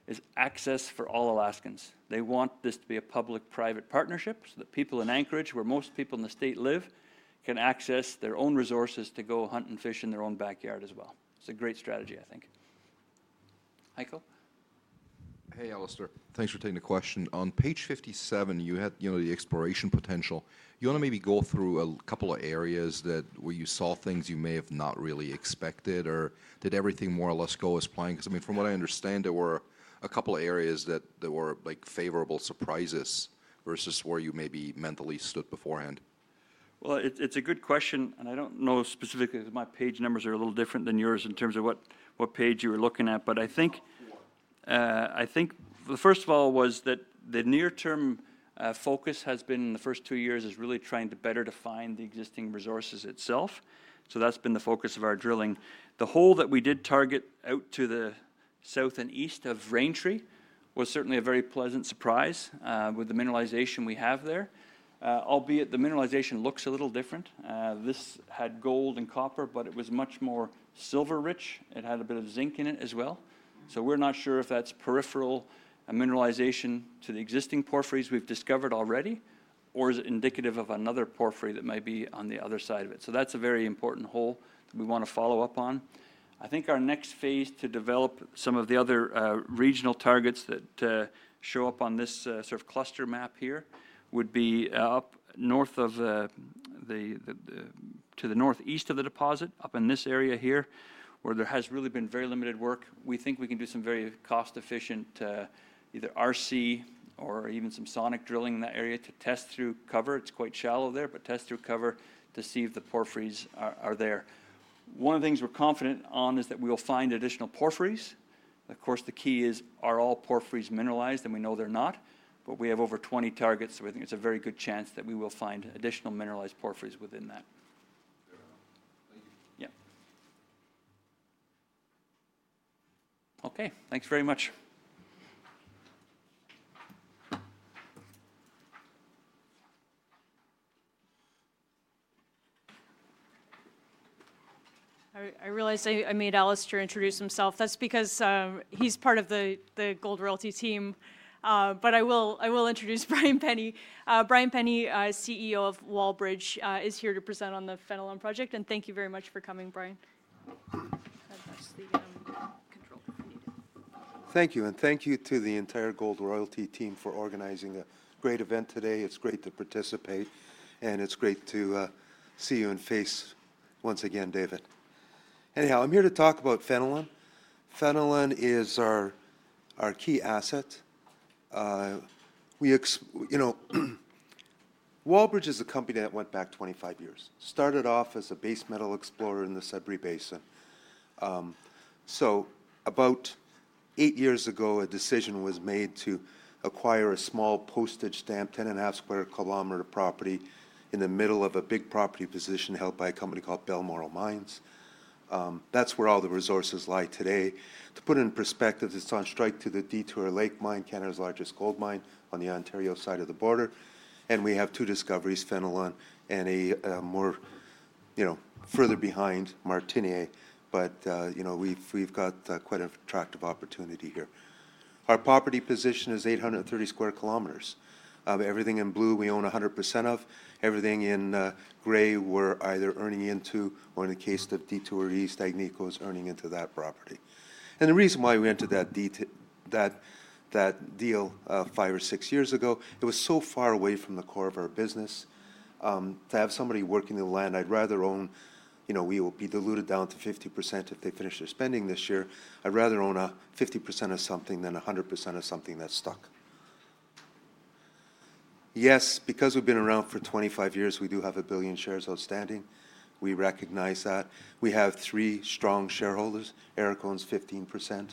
is access for all Alaskans. They want this to be a public-private partnership so that people in Anchorage, where most people in the state live, can access their own resources to go hunt and fish in their own backyard as well. It's a great strategy, I think. Heiko. Hey, Alastair. Thanks for taking the question. On page 57, you had the exploration potential. You want to maybe go through a couple of areas where you saw things you may have not really expected, or did everything more or less go as planned? I mean, from what I understand, there were a couple of areas that were favorable surprises versus where you maybe mentally stood beforehand. It's a good question. I don't know specifically because my page numbers are a little different than yours in terms of what page you were looking at. I think, first of all, the near-term focus has been in the first two years is really trying to better define the existing resources itself. That's been the focus of our drilling. The hole that we did target out to the south and east of Rain Tree was certainly a very pleasant surprise with the mineralization we have there, albeit the mineralization looks a little different. This had gold and copper, but it was much more silver-rich. It had a bit of zinc in it as well. We are not sure if that is peripheral mineralization to the existing porphyries we have discovered already, or if it is indicative of another porphyry that might be on the other side of it. That is a very important hole that we want to follow up on. I think our next phase to develop some of the other regional targets that show up on this sort of cluster map here would be up north to the northeast of the deposit, up in this area here, where there has really been very limited work. We think we can do some very cost-efficient either RC or even some sonic drilling in that area to test through cover. It is quite shallow there, but test through cover to see if the porphyries are there. One of the things we are confident on is that we will find additional porphyries. Of course, the key is, are all porphyries mineralized? We know they are not, but we have over 20 targets. We think it is a very good chance that we will find additional mineralized porphyries within that. Thank you. Yeah. Okay. Thanks very much. I realized I made Alastair introduce himself. That is because he is part of the Gold Royalty team. I will introduce Brian Penny. Brian Penny, CEO of Wallbridge, is here to present on the Fenelon project. Thank you very much for coming, Brian. That is the controller if you need it. Thank you. Thank you to the entire Gold Royalty team for organizing a great event today. It's great to participate. It's great to see you in face once again, David. Anyhow, I'm here to talk about Fenelon. Fenelon is our key asset. Wallbridge is a company that went back 25 years. Started off as a base metal explorer in the Sudbury Basin. About eight years ago, a decision was made to acquire a small postage stamp, 10.5 sq km property in the middle of a big property position held by a company called Balmoral Mines. That's where all the resources lie today. To put it in perspective, it's on strike to the Detour Lake Mine, Canada's largest gold mine on the Ontario side of the border. We have two discoveries, Fenelon and a more further behind, Martinique. We've got quite an attractive opportunity here. Our property position is 830 sq km. Everything in blue we own 100% of. Everything in gray we're either earning into or, in the case of Detour East, Agnico is earning into that property. The reason why we entered that deal five or six years ago, it was so far away from the core of our business. To have somebody working the land, I'd rather own we will be diluted down to 50% if they finish their spending this year. I'd rather own 50% of something than 100% of something that's stuck. Yes, because we've been around for 25 years, we do have a billion shares outstanding. We recognize that. We have three strong shareholders. Eric owns 15%.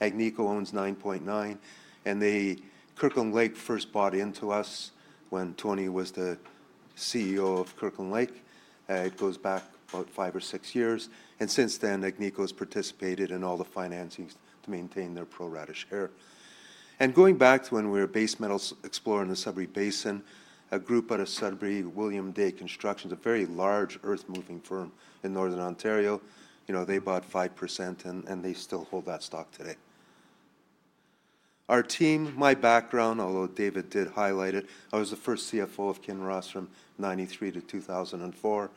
Agnico owns 9.9%. Kirkland Lake first bought into us when Tony was the CEO of Kirkland Lake. It goes back about five or six years. Since then, Agnico Eagle has participated in all the financing to maintain their pro-rata share. Going back to when we were a base metal explorer in the Sudbury Basin, a group out of Sudbury, William Day Construction, a very large earth-moving firm in northern Ontario, they bought 5%, and they still hold that stock today. Our team, my background, although David did highlight it, I was the first CFO of Kinross from 1993 to 2004.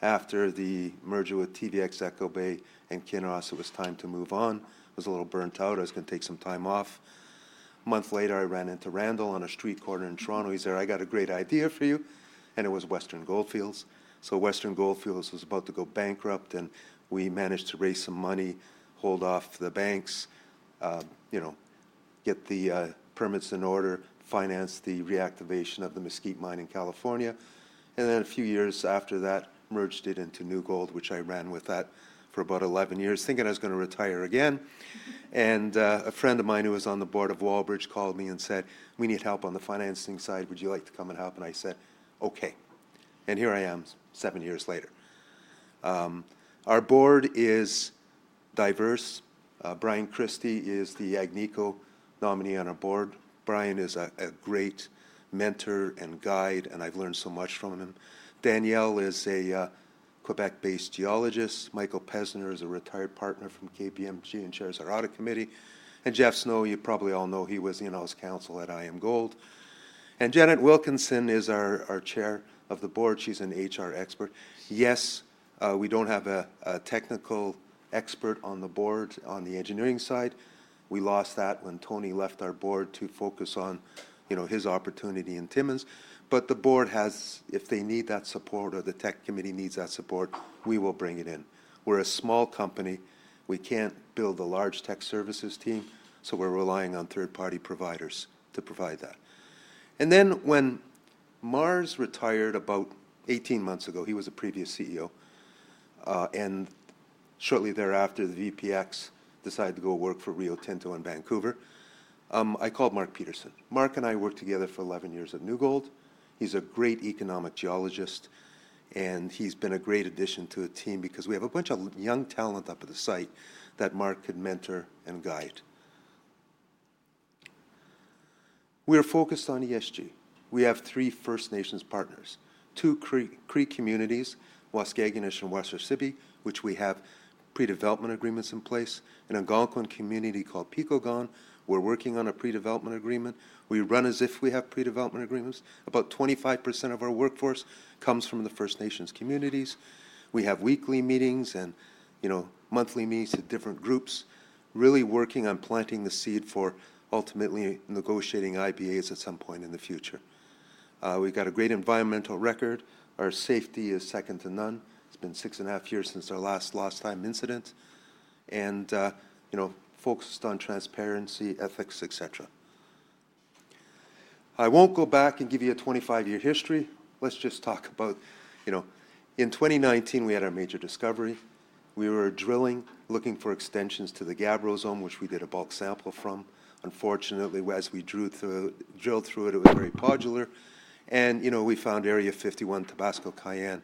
After the merger with TVX, Echo Bay, and Kinross, it was time to move on. I was a little burnt out. I was going to take some time off. A month later, I ran into Randall on a street corner in Toronto. He is there. I got a great idea for you. It was Western Goldfields. Western Goldfields was about to go bankrupt. We managed to raise some money, hold off the banks, get the permits in order, finance the reactivation of the Mesquite mine in California. A few years after that, merged it into New Gold, which I ran with that for about 11 years, thinking I was going to retire again. A friend of mine who was on the board of Wallbridge called me and said, "We need help on the financing side. Would you like to come and help?" I said, "Okay." Here I am seven years later. Our board is diverse. Brian Christie is the Agnico nominee on our board. Brian is a great mentor and guide, and I have learned so much from him. Danielle is a Quebec-based geologist. Michael Pesner is a retired partner from KPMG and chairs our audit committee. Jeff Snow, you probably all know he was in on his council at IAMGOLD. Janet Wilkinson is our Chair of the Board. She's an HR expert. Yes, we don't have a technical expert on the board on the engineering side. We lost that when Tony left our board to focus on his opportunity in Timmins. If the board has, or if the tech committee needs that support, we will bring it in. We're a small company. We can't build a large tech services team. We're relying on third-party providers to provide that. When Mars retired about 18 months ago, he was a previous CEO. Shortly thereafter, the VPX decided to go work for Rio Tinto in Vancouver. I called Mark Peterson. Mark and I worked together for 11 years at New Gold. He's a great economic geologist. He's been a great addition to the team because we have a bunch of young talent up at the site that Mark could mentor and guide. We are focused on ESG. We have three First Nations partners, two Cree communities, Waskaganish and Worcester Sibi, which we have pre-development agreements in place, an Algonquin community called Pikogan. We're working on a pre-development agreement. We run as if we have pre-development agreements. About 25% of our workforce comes from the First Nations communities. We have weekly meetings and monthly meetings with different groups, really working on planting the seed for ultimately negotiating IBAs at some point in the future. We've got a great environmental record. Our safety is second to none. It's been six and a half years since our last lost time incident. Focused on transparency, ethics, etc. I won't go back and give you a 25-year history. Let's just talk about in 2019, we had our major discovery. We were drilling, looking for extensions to the Gabrosone, which we did a bulk sample from. Unfortunately, as we drilled through it, it was very podular. We found area 51, Tabasco Cayenne.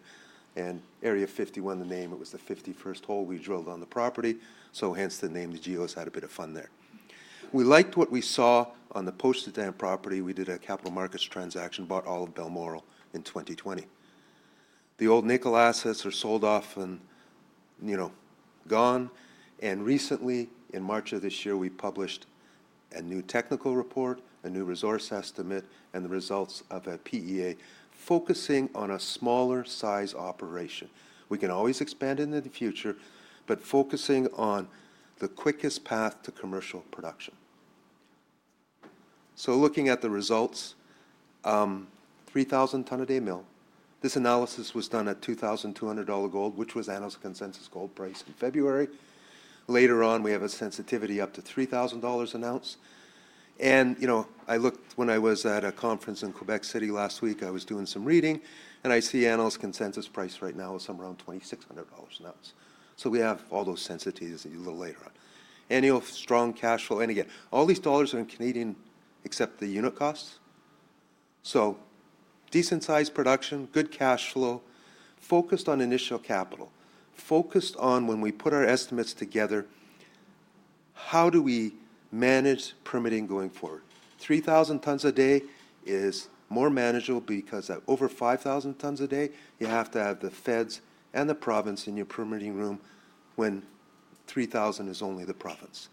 Area 51, the name, it was the 51st hole we drilled on the property. Hence the name, the geos had a bit of fun there. We liked what we saw on the posted dam property. We did a capital markets transaction, bought all of Balmoral in 2020. The old nickel assets are sold off and gone. Recently, in March of this year, we published a new technical report, a new resource estimate, and the results of a PEA focusing on a smaller size operation. We can always expand into the future, but focusing on the quickest path to commercial production. Looking at the results, 3,000-ton a day mill. This analysis was done at $2,200 gold, which was analyst consensus gold price in February. Later on, we have a sensitivity up to $3,000 an ounce. I looked when I was at a conference in Quebec City last week, I was doing some reading. I see analyst consensus price right now is somewhere around $2,600 an ounce. We have all those sensitivities a little later on. Annual strong cash flow. Again, all these dollars are in CAD except the unit costs. Decent size production, good cash flow, focused on initial capital, focused on when we put our estimates together, how do we manage permitting going forward? 3,000 tons a day is more manageable because at over 5,000 tons a day, you have to have the feds and the province in your permitting room when 3,000 is only the province.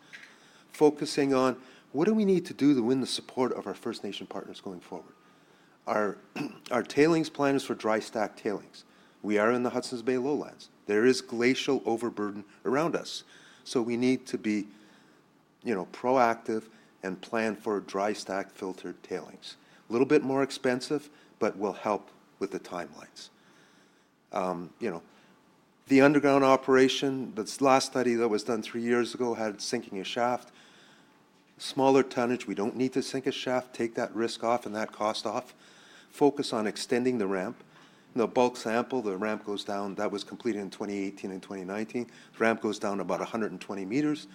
Focusing on what do we need to do to win the support of our First Nation partners going forward? Our tailings plan is for dry stack tailings. We are in the Hudson's Bay lowlands. There is glacial overburden around us. We need to be proactive and plan for dry stack filtered tailings. A little bit more expensive, but will help with the timelines. The underground operation, this last study that was done three years ago had sinking a shaft. Smaller tonnage. We do not need to sink a shaft, take that risk off and that cost off. Focus on extending the ramp. The bulk sample, the ramp goes down. That was completed in 2018 and 2019. The ramp goes down about 120 meters.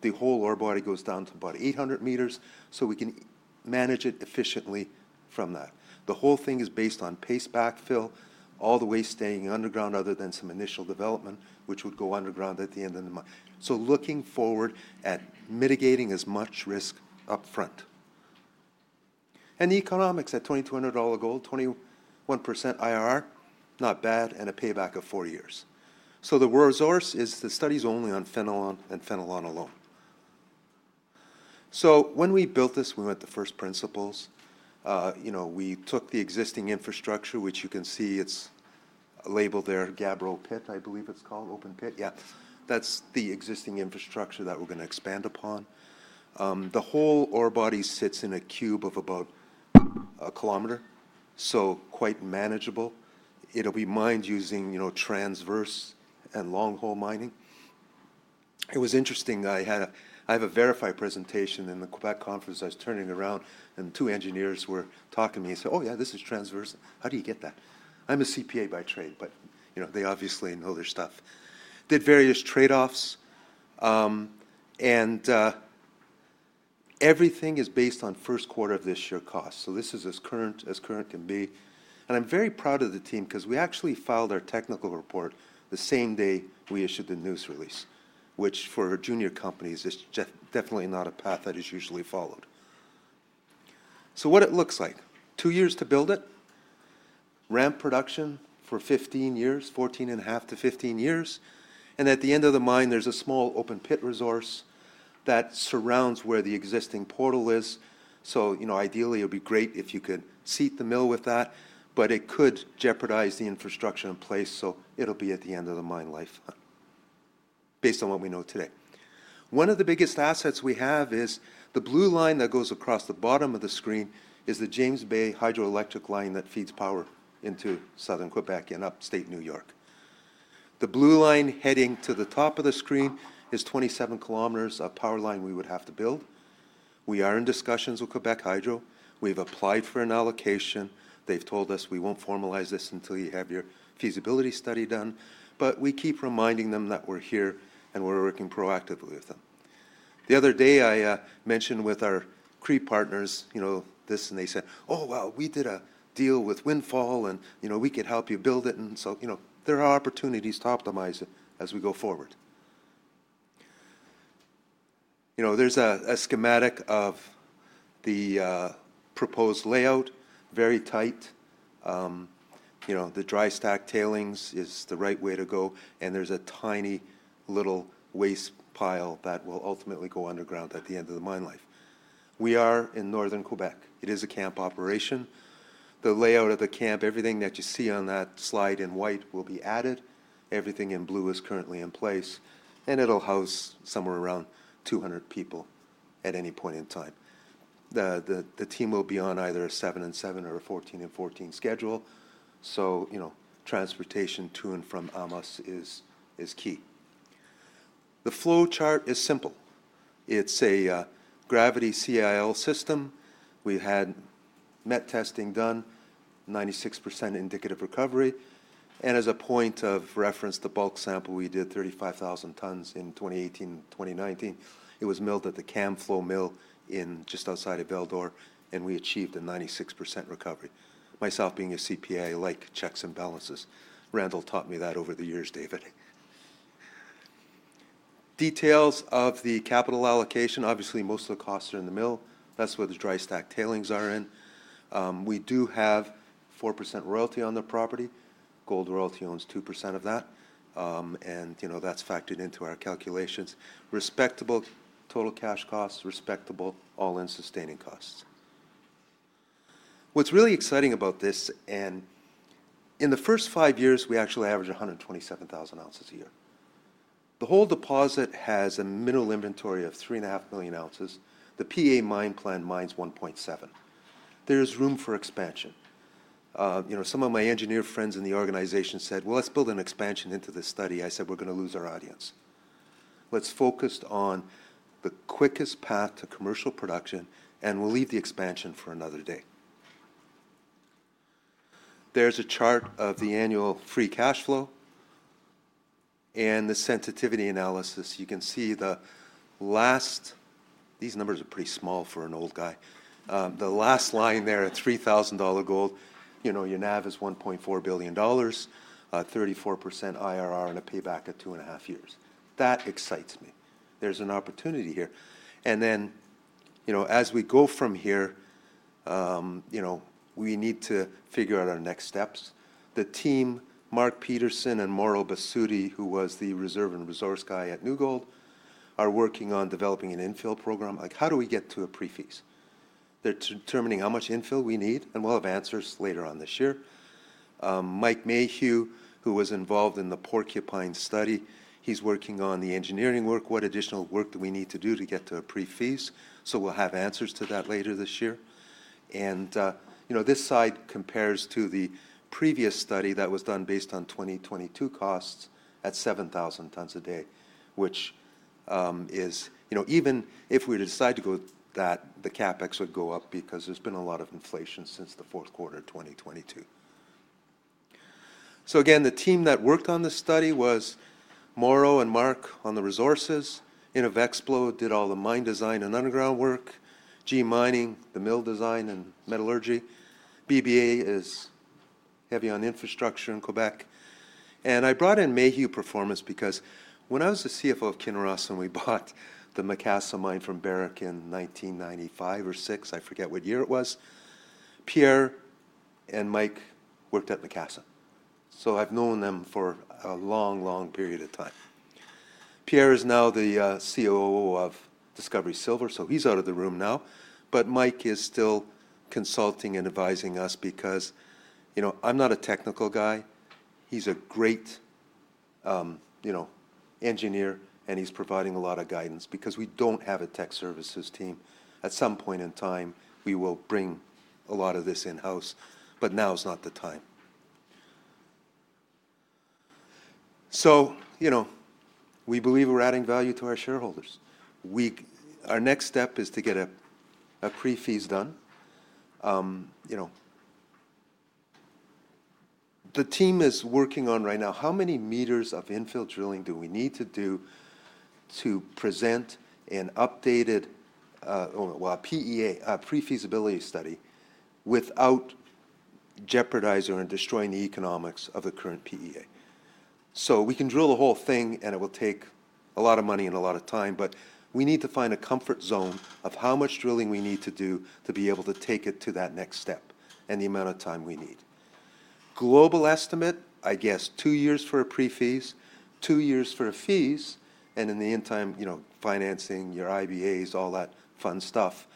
The whole ore body goes down to about 800 meters. We can manage it efficiently from that. The whole thing is based on paste backfill, all the way staying underground other than some initial development, which would go underground at the end of the month. Looking forward at mitigating as much risk upfront. The economics at $2,200 gold, 21% IRR, not bad, and a payback of four years. The resource is the study is only on Fenelon and Fenelon alone. When we built this, we went to first principles. We took the existing infrastructure, which you can see it's labeled there, Gabro Pit, I believe it's called, Open Pit. Yeah. That's the existing infrastructure that we're going to expand upon. The whole ore body sits in a cube of about a kilometer. Quite manageable. It'll be mined using transverse and long hole mining. It was interesting. I have a Verify presentation in the Quebec conference. I was turning around and two engineers were talking to me. He said, "Oh, yeah, this is transverse. How do you get that?" I'm a CPA by trade, but they obviously know their stuff. Did various trade-offs. Everything is based on first quarter of this year costs. This is as current as current can be. I am very proud of the team because we actually filed our technical report the same day we issued the news release, which for junior companies is definitely not a path that is usually followed. What it looks like, two years to build it, ramp production for 15 years, 14 and a half to 15 years. At the end of the mine, there's a small open pit resource that surrounds where the existing portal is. Ideally, it would be great if you could seat the mill with that, but it could jeopardize the infrastructure in place. It will be at the end of the mine life, based on what we know today. One of the biggest assets we have is the blue line that goes across the bottom of the screen, which is the James Bay Hydroelectric Line that feeds power into southern Quebec and upstate New York. The blue line heading to the top of the screen is 27 km of power line we would have to build. We are in discussions with Quebec Hydro. We've applied for an allocation. They've told us we won't formalize this until you have your feasibility study done. We keep reminding them that we're here and we're working proactively with them. The other day, I mentioned with our Cree partners this and they said, "Oh, well, we did a deal with Windfall and we could help you build it." There are opportunities to optimize it as we go forward. There's a schematic of the proposed layout, very tight. The dry stack tailings is the right way to go. There's a tiny little waste pile that will ultimately go underground at the end of the mine life. We are in northern Quebec. It is a camp operation. The layout of the camp, everything that you see on that slide in white will be added. Everything in blue is currently in place. It'll house somewhere around 200 people at any point in time. The team will be on either a 7 and 7 or a 14 and 14 schedule. Transportation to and from Amos is key. The flow chart is simple. It is a gravity CIL system. We had met testing done, 96% indicative recovery. As a point of reference, the bulk sample we did, 35,000 tons in 2018, 2019, was milled at the Camflo Mill just outside of Val-d'Or. We achieved a 96% recovery. Myself being a CPA, I like checks and balances. Randall taught me that over the years, David. Details of the capital allocation. Obviously, most of the costs are in the mill. That is where the dry stack tailings are in. We do have a 4% royalty on the property. Gold Royalty owns 2% of that, and that is factored into our calculations. Respectable total cash costs, respectable all-in sustaining costs. What's really exciting about this, and in the first five years, we actually averaged 127,000 oz a year. The whole deposit has a mineral inventory of 3.5 million oz The PEA mine plan mines 1.7. There is room for expansion. Some of my engineer friends in the organization said, "Let's build an expansion into this study." I said, "We're going to lose our audience." Let's focus on the quickest path to commercial production, and we'll leave the expansion for another day. There's a chart of the annual free cash flow and the sensitivity analysis. You can see the last, these numbers are pretty small for an old guy. The last line there at $3,000 gold, your NAV is $1.4 billion, 34% IRR, and a payback at two and a half years. That excites me. There's an opportunity here. As we go from here, we need to figure out our next steps. The team, Mark Peterson and Mauro Bassoti, who was the reserve and resource guy at New Gold, are working on developing an infill program. How do we get to a pre-fease? They're determining how much infill we need, and we'll have answers later on this year. Mike Mayhew, who was involved in the Porcupine study, he's working on the engineering work. What additional work do we need to do to get to a pre-fease? We'll have answers to that later this year. This side compares to the previous study that was done based on 2022 costs at 7,000 tons a day, which is even if we decide to go that, the CapEx would go up because there's been a lot of inflation since the fourth quarter of 2022. The team that worked on the study was Mauro and Mark on the resources. InnovExplode did all the mine design and underground work, G Mining, the mill design and metallurgy. BBA is heavy on infrastructure in Quebec. I brought in Mayhew Performance because when I was the CFO of Kinross and we bought the Macassa mine from Barrick in 1995 or 1996, I forget what year it was. Pierre and Mike worked at Macassa. I have known them for a long, long period of time. Pierre is now the COO of Discovery Silver, so he is out of the room now. Mike is still consulting and advising us because I am not a technical guy. He is a great engineer, and he is providing a lot of guidance because we do not have a tech services team. At some point in time, we will bring a lot of this in-house, but now is not the time. We believe we're adding value to our shareholders. Our next step is to get a pre-fease done. The team is working on right now, how many meters of infill drilling do we need to do to present an updated pre-feasibility study without jeopardizing or destroying the economics of the current PEA? We can drill the whole thing, and it will take a lot of money and a lot of time, but we need to find a comfort zone of how much drilling we need to do to be able to take it to that next step and the amount of time we need. Global estimate, I guess, two years for a pre-feas, two years for a feas, and in the interim, financing, your IBAs, all that fun stuff,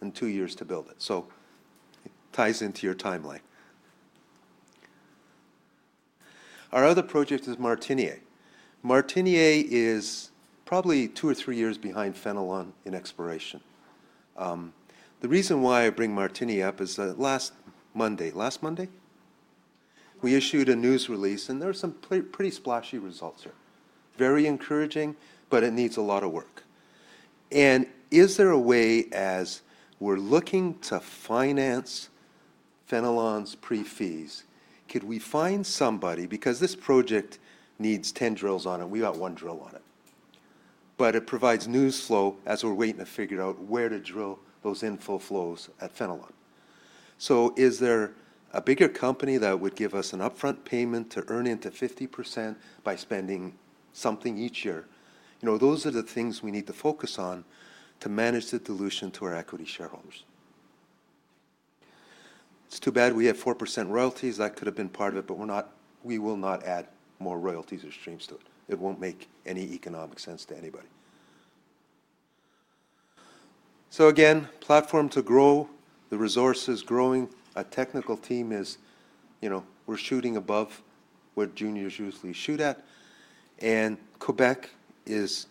and two years to build it. It ties into your timeline. Our other project is Martinié. Martinié is probably two or three years behind Fenelon in exploration. The reason why I bring Martinié up is last Monday. Last Monday, we issued a news release, and there were some pretty splashy results here. Very encouraging, but it needs a lot of work. Is there a way, as we're looking to finance Fenelon's pre-feas, could we find somebody because this project needs 10 drills on it? We got one drill on it. It provides news flow as we're waiting to figure out where to drill those infill flows at Fenelon. Is there a bigger company that would give us an upfront payment to earn into 50% by spending something each year? Those are the things we need to focus on to manage the dilution to our equity shareholders. It's too bad we have 4% royalties. That could have been part of it, but we will not add more royalties or streams to it. It will not make any economic sense to anybody. Again, platform to grow, the resource is growing. Our technical team is, we're shooting above where juniors usually shoot at. Quebec is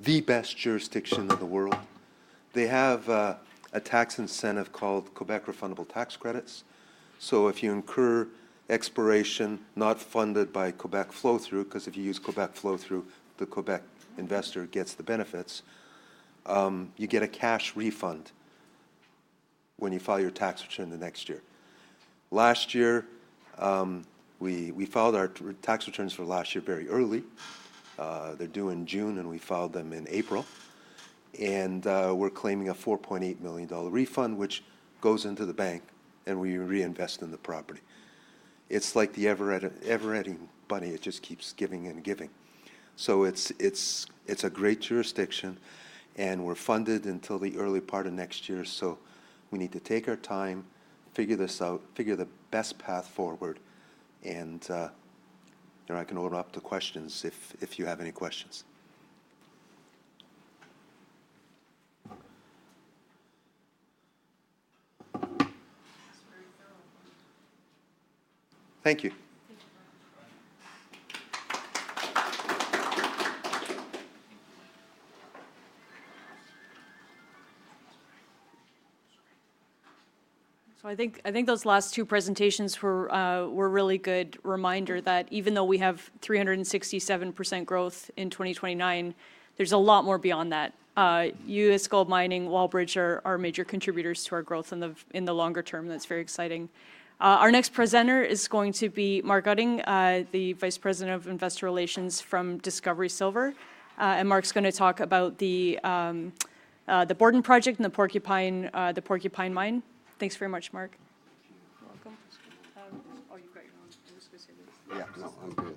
the best jurisdiction in the world. They have a tax incentive called Quebec Refundable Tax Credits. If you incur exploration not funded by Quebec flow-through, because if you use Quebec flow-through, the Quebec investor gets the benefits, you get a cash refund when you file your tax return the next year. Last year, we filed our tax returns for last year very early. They are due in June, and we filed them in April. We are claiming a $4.8 million refund, which goes into the bank, and we reinvest in the property. It is like the Everetting Bunny. It just keeps giving and giving. It is a great jurisdiction, and we are funded until the early part of next year. We need to take our time, figure this out, figure the best path forward. I can open up to questions if you have any questions. Thank you. I think those last two presentations were a really good reminder that even though we have 367% growth in 2029, there's a lot more beyond that. U.S. GoldMining, Wallbridge are major contributors to our growth in the longer term. That's very exciting. Our next presenter is going to be Mark Gutting, the Vice President of Investor Relations from Discovery Silver. Mark's going to talk about the Borden project and the Porcupine mine. Thanks very much, Mark. You're welcome. Are you quite known in this specific? Yeah. No, I'm good.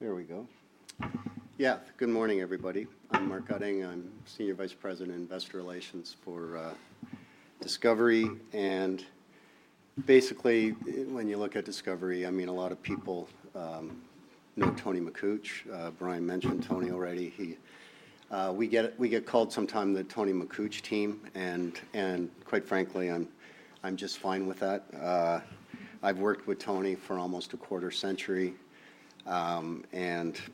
There we go. Yeah. Good morning, everybody. I'm Mark Utting. I'm Senior Vice President of Investor Relations for Discovery. And basically, when you look at Discovery, I mean, a lot of people know Tony McCooch. Brian mentioned Tony already. We get called sometimes the Tony McCooch team. Quite frankly, I'm just fine with that. I've worked with Tony for almost a quarter century.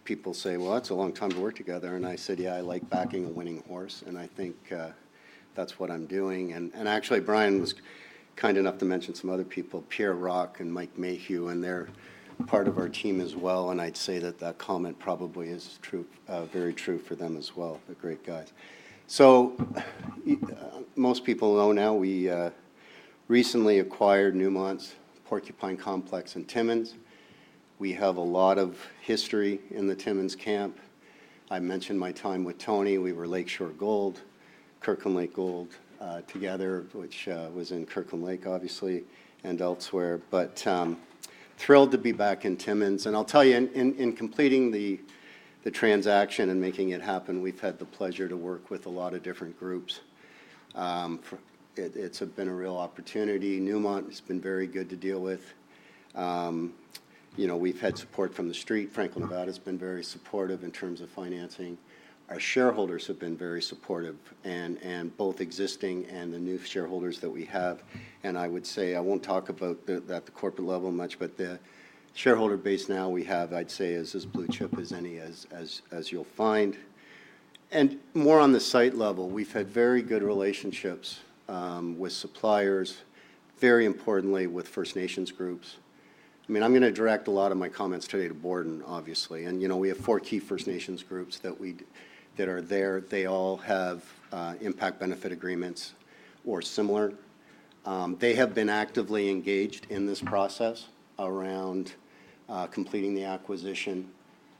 People say, "Well, that's a long time to work together." I said, "Yeah, I like backing a winning horse." I think that's what I'm doing. Actually, Brian was kind enough to mention some other people, Pierre Rock and Mike Mayhew, and they're part of our team as well. I'd say that that comment probably is very true for them as well. They're great guys. Most people know now we recently acquired Newmont's Porcupine Complex in Timmins. We have a lot of history in the Timmins camp. I mentioned my time with Tony. We were Lakeshore Gold, Kirkland Lake Gold together, which was in Kirkland Lake, obviously, and elsewhere. Thrilled to be back in Timmins. I'll tell you, in completing the transaction and making it happen, we've had the pleasure to work with a lot of different groups. It's been a real opportunity. Newmont has been very good to deal with. We've had support from the street. Franco-Nevada has been very supportive in terms of financing. Our shareholders have been very supportive, both existing and the new shareholders that we have. I would say I won't talk about that at the corporate level much, but the shareholder base now we have, I'd say, is as blue chip as any as you'll find. More on the site level, we've had very good relationships with suppliers, very importantly with First Nations groups. I mean, I'm going to direct a lot of my comments today to Borden, obviously. We have four key First Nations groups that are there. They all have impact benefit agreements or similar. They have been actively engaged in this process around completing the acquisition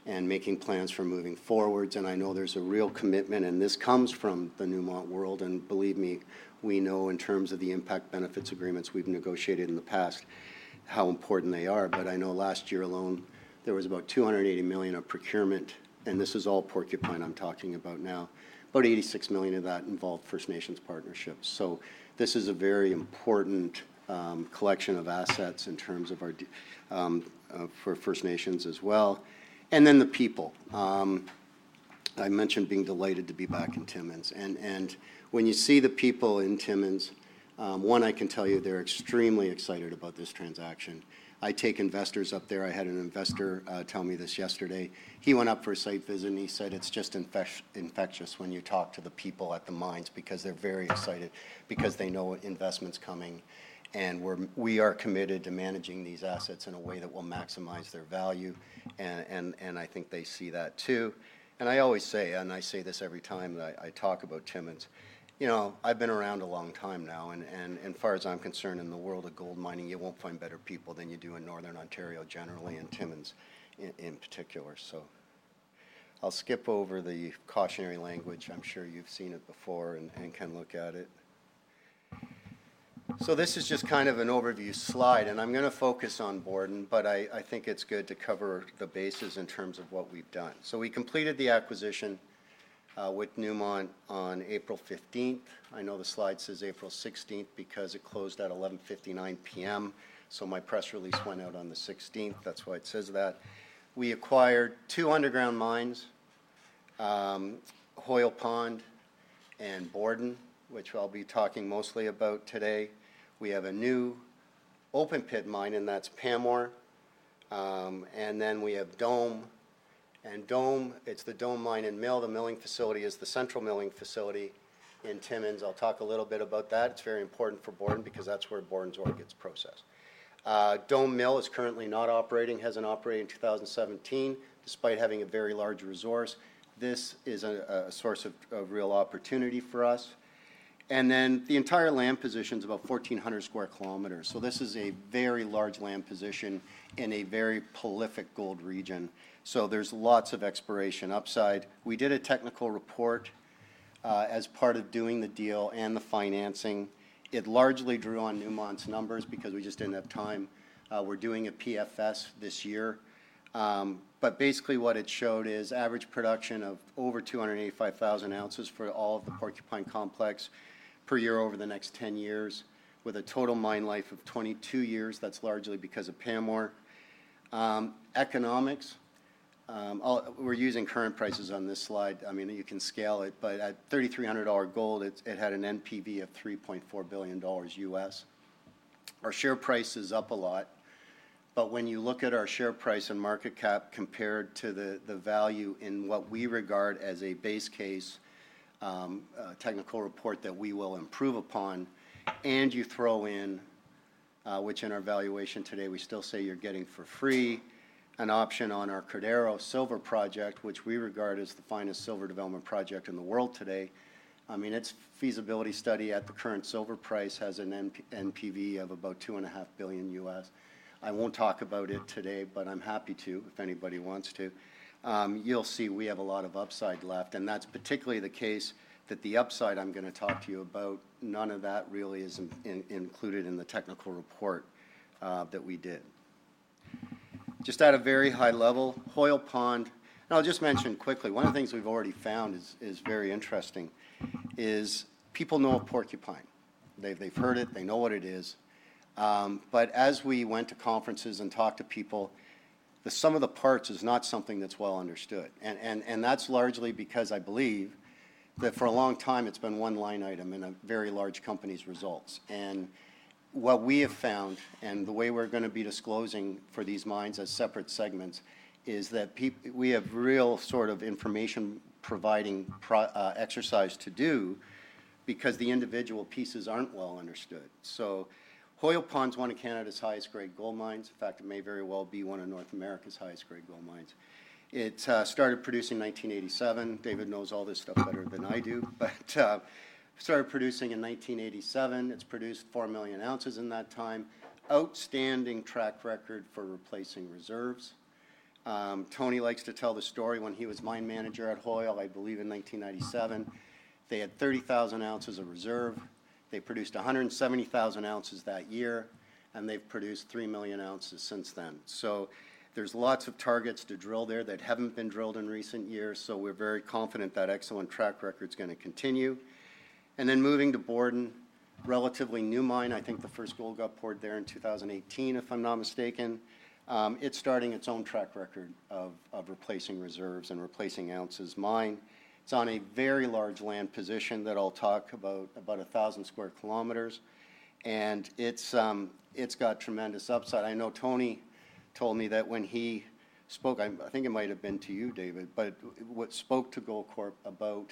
and making plans for moving forward. I know there's a real commitment. This comes from the Newmont world. Believe me, we know in terms of the impact benefit agreements we've negotiated in the past how important they are. I know last year alone, there was about $280 million of procurement. This is all Porcupine I'm talking about now. About $86 million of that involved First Nations partnerships. This is a very important collection of assets in terms of our First Nations as well. The people—I mentioned being delighted to be back in Timmins. When you see the people in Timmins, one, I can tell you they're extremely excited about this transaction. I take investors up there. I had an investor tell me this yesterday. He went up for a site visit, and he said, "It's just infectious when you talk to the people at the mines because they're very excited because they know investment's coming. We are committed to managing these assets in a way that will maximize their value." I think they see that too. I always say, and I say this every time that I talk about Timmins, I've been around a long time now. As far as I'm concerned, in the world of gold mining, you won't find better people than you do in Northern Ontario generally and Timmins in particular. I'll skip over the cautionary language. I'm sure you've seen it before and can look at it. This is just kind of an overview slide. I'm going to focus on Borden, but I think it's good to cover the bases in terms of what we've done. We completed the acquisition with Newmont on April 15th. I know the slide says April 16th because it closed at 11:59 P.M. My press release went out on the 16th. That's why it says that. We acquired two underground mines, Hoyle Pond and Borden, which I'll be talking mostly about today. We have a new open pit mine, and that's Pamore. We have Dome. Dome, it is the Dome mine and mill. The milling facility is the central milling facility in Timmins. I will talk a little bit about that. It is very important for Borden because that is where Borden's ore gets processed. Dome Mill is currently not operating. It has not operated since 2017, despite having a very large resource. This is a source of real opportunity for us. The entire land position is about 1,400 sq km. This is a very large land position in a very prolific gold region. There is lots of exploration upside. We did a technical report as part of doing the deal and the financing. It largely drew on Newmont's numbers because we just did not have time. We are doing a PFS this year. Basically, what it showed is average production of over 285,000 ozfor all of the Porcupine Complex per year over the next 10 years with a total mine life of 22 years. That is largely because of Pamore. Economics, we are using current prices on this slide. I mean, you can scale it. At $3,300 gold, it had an NPV of $3.4 billion US. Our share price is up a lot. When you look at our share price and market cap compared to the value in what we regard as a base case technical report that we will improve upon, and you throw in, which in our valuation today, we still say you are getting for free, an option on our Cordero Silver project, which we regard as the finest silver development project in the world today. I mean, its feasibility study at the current silver price has an NPV of about $2.5 billion. I won't talk about it today, but I'm happy to if anybody wants to. You'll see we have a lot of upside left. That's particularly the case that the upside I'm going to talk to you about, none of that really is included in the technical report that we did. Just at a very high level, Hoyle Pond. I'll just mention quickly, one of the things we've already found is very interesting is people know of Porcupine. They've heard it. They know what it is. As we went to conferences and talked to people, some of the parts is not something that's well understood. That's largely because I believe that for a long time, it's been one line item in a very large company's results. What we have found, and the way we're going to be disclosing for these mines as separate segments, is that we have a real sort of information providing exercise to do because the individual pieces are not well understood. Hoyle Pond is one of Canada's highest grade gold mines. In fact, it may very well be one of North America's highest grade gold mines. It started producing in 1987. David knows all this stuff better than I do. It started producing in 1987. It has produced 4 million oz in that time. Outstanding track record for replacing reserves. Tony likes to tell the story when he was mine manager at Hoyle, I believe in 1997. They had 30,000 oz of reserve. They produced 170,000 oz that year. They have produced 3 million oz since then. There are lots of targets to drill there that have not been drilled in recent years. We're very confident that excellent track record's going to continue. Moving to Borden, relatively new mine. I think the first gold got poured there in 2018, if I'm not mistaken. It's starting its own track record of replacing reserves and replacing oz mined. It's on a very large land position that I'll talk about, about 1,000 sq km. It's got tremendous upside. I know Tony told me that when he spoke, I think it might have been to you, David, but what spoke to Goldcorp about,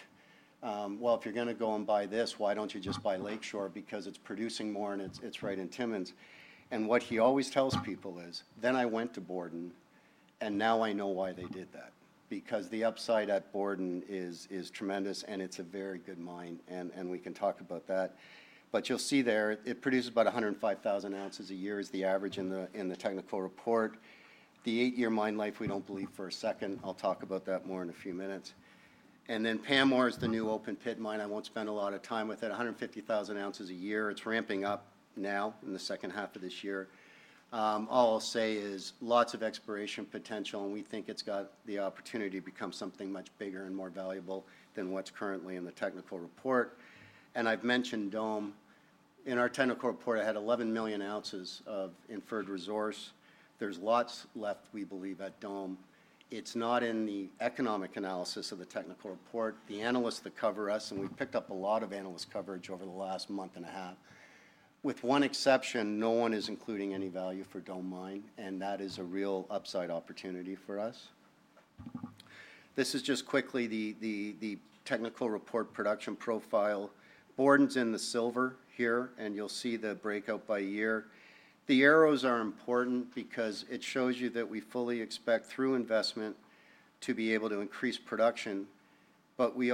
"Well, if you're going to go and buy this, why don't you just buy Lakeshore because it's producing more and it's right in Timmins?" What he always tells people is, "Then I went to Borden, and now I know why they did that," because the upside at Borden is tremendous and it's a very good mine. We can talk about that. You'll see there, it produces about 105,000 oz a year is the average in the technical report. The eight-year mine life, we don't believe for a second. I'll talk about that more in a few minutes. Pamore is the new open pit mine. I won't spend a lot of time with it. 150,000 oz a year. It's ramping up now in the second half of this year. All I'll say is lots of exploration potential, and we think it's got the opportunity to become something much bigger and more valuable than what's currently in the technical report. I've mentioned Dome. In our technical report, I had 11 million oz of inferred resource. There's lots left, we believe, at Dome. It's not in the economic analysis of the technical report. The analysts that cover us, and we picked up a lot of analyst coverage over the last month and a half. With one exception, no one is including any value for Dome mine. And that is a real upside opportunity for us. This is just quickly the technical report production profile. Borden's in the silver here, and you'll see the breakout by year. The arrows are important because it shows you that we fully expect through investment to be able to increase production. But the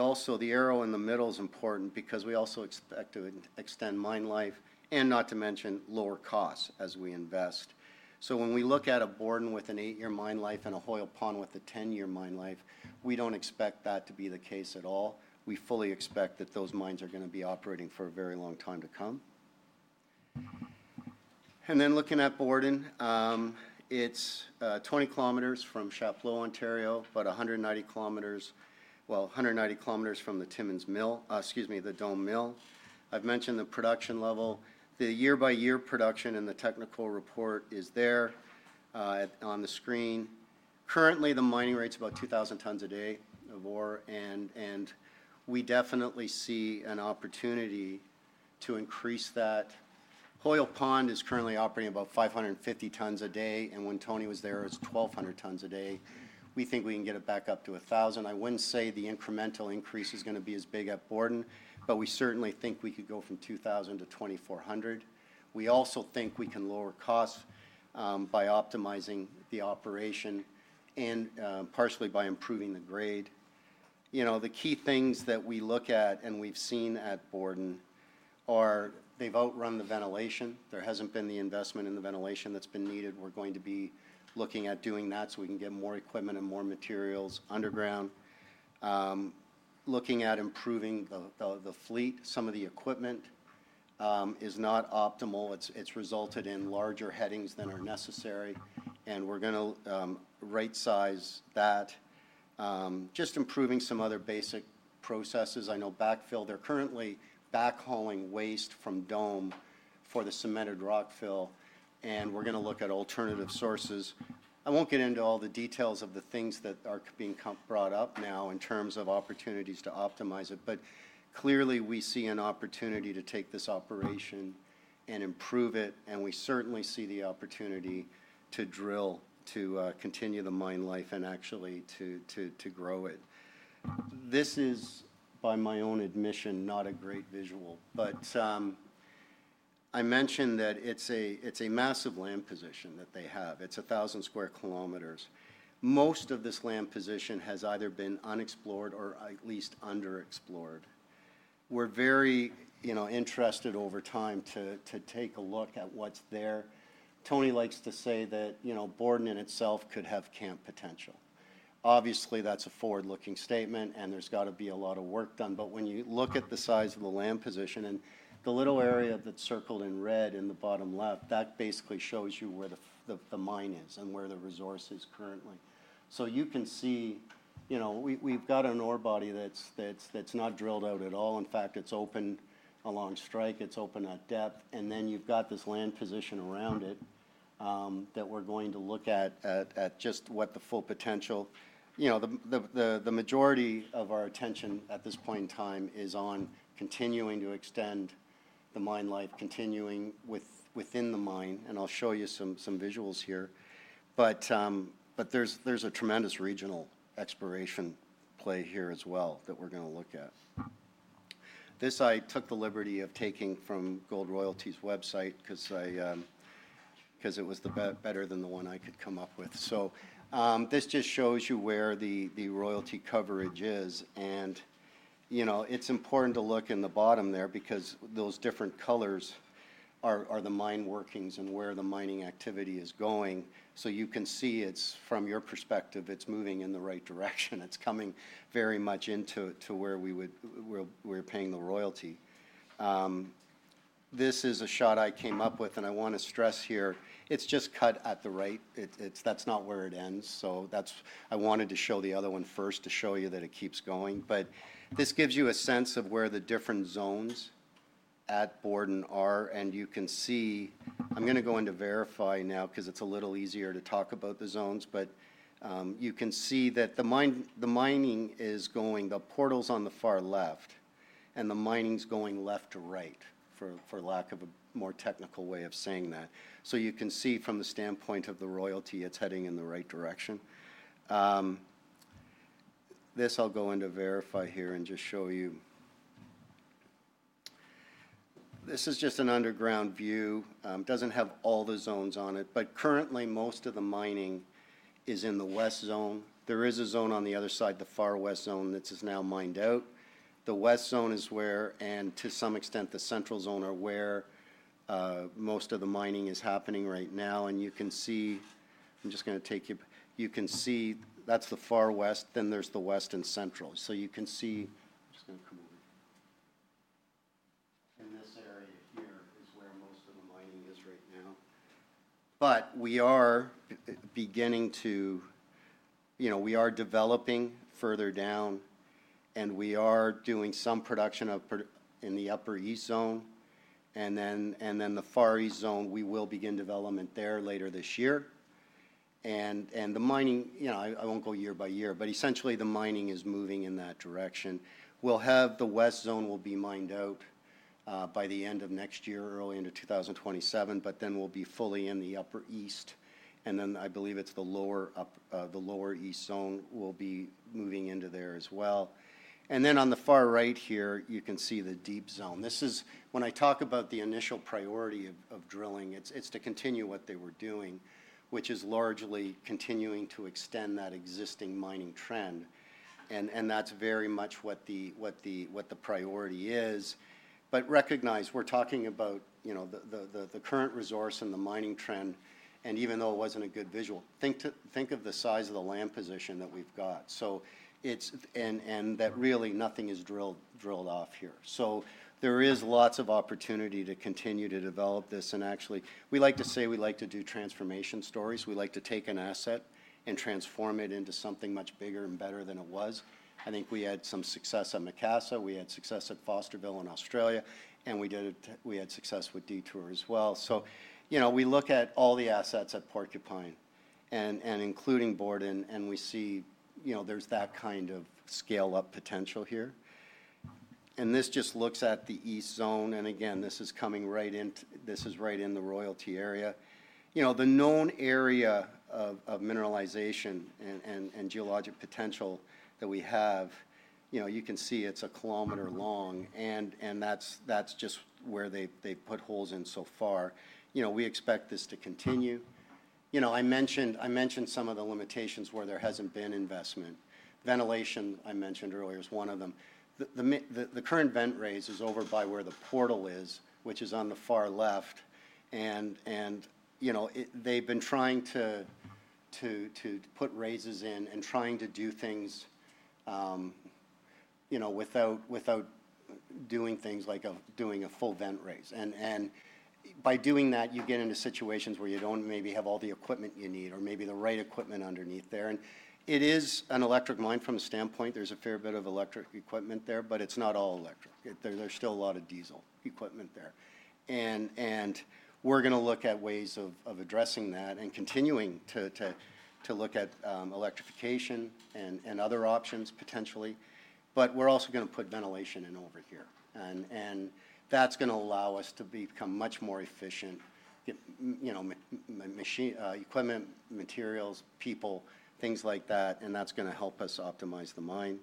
arrow in the middle is important because we also expect to extend mine life and not to mention lower costs as we invest. So when we look at a Borden with an eight-year mine life and a Hoyle Pond with a 10-year mine life, we don't expect that to be the case at all. We fully expect that those mines are going to be operating for a very long time to come. Looking at Borden, it is 20 km from Chapeau, Ontario, but 190 km from the Timmins Mill, excuse me, the Dome Mill. I have mentioned the production level. The year-by-year production in the technical report is there on the screen. Currently, the mining rate is about 2,000 tons a day of ore. We definitely see an opportunity to increase that. Hoyle Pond is currently operating about 550 tons a day. When Tony was there, it was 1,200 tons a day. We think we can get it back up to 1,000. I would not say the incremental increase is going to be as big at Borden, but we certainly think we could go from 2,000 to 2,400. We also think we can lower costs by optimizing the operation and partially by improving the grade. The key things that we look at and we've seen at Borden are they've outrun the ventilation. There hasn't been the investment in the ventilation that's been needed. We're going to be looking at doing that so we can get more equipment and more materials underground. Looking at improving the fleet, some of the equipment is not optimal. It's resulted in larger headings than are necessary. We're going to right-size that. Just improving some other basic processes. I know backfill. They're currently backhauling waste from Dome for the cemented rockfill. We're going to look at alternative sources. I won't get into all the details of the things that are being brought up now in terms of opportunities to optimize it. Clearly, we see an opportunity to take this operation and improve it. We certainly see the opportunity to drill to continue the mine life and actually to grow it. This is, by my own admission, not a great visual. I mentioned that it is a massive land position that they have. It is 1,000 sq km. Most of this land position has either been unexplored or at least underexplored. We are very interested over time to take a look at what is there. Tony likes to say that Borden in itself could have camp potential. Obviously, that is a forward-looking statement, and there has got to be a lot of work done. When you look at the size of the land position and the little area that is circled in red in the bottom left, that basically shows you where the mine is and where the resource is currently. You can see we've got an ore body that's not drilled out at all. In fact, it's open along strike. It's open at depth. You've got this land position around it that we're going to look at, just what the full potential is. The majority of our attention at this point in time is on continuing to extend the mine life, continuing within the mine. I'll show you some visuals here. There is a tremendous regional exploration play here as well that we're going to look at. I took the liberty of taking this from Gold Royalty's website because it was better than the one I could come up with. This just shows you where the royalty coverage is. It's important to look in the bottom there because those different colors are the mine workings and where the mining activity is going. You can see from your perspective, it's moving in the right direction. It's coming very much into where we're paying the royalty. This is a shot I came up with, and I want to stress here, it's just cut at the right. That's not where it ends. I wanted to show the other one first to show you that it keeps going. This gives you a sense of where the different zones at Borden are. You can see I'm going to go into verify now because it's a little easier to talk about the zones. You can see that the mining is going, the portal's on the far left and the mining's going left to right, for lack of a more technical way of saying that. You can see from the standpoint of the royalty, it's heading in the right direction. I'll go into verify here and just show you. This is just an underground view. It doesn't have all the zones on it. Currently, most of the mining is in the west zone. There is a zone on the other side, the far west zone, that is now mined out. The west zone is where, and to some extent, the central zone are where most of the mining is happening right now. You can see I'm just going to take you—you can see that's the far west. Then there's the west and central. You can see I'm just going to come over here. In this area here is where most of the mining is right now. We are developing further down, and we are doing some production in the upper east zone. The far east zone, we will begin development there later this year. The mining, I won't go year by year, but essentially, the mining is moving in that direction. The west zone will be mined out by the end of next year, early into 2027. We will be fully in the upper east. I believe it's the lower east zone, we will be moving into there as well. On the far right here, you can see the deep zone. When I talk about the initial priority of drilling, it's to continue what they were doing, which is largely continuing to extend that existing mining trend. That's very much what the priority is. Recognize we're talking about the current resource and the mining trend. Even though it was not a good visual, think of the size of the land position that we have. Nothing is really drilled off here, so there is lots of opportunity to continue to develop this. Actually, we like to say we like to do transformation stories. We like to take an asset and transform it into something much bigger and better than it was. I think we had some success at Macassa. We had success at Fosterville in Australia. We had success with Detour as well. We look at all the assets at Porcupine, including Borden, and we see there is that kind of scale-up potential here. This just looks at the east zone. Again, this is coming right into, this is right in the royalty area. The known area of mineralization and geologic potential that we have, you can see it is a kilometer long. That is just where they have put holes in so far. We expect this to continue. I mentioned some of the limitations where there has not been investment. Ventilation, I mentioned earlier, is one of them. The current vent raise is over by where the portal is, which is on the far left. They have been trying to put raises in and trying to do things without doing things like doing a full vent raise. By doing that, you get into situations where you do not maybe have all the equipment you need or maybe the right equipment underneath there. It is an electric mine from a standpoint. There is a fair bit of electric equipment there, but it is not all electric. There is still a lot of diesel equipment there. We're going to look at ways of addressing that and continuing to look at electrification and other options potentially. We're also going to put ventilation in over here. That's going to allow us to become much more efficient. Equipment, materials, people, things like that. That's going to help us optimize the mine.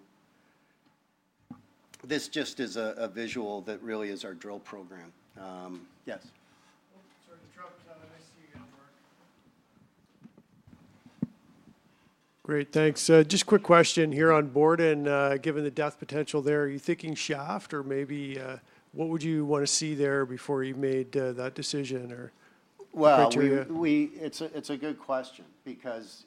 This is a visual that really is our drill program. Yes. Sorry, the truck. Nice to see you again, Mark. Great. Thanks. Just a quick question here on Borden. Given the depth potential there, are you thinking shaft or maybe what would you want to see there before you made that decision or criteria? It's a good question because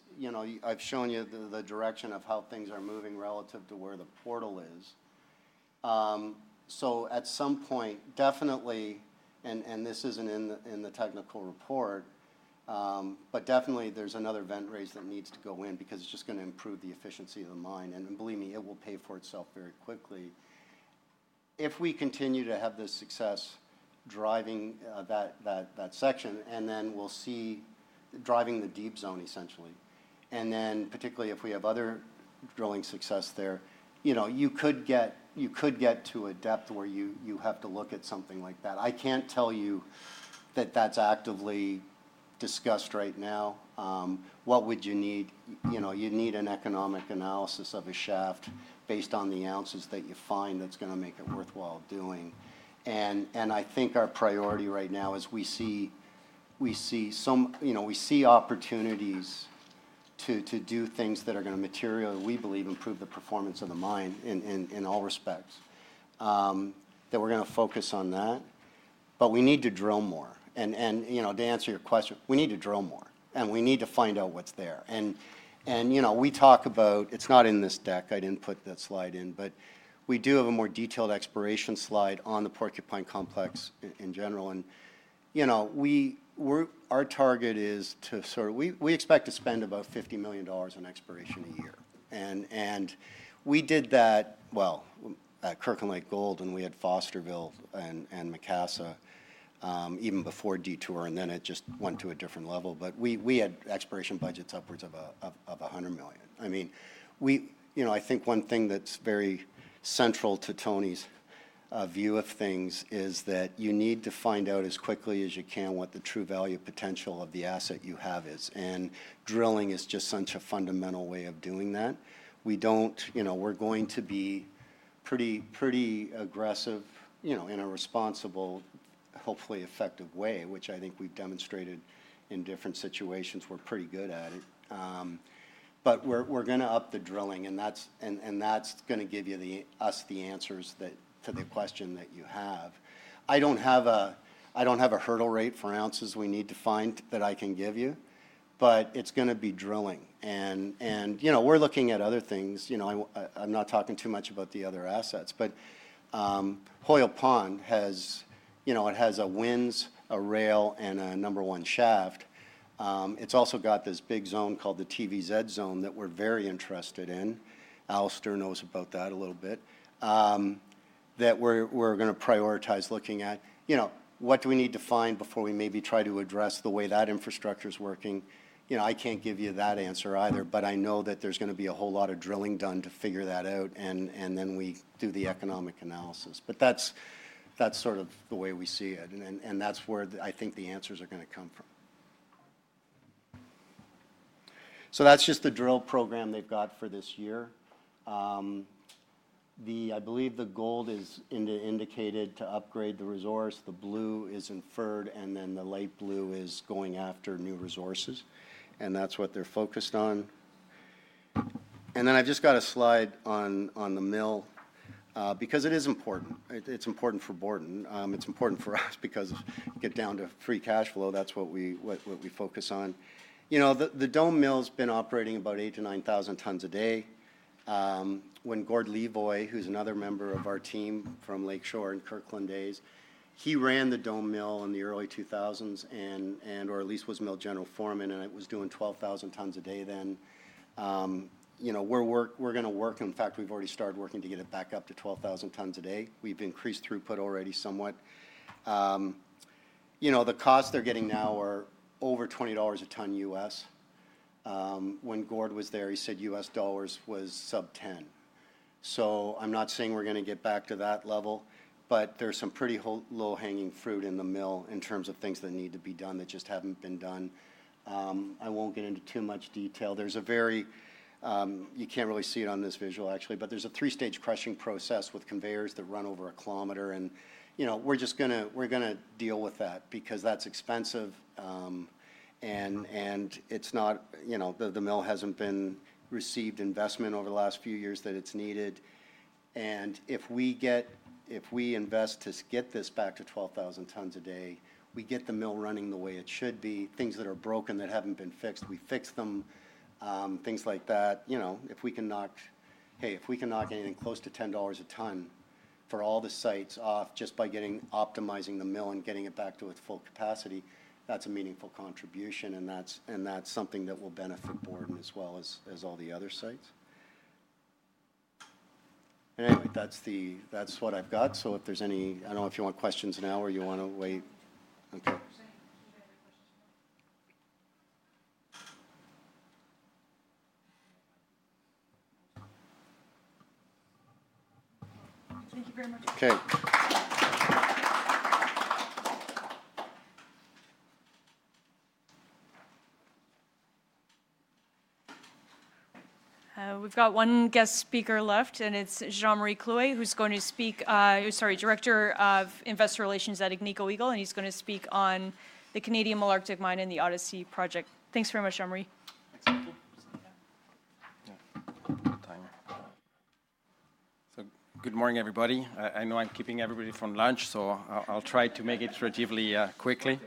I've shown you the direction of how things are moving relative to where the portal is. At some point, definitely, and this isn't in the technical report, but definitely there's another vent raise that needs to go in because it's just going to improve the efficiency of the mine. Believe me, it will pay for itself very quickly. If we continue to have this success driving that section, and then we'll see driving the deep zone essentially. Particularly if we have other drilling success there, you could get to a depth where you have to look at something like that. I can't tell you that that's actively discussed right now. What would you need? You'd need an economic analysis of a shaft based on the oz that you find that's going to make it worthwhile doing. I think our priority right now is we see opportunities to do things that are going to materially, we believe, improve the performance of the mine in all respects. We are going to focus on that. We need to drill more. To answer your question, we need to drill more. We need to find out what's there. We talk about it is not in this deck. I did not put that slide in. We do have a more detailed exploration slide on the Porcupine complex in general. Our target is to sort of we expect to spend about $50 million on exploration a year. We did that at Kirkland Lake Gold, and we had Fosterville and Macassa even before Detour. It just went to a different level. We had exploration budgets upwards of $100 million. I mean, I think one thing that's very central to Tony's view of things is that you need to find out as quickly as you can what the true value potential of the asset you have is. And drilling is just such a fundamental way of doing that. We're going to be pretty aggressive in a responsible, hopefully effective way, which I think we've demonstrated in different situations. We're pretty good at it. We're going to up the drilling. That's going to give us the answers to the question that you have. I don't have a hurdle rate for oz we need to find that I can give you. It's going to be drilling. We're looking at other things. I'm not talking too much about the other assets. Hoyle Pond has a winze, a rail, and a number one shaft. It's also got this big zone called the TVZ zone that we're very interested in. Alastair knows about that a little bit that we're going to prioritize looking at. What do we need to find before we maybe try to address the way that infrastructure is working? I can't give you that answer either. I know that there's going to be a whole lot of drilling done to figure that out. We do the economic analysis. That's sort of the way we see it. That's where I think the answers are going to come from. That's just the drill program they've got for this year. I believe the gold is indicated to upgrade the resource. The blue is inferred. The light blue is going after new resources. That's what they're focused on. I have just got a slide on the mill because it is important. It is important for Borden. It is important for us because get down to free cash flow, that is what we focus on. The Dome mill has been operating about 8,000-9,000 tons a day. When Gord Levoy, who is another member of our team from Lake Shore and Kirkland days, he ran the Dome mill in the early 2000s and/or at least was mill general foreman. It was doing 12,000 tons a day then. We are going to work. In fact, we have already started working to get it back up to 12,000 tons a day. We have increased throughput already somewhat. The cost they are getting now are over $20 a ton US. When Gord was there, he said US dollars was sub-10. I am not saying we are going to get back to that level. There's some pretty low-hanging fruit in the mill in terms of things that need to be done that just haven't been done. I won't get into too much detail. You can't really see it on this visual, actually. There's a three-stage crushing process with conveyors that run over 1 kilometer. We're just going to deal with that because that's expensive. The mill hasn't received investment over the last few years that it's needed. If we invest to get this back to 12,000 tons a day, we get the mill running the way it should be. Things that are broken that haven't been fixed, we fix them. Things like that. If we can knock, hey, if we can knock anything close to $10 a ton for all the sites off just by optimizing the mill and getting it back to its full capacity, that's a meaningful contribution. That's something that will benefit Borden as well as all the other sites. Anyway, that's what I've got. If there's any, I don't know if you want questions now or you want to wait. Thank you very much. Okay. We've got one guest speaker left. It's Jean-Marie Clouet, who's going to speak, sorry, Director of Investor Relations at Agnico Eagle. He's going to speak on the Canadian Malartic mine and the Odyssey Project. Thanks very much, Jean-Marie. Thanks, Michael. Good morning, everybody. I know I'm keeping everybody from lunch, so I'll try to make it relatively quickly.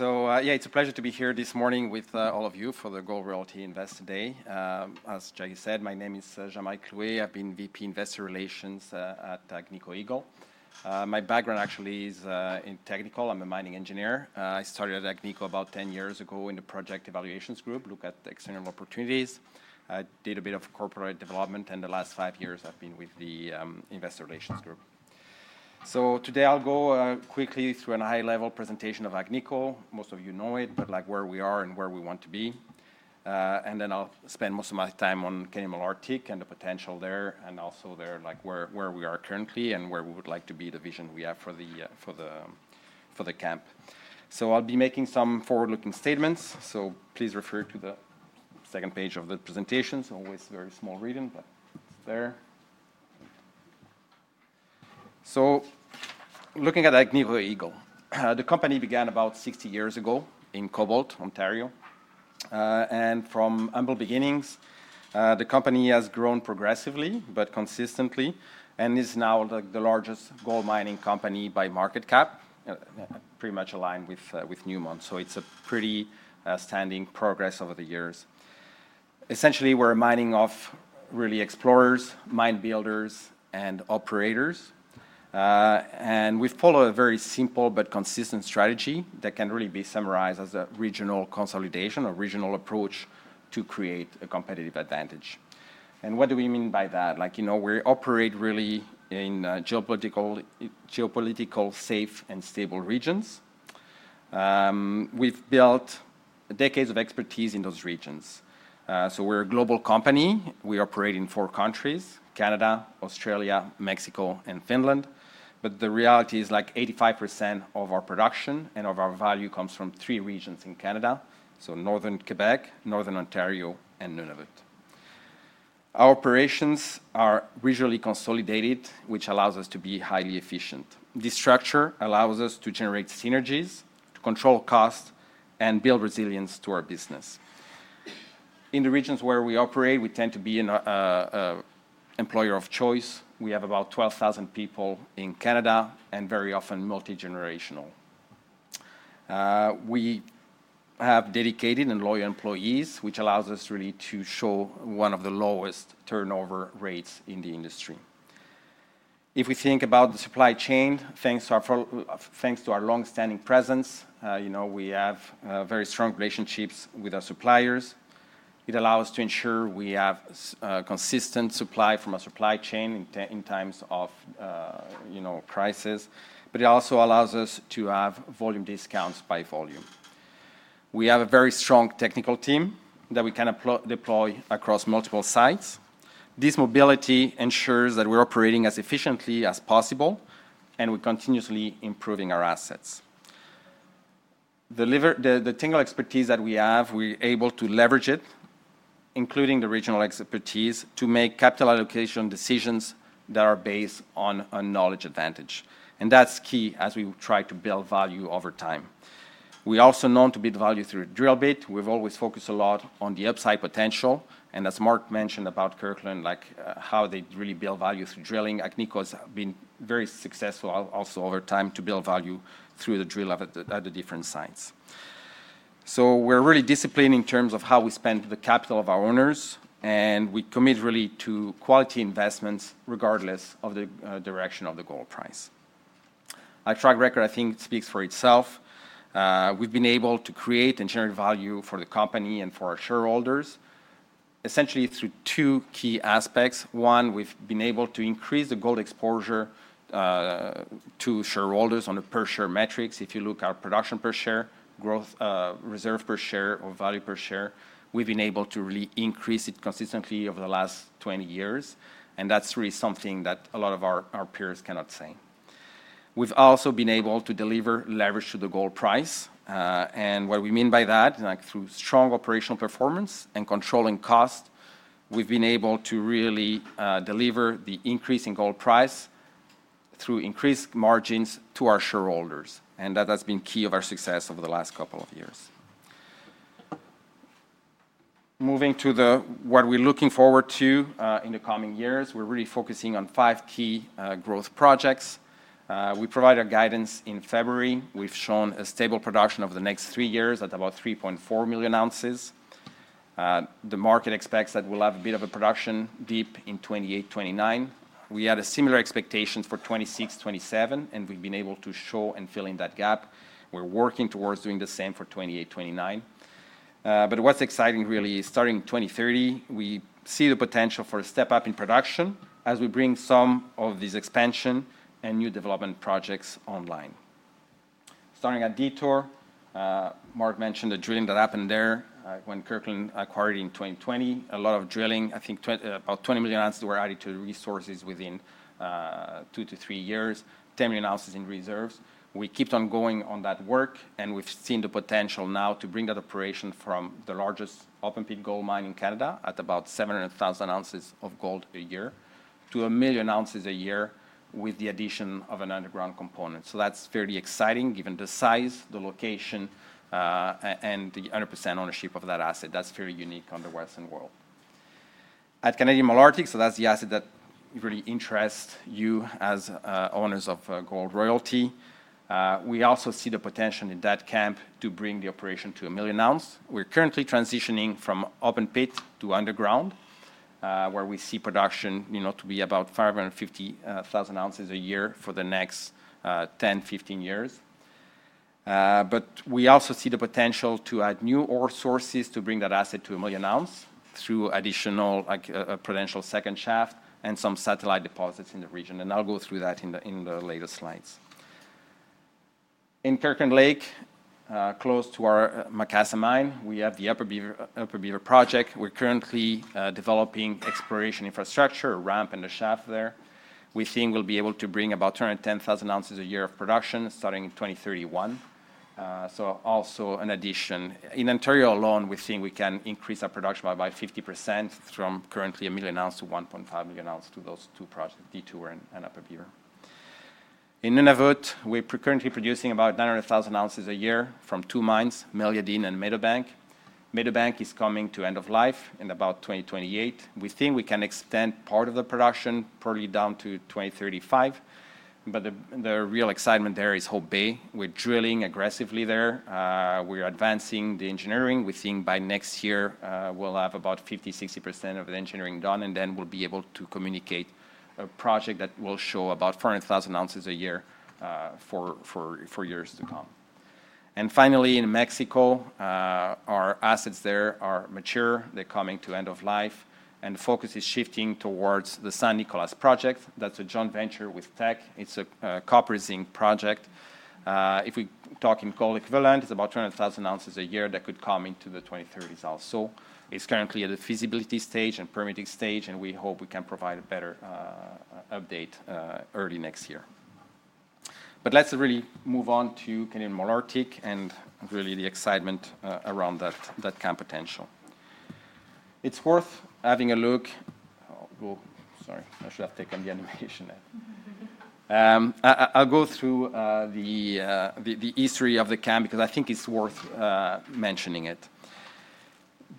Yeah, it's a pleasure to be here this morning with all of you for the Gold Royalty Investor Day. As Jay said, my name is Jean-Marie Clouet. I've been VP Investor Relations at Agnico Eagle. My background actually is in technical. I'm a mining engineer. I started at Agnico about 10 years ago in the project evaluations group, look at external opportunities. I did a bit of corporate development. The last five years, I've been with the investor relations group. Today, I'll go quickly through a high-level presentation of Agnico. Most of you know it, but where we are and where we want to be. I'll spend most of my time on Canadian Malartic and the potential there and also where we are currently and where we would like to be, the vision we have for the camp. I'll be making some forward-looking statements. Please refer to the second page of the presentation. It's always very small reading, but it's there. Looking at Agnico Eagle, the company began about 60 years ago in Cobalt, Ontario. From humble beginnings, the company has grown progressively but consistently and is now the largest gold mining company by market cap, pretty much aligned with Newmont. It's a pretty standing progress over the years. Essentially, we're a mining of really explorers, mine builders, and operators. We've followed a very simple but consistent strategy that can really be summarized as a regional consolidation or regional approach to create a competitive advantage. What do we mean by that? We operate really in geopolitical, safe, and stable regions. We have built decades of expertise in those regions. We are a global company. We operate in four countries: Canada, Australia, Mexico, and Finland. The reality is 85% of our production and of our value comes from three regions in Canada: Northern Quebec, Northern Ontario, and Nunavut. Our operations are visually consolidated, which allows us to be highly efficient. This structure allows us to generate synergies, to control costs, and build resilience to our business. In the regions where we operate, we tend to be an employer of choice. We have about 12,000 people in Canada and very often multi-generational. We have dedicated and loyal employees, which allows us really to show one of the lowest turnover rates in the industry. If we think about the supply chain, thanks to our long-standing presence, we have very strong relationships with our suppliers. It allows us to ensure we have consistent supply from our supply chain in times of crisis. It also allows us to have volume discounts by volume. We have a very strong technical team that we can deploy across multiple sites. This mobility ensures that we're operating as efficiently as possible and we're continuously improving our assets. The technical expertise that we have, we're able to leverage it, including the regional expertise, to make capital allocation decisions that are based on a knowledge advantage. That is key as we try to build value over time. We also know to build value through drill bit. We've always focused a lot on the upside potential. As Mark mentioned about Kirkland, how they really build value through drilling, Agnico has been very successful also over time to build value through the drill at the different sites. We are really disciplined in terms of how we spend the capital of our owners. We commit really to quality investments regardless of the direction of the gold price. Our track record, I think, speaks for itself. We have been able to create and generate value for the company and for our shareholders essentially through two key aspects. One, we have been able to increase the gold exposure to shareholders on a per-share metrics. If you look at our production per share, growth reserve per share, or value per share, we have been able to really increase it consistently over the last 20 years. That is really something that a lot of our peers cannot say. We've also been able to deliver leverage to the gold price. What we mean by that, through strong operational performance and controlling cost, we've been able to really deliver the increase in gold price through increased margins to our shareholders. That has been key of our success over the last couple of years. Moving to what we're looking forward to in the coming years, we're really focusing on five key growth projects. We provided guidance in February. We've shown a stable production over the next three years at about 3.4 million oz. The market expects that we'll have a bit of a production dip in 2028, 2029. We had similar expectations for 2026, 2027. We've been able to show and fill in that gap. We're working towards doing the same for 2028, 2029. What's exciting really is starting in 2030, we see the potential for a step up in production as we bring some of these expansion and new development projects online. Starting at Detour, Mark mentioned the drilling that happened there when Kirkland acquired in 2020. A lot of drilling, I think about 20 million oz were added to resources within two to three years, 10 million oz in reserves. We keep on going on that work. We've seen the potential now to bring that operation from the largest open-pit gold mine in Canada at about 700,000 oz of gold a year to a million oz a year with the addition of an underground component. That's fairly exciting given the size, the location, and the 100% ownership of that asset. That's very unique on the Western world. At Canadian Malartic, so that's the asset that really interests you as owners of Gold Royalty. We also see the potential in that camp to bring the operation to a million oz. We're currently transitioning from open-pit to underground, where we see production to be about 550,000 oz a year for the next 10-15 years. We also see the potential to add new ore sources to bring that asset to a million oz through additional prudential second shaft and some satellite deposits in the region. I'll go through that in the later slides. In Kirkland Lake, close to our Macassa mine, we have the Upper Beaver project. We're currently developing exploration infrastructure, a ramp and a shaft there. We think we'll be able to bring about 210,000 oz a year of production starting in 2031. Also an addition. In Ontario alone, we think we can increase our production by about 50% from currently a million oz to 1.5 million oz to those two projects, Detour and Upper Beaver. In Nunavut, we're currently producing about 900,000 oz a year from two mines, Meliadine and Meadowbank. Meadowbank is coming to end of life in about 2028. We think we can extend part of the production probably down to 2035. The real excitement there is Hope Bay. We're drilling aggressively there. We're advancing the engineering. We think by next year, we'll have about 50%-60% of the engineering done. We will be able to communicate a project that will show about 400,000 oz a year for years to come. Finally, in Mexico, our assets there are mature. They're coming to end of life. The focus is shifting towards the San Nicolás Project. That's a joint venture with Teck. It's a copper zinc project. If we talk in gold equivalent, it's about 200,000 oz a year that could come into the 2030s also. It's currently at the feasibility stage and permitting stage. We hope we can provide a better update early next year. Let's really move on to Canadian Malartic and really the excitement around that camp potential. It's worth having a look. Sorry, I should have taken the animation. I'll go through the history of the camp because I think it's worth mentioning it.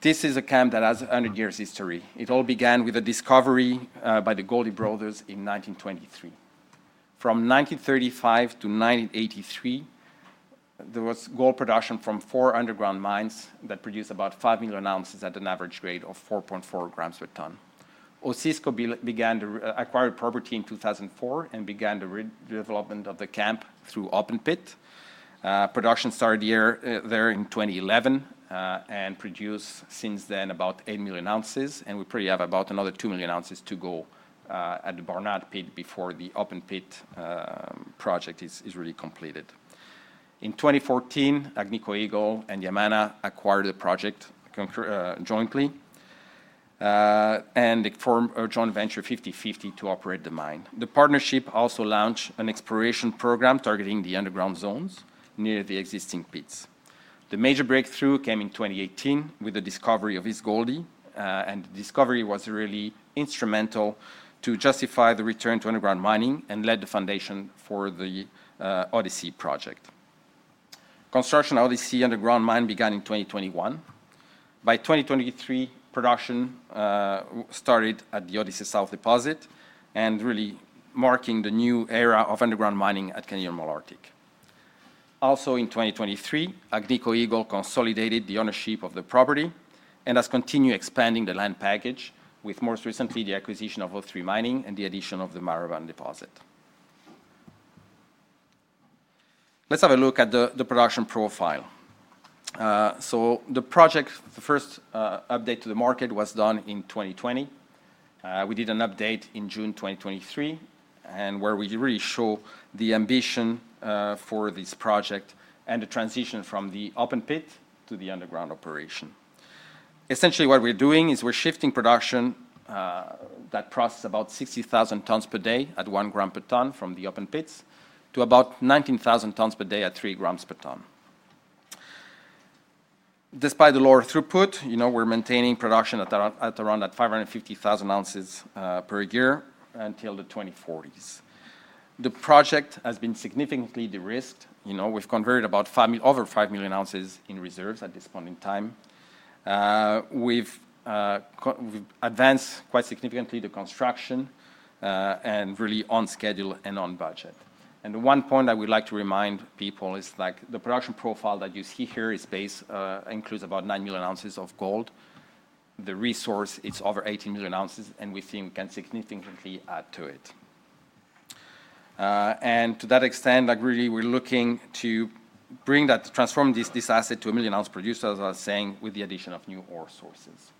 This is a camp that has 100 years' history. It all began with a discovery by the Goldie Brothers in 1923. From 1935-1983, there was gold production from four underground mines that produced about 5 million oz at an average grade of 4.4 grams per ton. Osisko acquired property in 2004 and began the development of the camp through open-pit. Production started there in 2011 and produced since then about 8 million oz. We probably have about another 2 million oz to go at the Barnard pit before the open-pit project is really completed. In 2014, Agnico Eagle and Yamana acquired the project jointly and formed a joint venture 50/50 to operate the mine. The partnership also launched an exploration program targeting the underground zones near the existing pits. The major breakthrough came in 2018 with the discovery of East Goldie. The discovery was really instrumental to justify the return to underground mining and laid the foundation for the Odyssey Project. Construction of the Odyssey underground mine began in 2021. By 2023, production started at the Odyssey South Deposit and really marked the new era of underground mining at Canadian Malartic. Also, in 2023, Agnico Eagle consolidated the ownership of the property and has continued expanding the land package with most recently the acquisition of O3 Mining and the addition of the Marban Deposit. Let's have a look at the production profile. The project, the first update to the market was done in 2020. We did an update in June 2023 and where we really show the ambition for this project and the transition from the open-pit to the underground operation. Essentially, what we're doing is we're shifting production, that process about 60,000 tons per day at one gram per ton from the open pits to about 19,000 tons per day at three grams per ton. Despite the lower throughput, we're maintaining production at around 550,000 oz per year until the 2040s. The project has been significantly de-risked. We've converted about over 5 million oz in reserves at this point in time. We've advanced quite significantly the construction and really on schedule and on budget. The one point I would like to remind people is the production profile that you see here includes about 9 million oz of gold. The resource, it's over 18 million oz. We think we can significantly add to it. To that extent, really, we're looking to bring that, transform this asset to a million ounce producer, as I was saying, with the addition of new ore sources.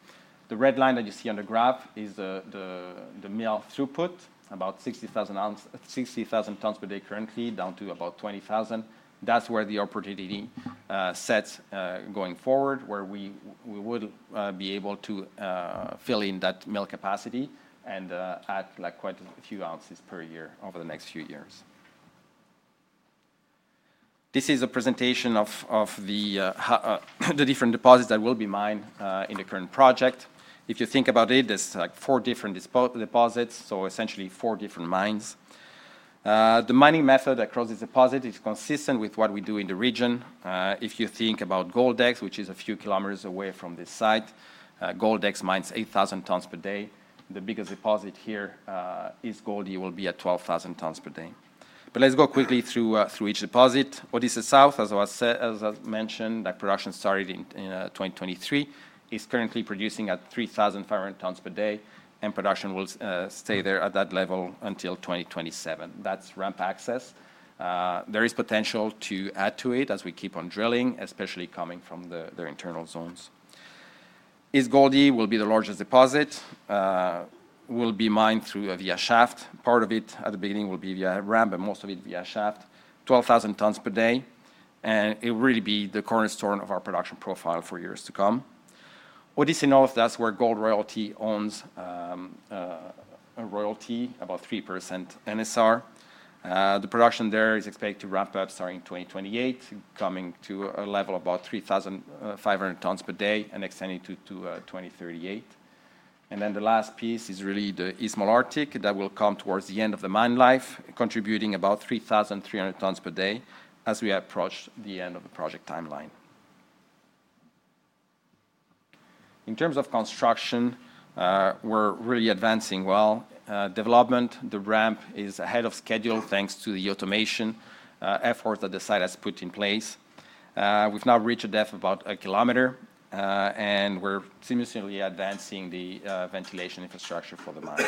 The red line that you see on the graph is the mill throughput, about 60,000 tons per day currently down to about 20,000. That's where the opportunity sets going forward, where we would be able to fill in that mill capacity and add quite a few oz per year over the next few years. This is a presentation of the different deposits that will be mined in the current project. If you think about it, there are four different deposits, so essentially four different mines. The mining method across this deposit is consistent with what we do in the region. If you think about GoldEx, which is a few kilometers away from this site, GoldEx mines 8,000 tons per day. The biggest deposit here, East Goldie, will be at 12,000 tons per day. Let's go quickly through each deposit. Odyssey South, as I mentioned, production started in 2023, is currently producing at 3,500 tons per day. Production will stay there at that level until 2027. That's ramp access. There is potential to add to it as we keep on drilling, especially coming from the internal zones. East Goldie will be the largest deposit. Will be mined through via shaft. Part of it at the beginning will be via ramp, but most of it via shaft, 12,000 tons per day. It will really be the cornerstone of our production profile for years to come. Odyssey North, that's where Gold Royalty owns a royalty, about 3% NSR. The production there is expected to ramp up starting 2028, coming to a level of about 3,500 tons per day and extending to 2038. The last piece is really the East Malartic that will come towards the end of the mine life, contributing about 3,300 tons per day as we approach the end of the project timeline. In terms of construction, we're really advancing well. Development, the ramp is ahead of schedule thanks to the automation efforts that the site has put in place. We've now reached a depth of about 1 kilometer. We're seamlessly advancing the ventilation infrastructure for the mine.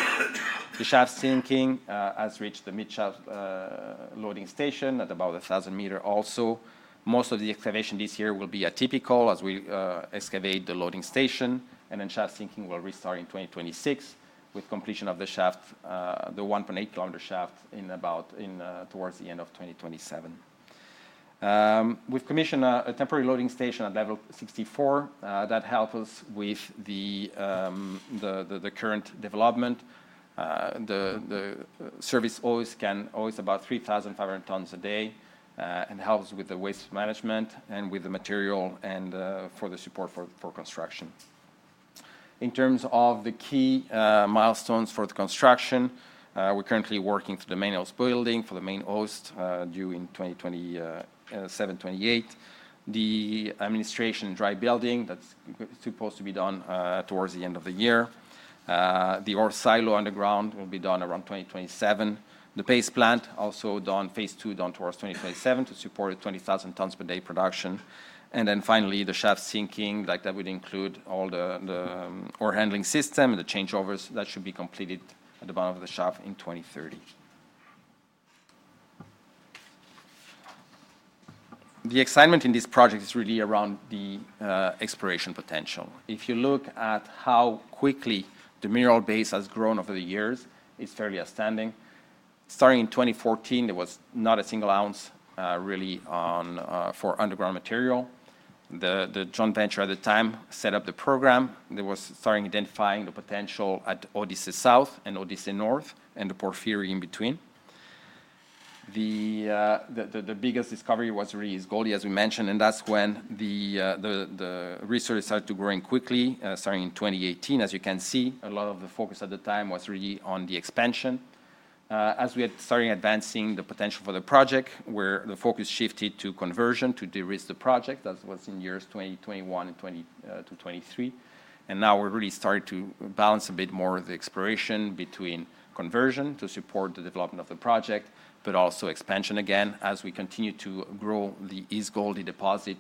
The shaft sinking has reached the mid-shaft loading station at about 1,000 meters also. Most of the excavation this year will be atypical as we excavate the loading station. Shaft sinking will restart in 2026 with completion of the shaft, the 1.8-kilometer shaft, towards the end of 2027. We've commissioned a temporary loading station at level 64. That helps us with the current development. The service hoist can always move about 3,500 tons a day and helps with the waste management and with the material and for the support for construction. In terms of the key milestones for the construction, we're currently working through the main hoist building for the main hoist due in 2027-2028. The administration and dry building, that's supposed to be done towards the end of the year. The ore silo underground will be done around 2027. The paste plant also done, phase two done towards 2027 to support 20,000 tons per day production. Finally, the shaft sinking, that would include all the ore handling system and the changeovers that should be completed at the bottom of the shaft in 2030. The excitement in this project is really around the exploration potential. If you look at how quickly the mineral base has grown over the years, it's fairly astounding. Starting in 2014, there was not a single ounce really for underground material. The joint venture at the time set up the program. There was starting identifying the potential at Odyssey South and Odyssey North and the Porphyry in between. The biggest discovery was really East Goldie, as we mentioned. That is when the resource started to grow quickly, starting in 2018. As you can see, a lot of the focus at the time was really on the expansion. As we had started advancing the potential for the project, where the focus shifted to conversion to de-risk the project. That was in years 2021-2023. Now we are really starting to balance a bit more the exploration between conversion to support the development of the project, but also expansion again as we continue to grow the East Goldie deposit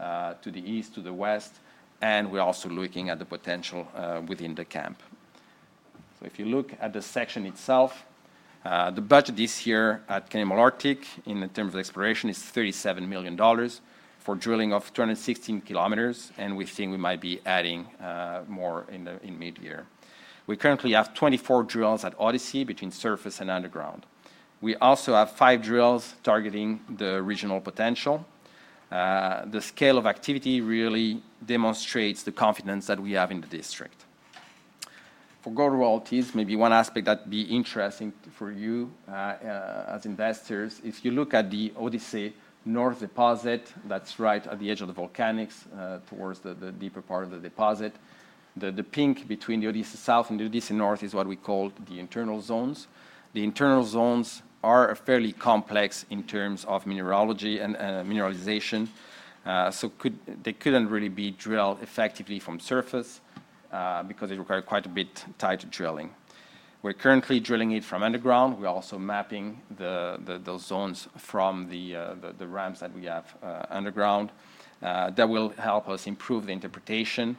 to the east, to the west. We are also looking at the potential within the camp. If you look at the section itself, the budget this year at Canadian Malartic, in terms of exploration, is $37 million for drilling of 216 km. We think we might be adding more in mid-year. We currently have 24 drills at Odyssey between surface and underground. We also have five drills targeting the regional potential. The scale of activity really demonstrates the confidence that we have in the district. For Gold Royalty's, maybe one aspect that would be interesting for you as investors, if you look at the Odyssey North deposit that is right at the edge of the volcanics towards the deeper part of the deposit, the pink between the Odyssey South and the Odyssey North is what we call the internal zones. The internal zones are fairly complex in terms of mineralization. They could not really be drilled effectively from surface because they require quite a bit tight drilling. We're currently drilling it from underground. We're also mapping those zones from the ramps that we have underground. That will help us improve the interpretation.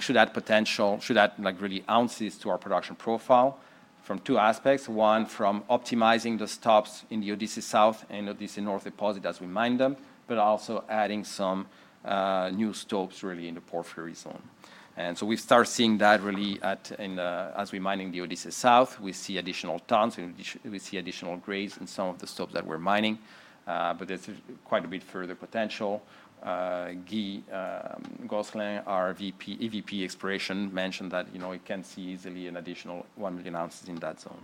Should that potential, should that really add oz to our production profile from two aspects, one from optimizing the stopes in the Odyssey South and Odyssey North deposit as we mine them, but also adding some new stopes really in the Porphyry zone. We start seeing that really as we mine in the Odyssey South, we see additional tons. We see additional grades in some of the stopes that we're mining. There is quite a bit further potential. Guy Gosselin, our EVP Exploration, mentioned that we can see easily an additional 1 million oz in that zone.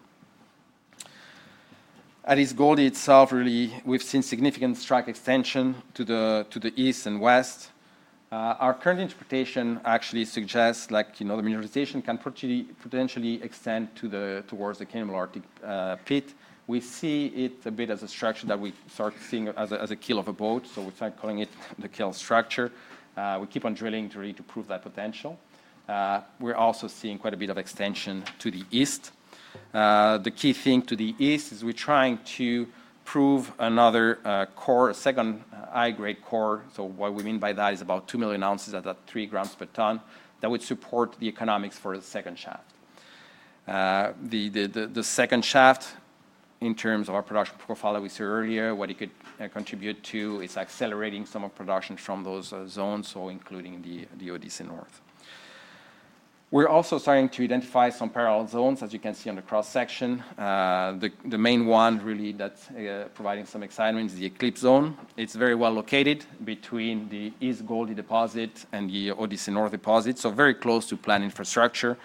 At East Goldie itself, we've seen significant strike extension to the east and west. Our current interpretation actually suggests the mineralization can potentially extend towards the Canadian Malartic pit. We see it a bit as a structure that we start seeing as a keel of a boat. We start calling it the keel structure. We keep on drilling to prove that potential. We're also seeing quite a bit of extension to the east. The key thing to the east is we're trying to prove another core, a second high-grade core. What we mean by that is about 2 million oz at that three grams per ton that would support the economics for the second shaft. The second shaft, in terms of our production profile that we saw earlier, what it could contribute to is accelerating some of production from those zones, including the Odyssey North. We're also starting to identify some parallel zones, as you can see on the cross-section. The main one really that's providing some excitement is the Eclipse zone. It's very well located between the East Goldie deposit and the Odyssey North deposit, so very close to planned infrastructure,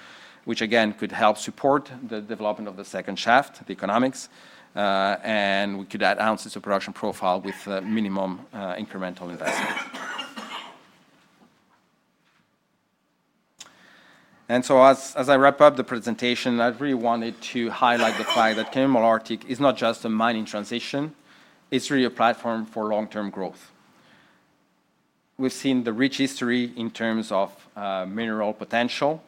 which again could help support the development of the second shaft, the economics. We could add oz to production profile with minimum incremental investment. As I wrap up the presentation, I really wanted to highlight the fact that Canadian Malartic is not just a mining transition. It's really a platform for long-term growth. We've seen the rich history in terms of mineral potential.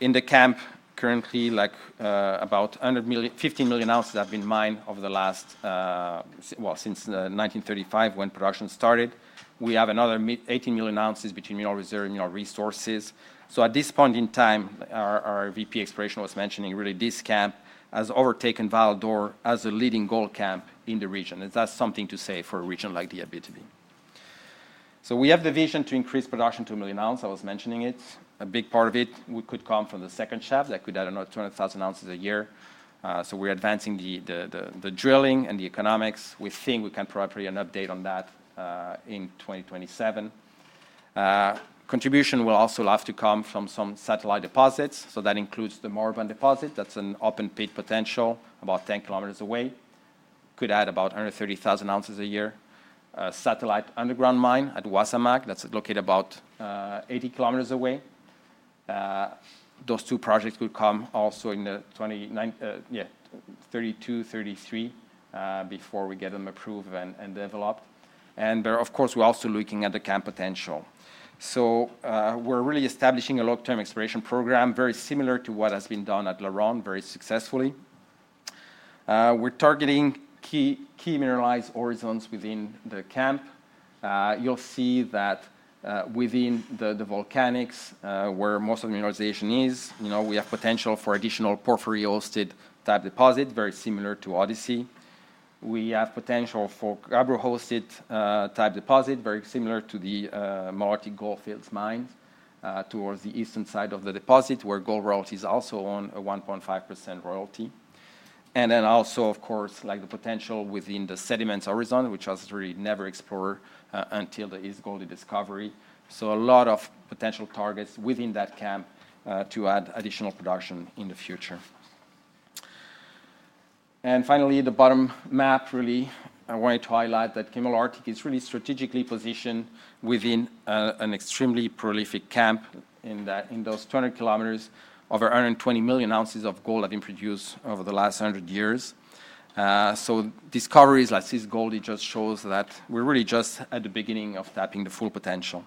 In the camp, currently, about 15 million oz have been mined over the last, well, since 1935 when production started. We have another 18 million oz between mineral reserve and mineral resources. At this point in time, our EVP Exploration was mentioning really this camp has overtaken Val d'Or as a leading gold camp in the region. That's something to say for a region like the Abitibi. We have the vision to increase production to 1 million oz. I was mentioning it. A big part of it could come from the second shaft that could add another 200,000 oz a year. We're advancing the drilling and the economics. We think we can probably put an update on that in 2027. Contribution will also have to come from some satellite deposits. That includes the Marban deposit. That's an open pit potential about 10 km away. Could add about 130,000 oz a year. Satellite underground mine at Wasamac that's located about 80 km away. Those two projects could come also in 2032, 2033 before we get them approved and developed. Of course, we're also looking at the camp potential. We're really establishing a long-term exploration program very similar to what has been done at La Ronde, very successfully. We're targeting key mineralized ore zones within the camp. You'll see that within the volcanics, where most of the mineralization is, we have potential for additional porphyry oestate-type deposit, very similar to Odyssey. We have potential for agro-oestate-type deposit, very similar to the Malartic Goldfields mines towards the eastern side of the deposit, where Gold Royalty is also on a 1.5% royalty. Of course, the potential within the sediments horizon, which has really never explored until the East Goldie discovery. A lot of potential targets within that camp to add additional production in the future. Finally, the bottom map, really, I wanted to highlight that Canadian Malartic is really strategically positioned within an extremely prolific camp. In those 200 kilometers, over 120 million oz of gold have been produced over the last 100 years. Discoveries like East Goldie just show that we're really just at the beginning of tapping the full potential.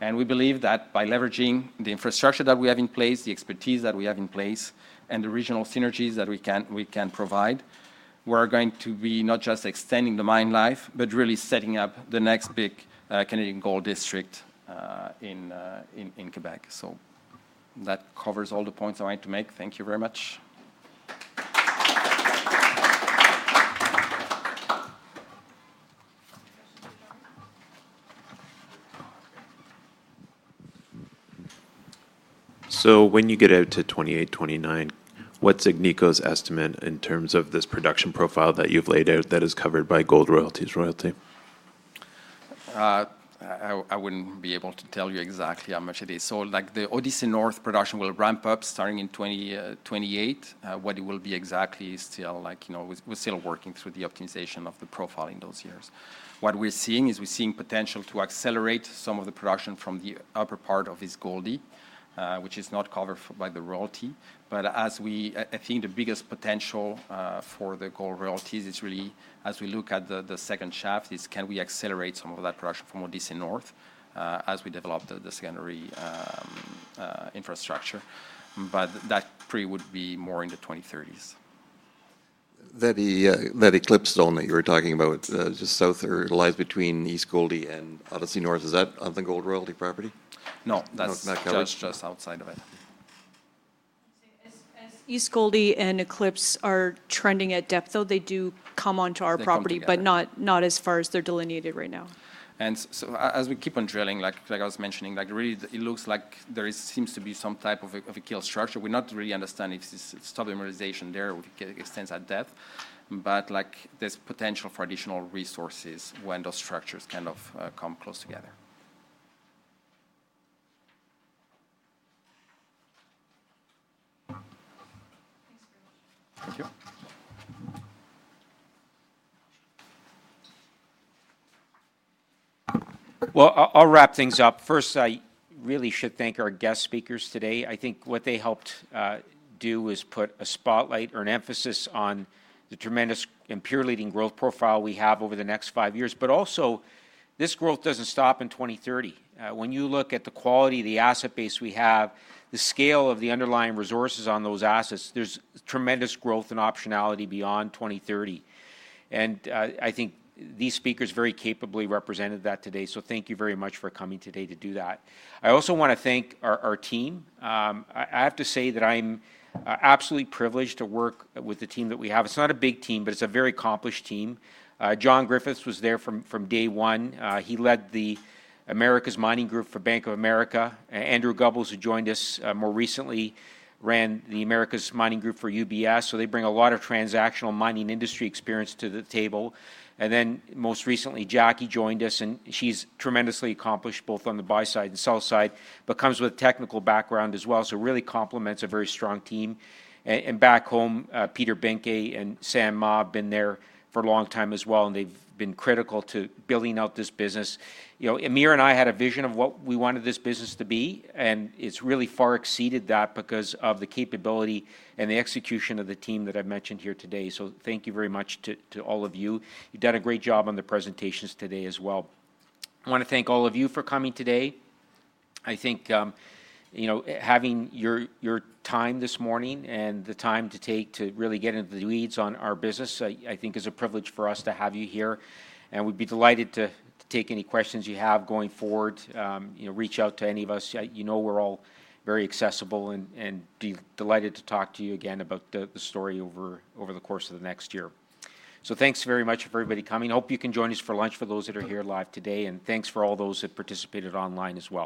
We believe that by leveraging the infrastructure that we have in place, the expertise that we have in place, and the regional synergies that we can provide, we're going to be not just extending the mine life, but really setting up the next big Canadian gold district in Quebec. That covers all the points I wanted to make. Thank you very much. When you get out to 2028-2029, what's Agnico's estimate in terms of this production profile that you've laid out that is covered by Gold Royalty's royalty? I wouldn't be able to tell you exactly how much it is. The Odyssey North production will ramp up starting in 2028. What it will be exactly is still, we're still working through the optimization of the profile in those years. What we're seeing is we're seeing potential to accelerate some of the production from the upper part of East Goldie, which is not covered by the royalty. I think the biggest potential for the gold royalties is really, as we look at the second shaft, is can we accelerate some of that production from Odyssey North as we develop the secondary infrastructure. That pre would be more in the 2030s. That Eclipse zone that you were talking about, just south or lies between East Goldie and Odyssey North, is that on the Gold Royalty property? No, that's just outside of it. East Goldie and Eclipse are trending at depth, though they do come onto our property, but not as far as they're delineated right now. As we keep on drilling, like I was mentioning, really, it looks like there seems to be some type of a keel structure. We're not really understanding if its stop mineralization there extends at depth. But there's potential for additional resources when those structures kind of come close together. Thank you. I'll wrap things up. First, I really should thank our guest speakers today. I think what they helped do is put a spotlight or an emphasis on the tremendous and peer-leading growth profile we have over the next five years. Also, this growth does not stop in 2030. When you look at the quality of the asset base we have, the scale of the underlying resources on those assets, there is tremendous growth and optionality beyond 2030. I think these speakers very capably represented that today. Thank you very much for coming today to do that. I also want to thank our team. I have to say that I'm absolutely privileged to work with the team that we have. It's not a big team, but it's a very accomplished team. John Griffith was there from day one. He led the Americas Mining Group for Bank of America. Andrew Gubbels, who joined us more recently, ran the Americas Mining Group for UBS. They bring a lot of transactional mining industry experience to the table. Most recently, Jackie joined us. She's tremendously accomplished both on the buy side and sell side, but comes with technical background as well. Really complements a very strong team. Back home, Peter Benke and Sam Ma have been there for a long time as well. They've been critical to building out this business. Amir and I had a vision of what we wanted this business to be. It has really far exceeded that because of the capability and the execution of the team that I've mentioned here today. Thank you very much to all of you. You've done a great job on the presentations today as well. I want to thank all of you for coming today. I think having your time this morning and the time to take to really get into the weeds on our business, I think is a privilege for us to have you here. We would be delighted to take any questions you have going forward. Reach out to any of us. We are all very accessible and delighted to talk to you again about the story over the course of the next year. Thanks very much for everybody coming. Hope you can join us for lunch for those that are here live today. Thanks for all those that participated online as well.